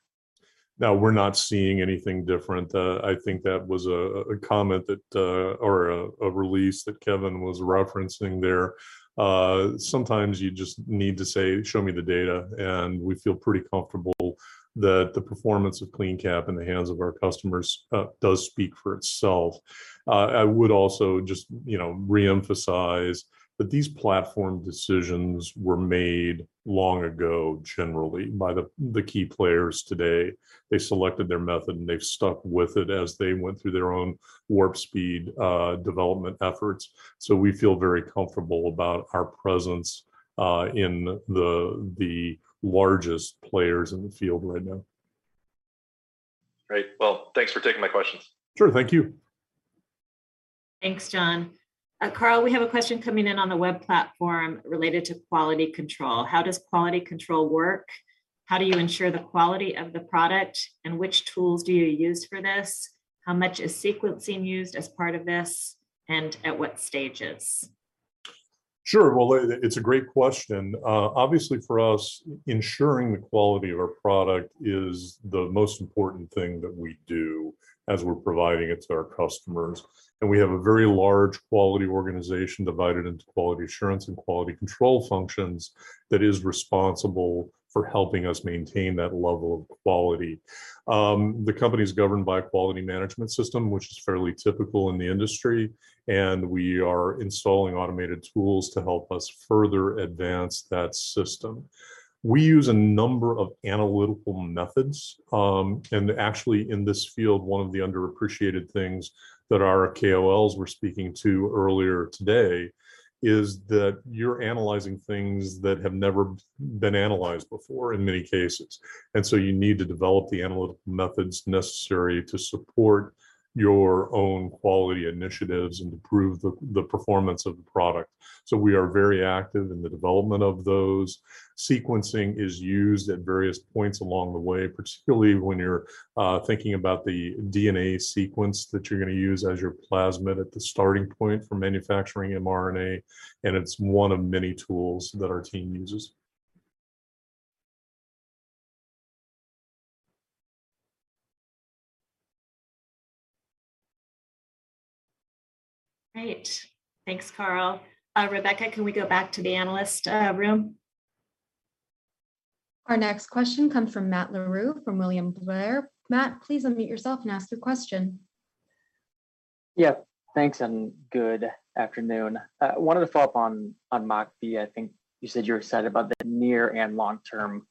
No, we're not seeing anything different. I think that was a comment that, or a release that Kevin was referencing there. Sometimes you just need to say, "Show me the data," and we feel pretty comfortable that the performance of CleanCap in the hands of our customers does speak for itself. I would also just, you know, reemphasize that these platform decisions were made long ago generally by the key players today. They selected their method, and they've stuck with it as they went through their own warp speed development efforts. We feel very comfortable about our presence in the largest players in the field right now. Great. Well, thanks for taking my questions. Sure. Thank you. Thanks, John. Carl, we have a question coming in on the web platform related to quality control. How does quality control work? How do you ensure the quality of the product, and which tools do you use for this? How much is sequencing used as part of this, and at what stages? Sure. Well, it's a great question. Obviously for us, ensuring the quality of our product is the most important thing that we do as we're providing it to our customers. We have a very large quality organization divided into quality assurance and quality control functions that is responsible for helping us maintain that level of quality. The company is governed by a quality management system, which is fairly typical in the industry, and we are installing automated tools to help us further advance that system. We use a number of analytical methods, and actually in this field, one of the underappreciated things that our KOLs were speaking to earlier today is that you're analyzing things that have never been analyzed before in many cases. You need to develop the analytical methods necessary to support your own quality initiatives and improve the performance of the product. We are very active in the development of those. Sequencing is used at various points along the way, particularly when you're thinking about the DNA sequence that you're gonna use as your plasmid at the starting point for manufacturing mRNA, and it's one of many tools that our team uses. Great. Thanks, Carl. Rebecca, can we go back to the analyst room? Our next question comes from Matt Larew from William Blair. Matt, please unmute yourself and ask your question. Yeah. Thanks, and good afternoon. Wanted to follow up on MockV. I think you said you were excited about the near and long-term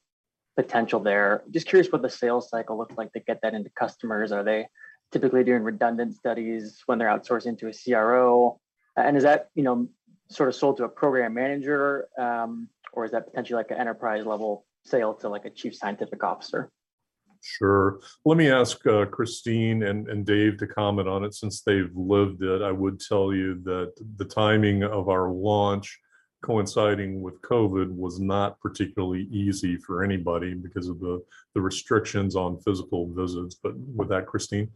potential there. Just curious what the sales cycle looks like to get that into customers. Are they typically doing redundant studies when they're outsourcing to a CRO? Is that, you know, sort of sold to a program manager, or is that potentially like an enterprise level sale to like a chief scientific officer? Sure. Let me ask Christine and Dave to comment on it since they've lived it. I would tell you that the timing of our launch coinciding with COVID was not particularly easy for anybody because of the restrictions on physical visits, but with that, Christine.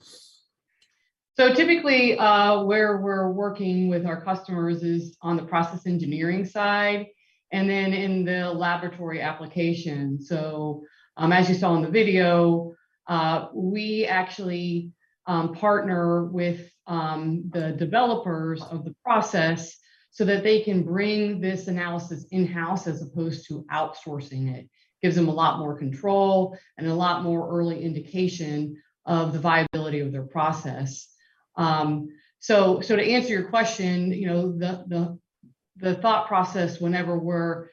Typically, where we're working with our customers is on the process engineering side and then in the laboratory application. As you saw in the video, we actually partner with the developers of the process so that they can bring this analysis in-house as opposed to outsourcing it. Gives them a lot more control and a lot more early indication of the viability of their process. To answer your question, you know, the thought process whenever we're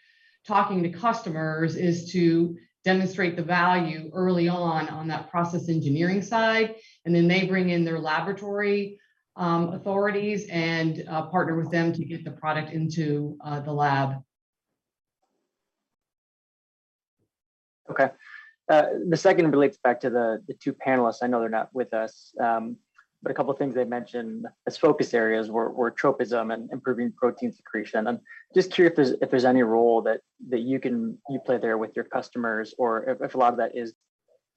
talking to customers is to demonstrate the value early on that process engineering side, and then they bring in their laboratory authorities and partner with them to get the product into the lab. Okay. The second relates back to the two panelists. I know they're not with us. A couple of things they mentioned as focus areas were tropism and improving protein secretion. I'm just curious if there's any role that you can play there with your customers or if a lot of that is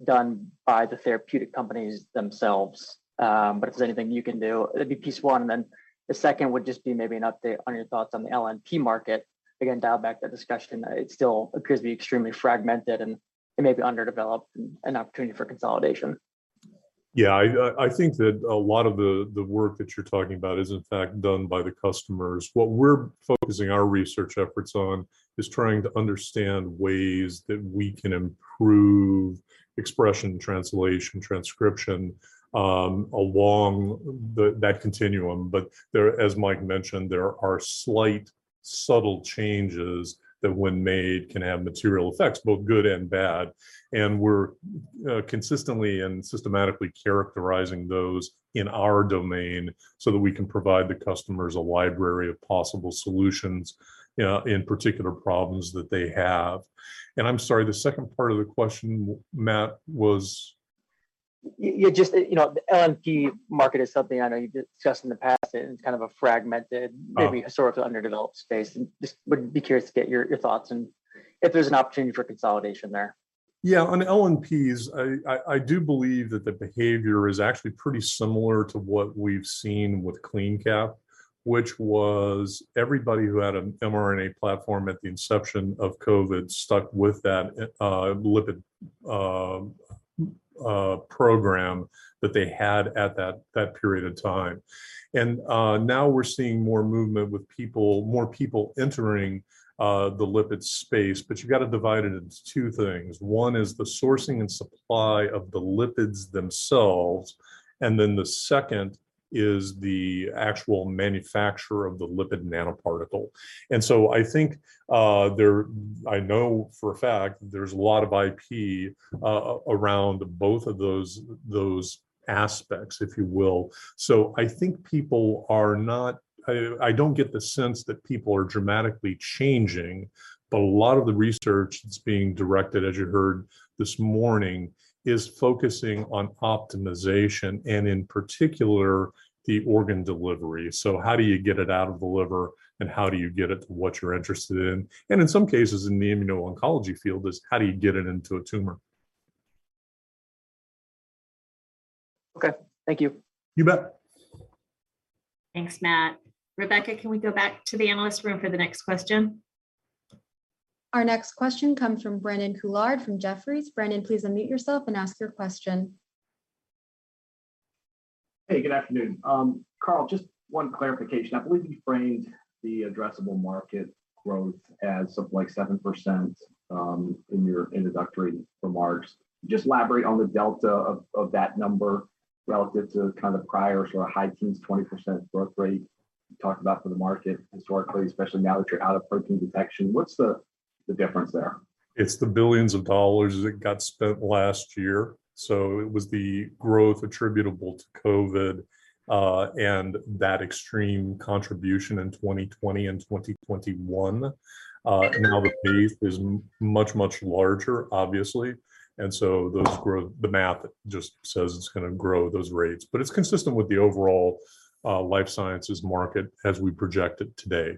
done by the therapeutic companies themselves. If there's anything you can do, it'd be piece one. The second would just be maybe an update on your thoughts on the LNP market. Again, dial back that discussion. It still appears to be extremely fragmented, and it may be underdeveloped and an opportunity for consolidation. Yeah, I think that a lot of the work that you're talking about is in fact done by the customers. What we're focusing our research efforts on is trying to understand ways that we can improve expression translation, transcription, along that continuum. But there, as Mike mentioned, there are slight subtle changes that when made can have material effects, both good and bad, and we're consistently and systematically characterizing those in our domain so that we can provide the customers a library of possible solutions, you know, in particular problems that they have. I'm sorry, the second part of the question, Matt, was? Yeah, just, you know, the LNP market is something I know you discussed in the past, and it's kind of a fragmented- Oh... maybe a sort of underdeveloped space, and just would be curious to get your thoughts and if there's an opportunity for consolidation there. On LNPs, I do believe that the behavior is actually pretty similar to what we've seen with CleanCap, which was everybody who had an mRNA platform at the inception of COVID stuck with that lipid program that they had at that period of time. Now we're seeing more movement with people, more people entering the lipid space. You got to divide it into two things. One is the sourcing and supply of the lipids themselves, and then the second is the actual manufacturer of the lipid nanoparticle. I think I know for a fact there's a lot of IP around both of those aspects, if you will. I think people are not... I don't get the sense that people are dramatically changing, but a lot of the research that's being directed, as you heard this morning, is focusing on optimization and in particular the organ delivery. How do you get it out of the liver, and how do you get it to what you're interested in? In some cases in the immuno-oncology field is how do you get it into a tumor? Okay. Thank you. You bet. Thanks, Matt. Rebecca, can we go back to the analyst room for the next question? Our next question comes from Brandon Couillard from Jefferies. Brandon, please unmute yourself and ask your question. Hey, good afternoon. Carl, just one clarification. I believe you framed the addressable market growth as something like 7% in your introductory remarks. Just elaborate on the delta of that number relative to kind of prior sort of high teens, 20% growth rate you talked about for the market historically, especially now that you're out of protein detection. What's the difference there? It's the billions of dollars that got spent last year. It was the growth attributable to COVID and that extreme contribution in 2020 and 2021. Now the base is much larger obviously, the math just says it's gonna grow those rates. It's consistent with the overall life sciences market as we project it today.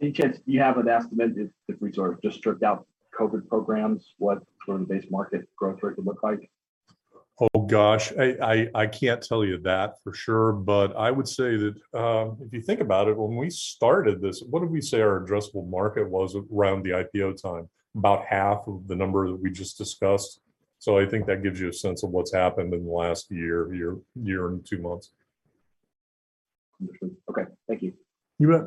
Any chance you have an estimate if we sort of just stripped out COVID programs, what sort of base market growth rate would look like? Oh, gosh, I can't tell you that for sure. But I would say that, if you think about it, when we started this, what did we say our addressable market was around the IPO time? About half of the number that we just discussed. I think that gives you a sense of what's happened in the last year and two months. Understood. Okay. Thank you. You bet.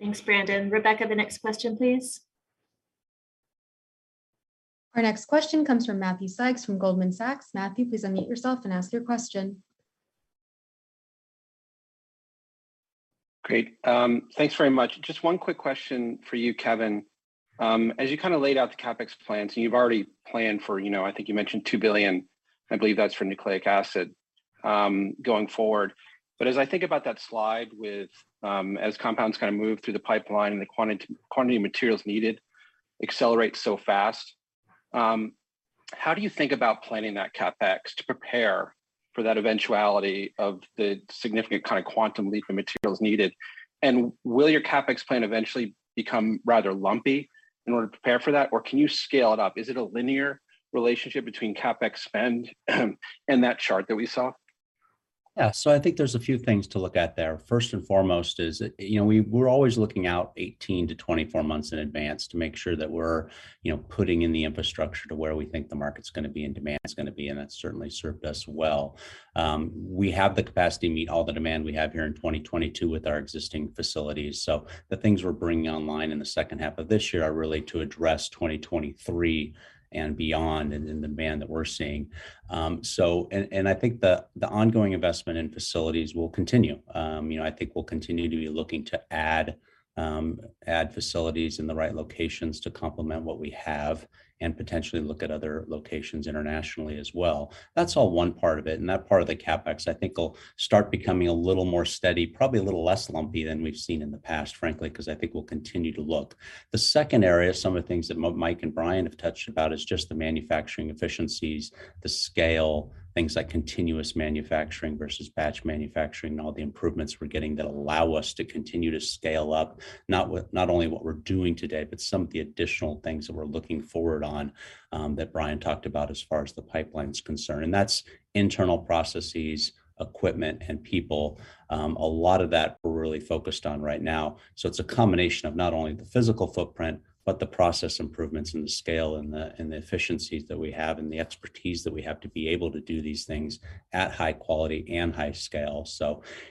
Thanks, Brandon. Rebecca, the next question, please. Our next question comes from Matthew Sykes from Goldman Sachs. Matthew, please unmute yourself and ask your question. Great. Thanks very much. Just one quick question for you, Kevin. As you kind of laid out the CapEx plans, and you've already planned for, you know, I think you mentioned $2 billion, I believe that's for nucleic acid, going forward. But as I think about that slide with, as compounds kind of move through the pipeline and the quantity of materials needed accelerates so fast, how do you think about planning that CapEx to prepare for that eventuality of the significant kind of quantum leap in materials needed? And will your CapEx plan eventually become rather lumpy in order to prepare for that, or can you scale it up? Is it a linear relationship between CapEx spend and that chart that we saw? Yeah. I think there's a few things to look at there. First and foremost is that, you know, we're always looking out 18-24 months in advance to make sure that we're, you know, putting in the infrastructure to where we think the market's gonna be and demand's gonna be, and that's certainly served us well. We have the capacity to meet all the demand we have here in 2022 with our existing facilities. The things we're bringing online in the second half of this year are really to address 2023 and beyond and the demand that we're seeing. I think the ongoing investment in facilities will continue. You know, I think we'll continue to be looking to add facilities in the right locations to complement what we have and potentially look at other locations internationally as well. That's all one part of it, and that part of the CapEx I think will start becoming a little more steady, probably a little less lumpy than we've seen in the past, frankly, 'cause I think we'll continue to look. The second area, some of the things that Mike and Brian have touched about is just the manufacturing efficiencies, the scale, things like continuous manufacturing versus batch manufacturing, and all the improvements we're getting that allow us to continue to scale up, not only what we're doing today, but some of the additional things that we're looking forward on, that Brian talked about as far as the pipeline's concerned. That's internal processes, equipment, and people, a lot of that we're really focused on right now. It's a combination of not only the physical footprint, but the process improvements and the scale and the efficiencies that we have and the expertise that we have to be able to do these things at high quality and high scale.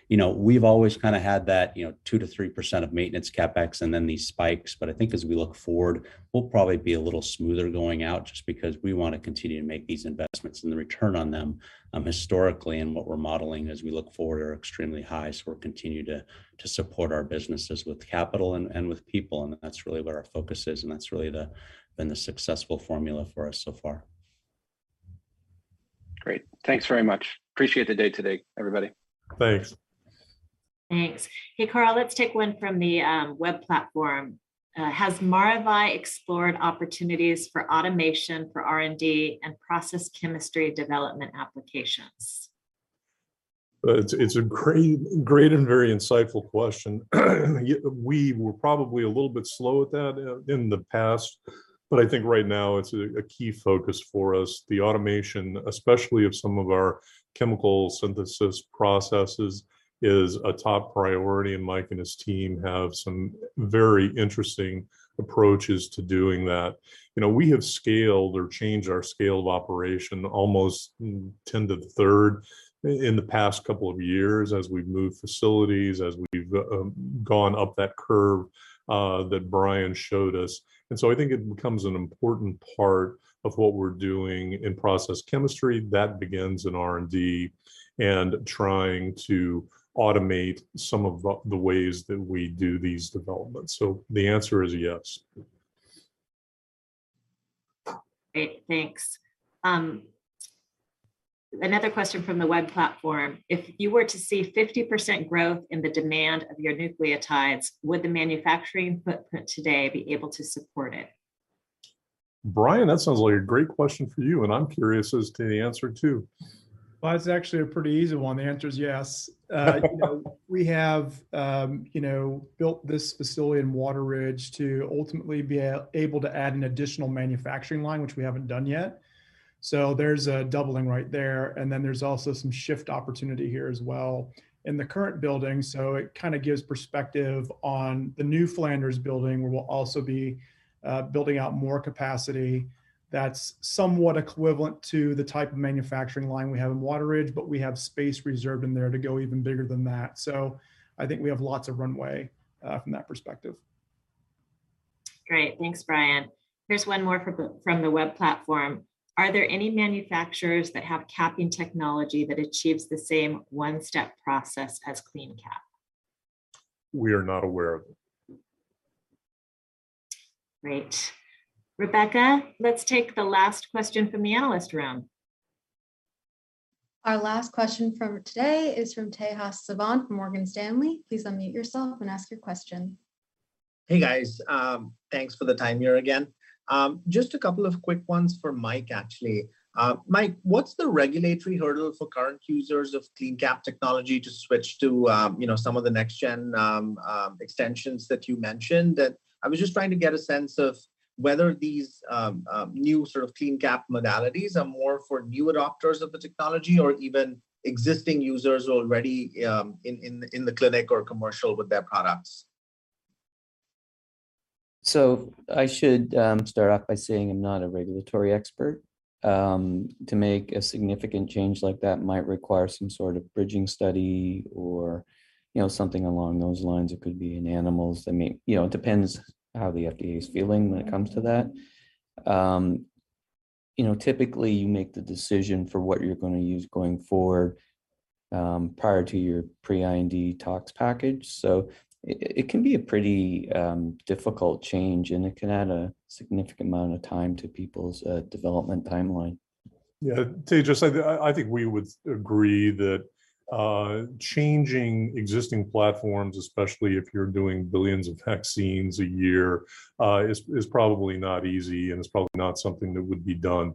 You know, we've always kinda had that, you know, 2%-3% of maintenance CapEx and then these spikes, but I think as we look forward, we'll probably be a little smoother going out just because we wanna continue to make these investments, and the return on them, historically and what we're modeling as we look forward are extremely high. We're continuing to support our businesses with capital and with people, and that's really what our focus is, and that's really been the successful formula for us so far. Great. Thanks very much. Appreciate the day today, everybody. Thanks. Thanks. Hey, Carl, let's take one from the web platform. Has Maravai explored opportunities for automation for R&D and process chemistry development applications? Well, it's a great and very insightful question. We were probably a little bit slow at that in the past, but I think right now it's a key focus for us. The automation, especially of some of our chemical synthesis processes, is a top priority, and Mike and his team have some very interesting approaches to doing that. You know, we have scaled or changed our scale of operation almost 1,000 in the past couple of years as we've moved facilities, as we've gone up that curve that Brian showed us. I think it becomes an important part of what we're doing in process chemistry that begins in R&D, and trying to automate some of the ways that we do these developments. The answer is yes. Great. Thanks. Another question from the web platform. If you were to see 50% growth in the demand of your nucleotides, would the manufacturing footprint today be able to support it? Brian, that sounds like a great question for you, and I'm curious as to the answer too. Well, it's actually a pretty easy one. The answer is yes. You know, we have, you know, built this facility in Wateridge to ultimately be able to add an additional manufacturing line, which we haven't done yet. There's a doubling right there, and then there's also some shift opportunity here as well in the current building. It kinda gives perspective on the new Flanders building, where we'll also be building out more capacity that's somewhat equivalent to the type of manufacturing line we have in Wateridge, but we have space reserved in there to go even bigger than that. I think we have lots of runway from that perspective. Great. Thanks, Brian. Here's one more from the web platform. Are there any manufacturers that have capping technology that achieves the same one-step process as CleanCap? We are not aware of them. Great. Rebecca, let's take the last question from the analyst room. Our last question from today is from Tejas Savant from Morgan Stanley. Please unmute yourself and ask your question. Hey, guys. Thanks for the time here again. Just a couple of quick ones for Mike, actually. Mike, what's the regulatory hurdle for current users of CleanCap technology to switch to, you know, some of the next gen extensions that you mentioned? I was just trying to get a sense of whether these new sort of CleanCap modalities are more for new adopters of the technology or even existing users already in the clinic or commercial with their products. I should start off by saying I'm not a regulatory expert. To make a significant change like that might require some sort of bridging study or, you know, something along those lines. It could be in animals. I mean, you know, it depends how the FDA is feeling when it comes to that. You know, typically you make the decision for what you're gonna use going forward, prior to your pre-IND tox package. It can be a pretty difficult change, and it can add a significant amount of time to people's development timeline. Yeah. Tejas, I think we would agree that changing existing platforms, especially if you're doing billions of vaccines a year, is probably not easy, and it's probably not something that would be done.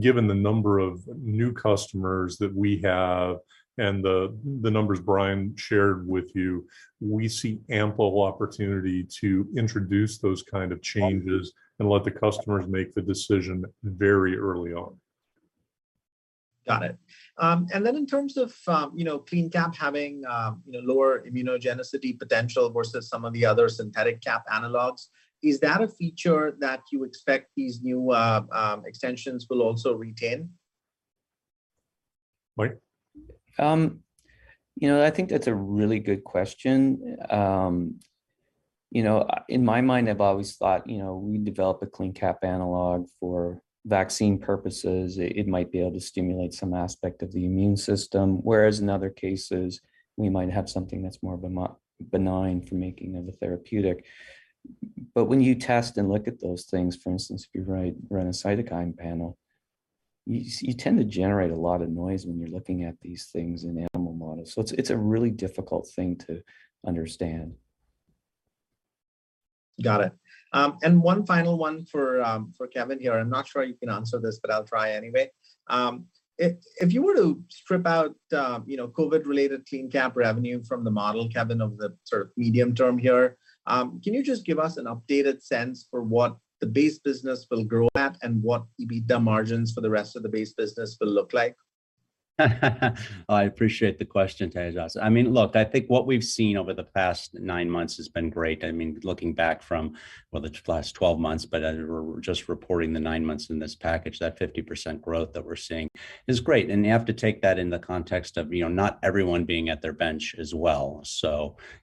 Given the number of new customers that we have and the numbers Brian shared with you, we see ample opportunity to introduce those kind of changes and let the customers make the decision very early on. Got it. In terms of, you know, CleanCap having, you know, lower immunogenicity potential versus some of the other synthetic cap analogs, is that a feature that you expect these new extensions will also retain? Mike? You know, I think that's a really good question. You know, in my mind, I've always thought, you know, we develop a CleanCap analog for vaccine purposes. It might be able to stimulate some aspect of the immune system, whereas in other cases we might have something that's more benign for making of a therapeutic. When you test and look at those things, for instance, if you run a cytokine panel you tend to generate a lot of noise when you're looking at these things in animal models. It's a really difficult thing to understand. Got it. One final one for Kevin here. I'm not sure you can answer this, but I'll try anyway. If you were to strip out, you know, COVID related CleanCap revenue from the model, Kevin, of the sort of medium term here, can you just give us an updated sense for what the base business will grow at and what EBITDA margins for the rest of the base business will look like? I appreciate the question, Tejas. I mean, look, I think what we've seen over the past nine months has been great. I mean, looking back from, well, the last 12 months, but we're just reporting the nine months in this package, that 50% growth that we're seeing is great, and you have to take that in the context of, you know, not everyone being at their bench as well.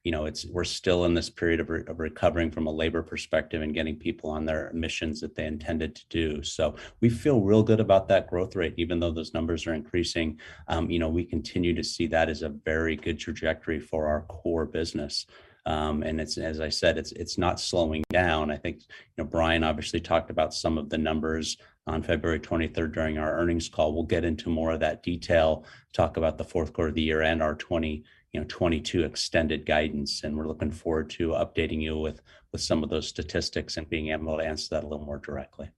You know, it's, we're still in this period of recovering from a labor perspective and getting people on their missions that they intended to do. So we feel real good about that growth rate, even though those numbers are increasing. You know, we continue to see that as a very good trajectory for our core business. It's, as I said, it's not slowing down. I think, you know, Brian obviously talked about some of the numbers on February 23 during our earnings call. We'll get into more of that detail, talk about the fourth quarter of the year and our 2022 extended guidance, and we're looking forward to updating you with some of those statistics and being able to answer that a little more directly.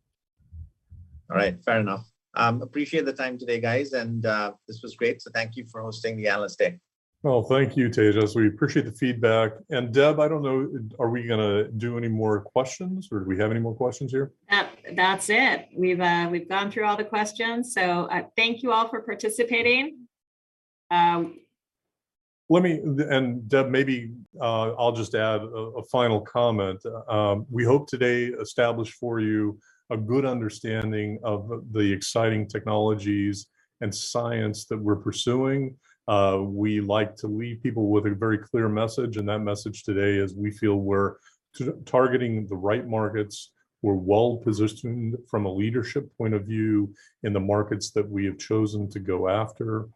All right. Fair enough. Appreciate the time today, guys, and this was great, so thank you for hosting the Analyst Day. Well, thank you, Tejas. We appreciate the feedback. Deb, I don't know, are we gonna do any more questions, or do we have any more questions here? That's it. We've gone through all the questions, so thank you all for participating. Let me and Deb maybe I'll just add a final comment. We hope today established for you a good understanding of the exciting technologies and science that we're pursuing. We like to leave people with a very clear message, and that message today is we feel we're targeting the right markets. We're well-positioned from a leadership point of view in the markets that we have chosen to go after.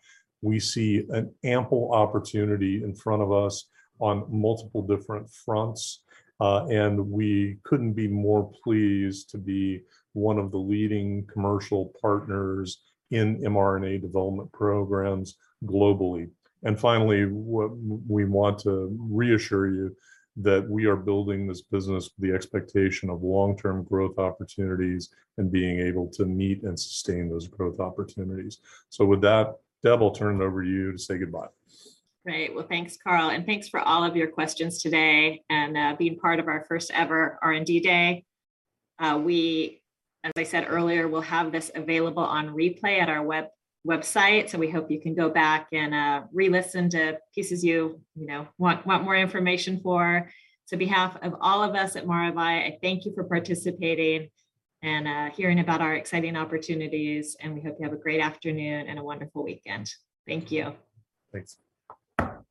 We see an ample opportunity in front of us on multiple different fronts, and we couldn't be more pleased to be one of the leading commercial partners in mRNA development programs globally. And finally, we want to reassure you that we are building this business with the expectation of long-term growth opportunities and being able to meet and sustain those growth opportunities. With that, Deb, I'll turn it over to you to say goodbye. Great. Well, thanks Carl, and thanks for all of your questions today and being part of our first ever R&D day. We, as I said earlier, will have this available on replay at our website, so we hope you can go back and re-listen to pieces you know want more information for. On behalf of all of us at Maravai, I thank you for participating and hearing about our exciting opportunities, and we hope you have a great afternoon and a wonderful weekend. Thank you. Thanks.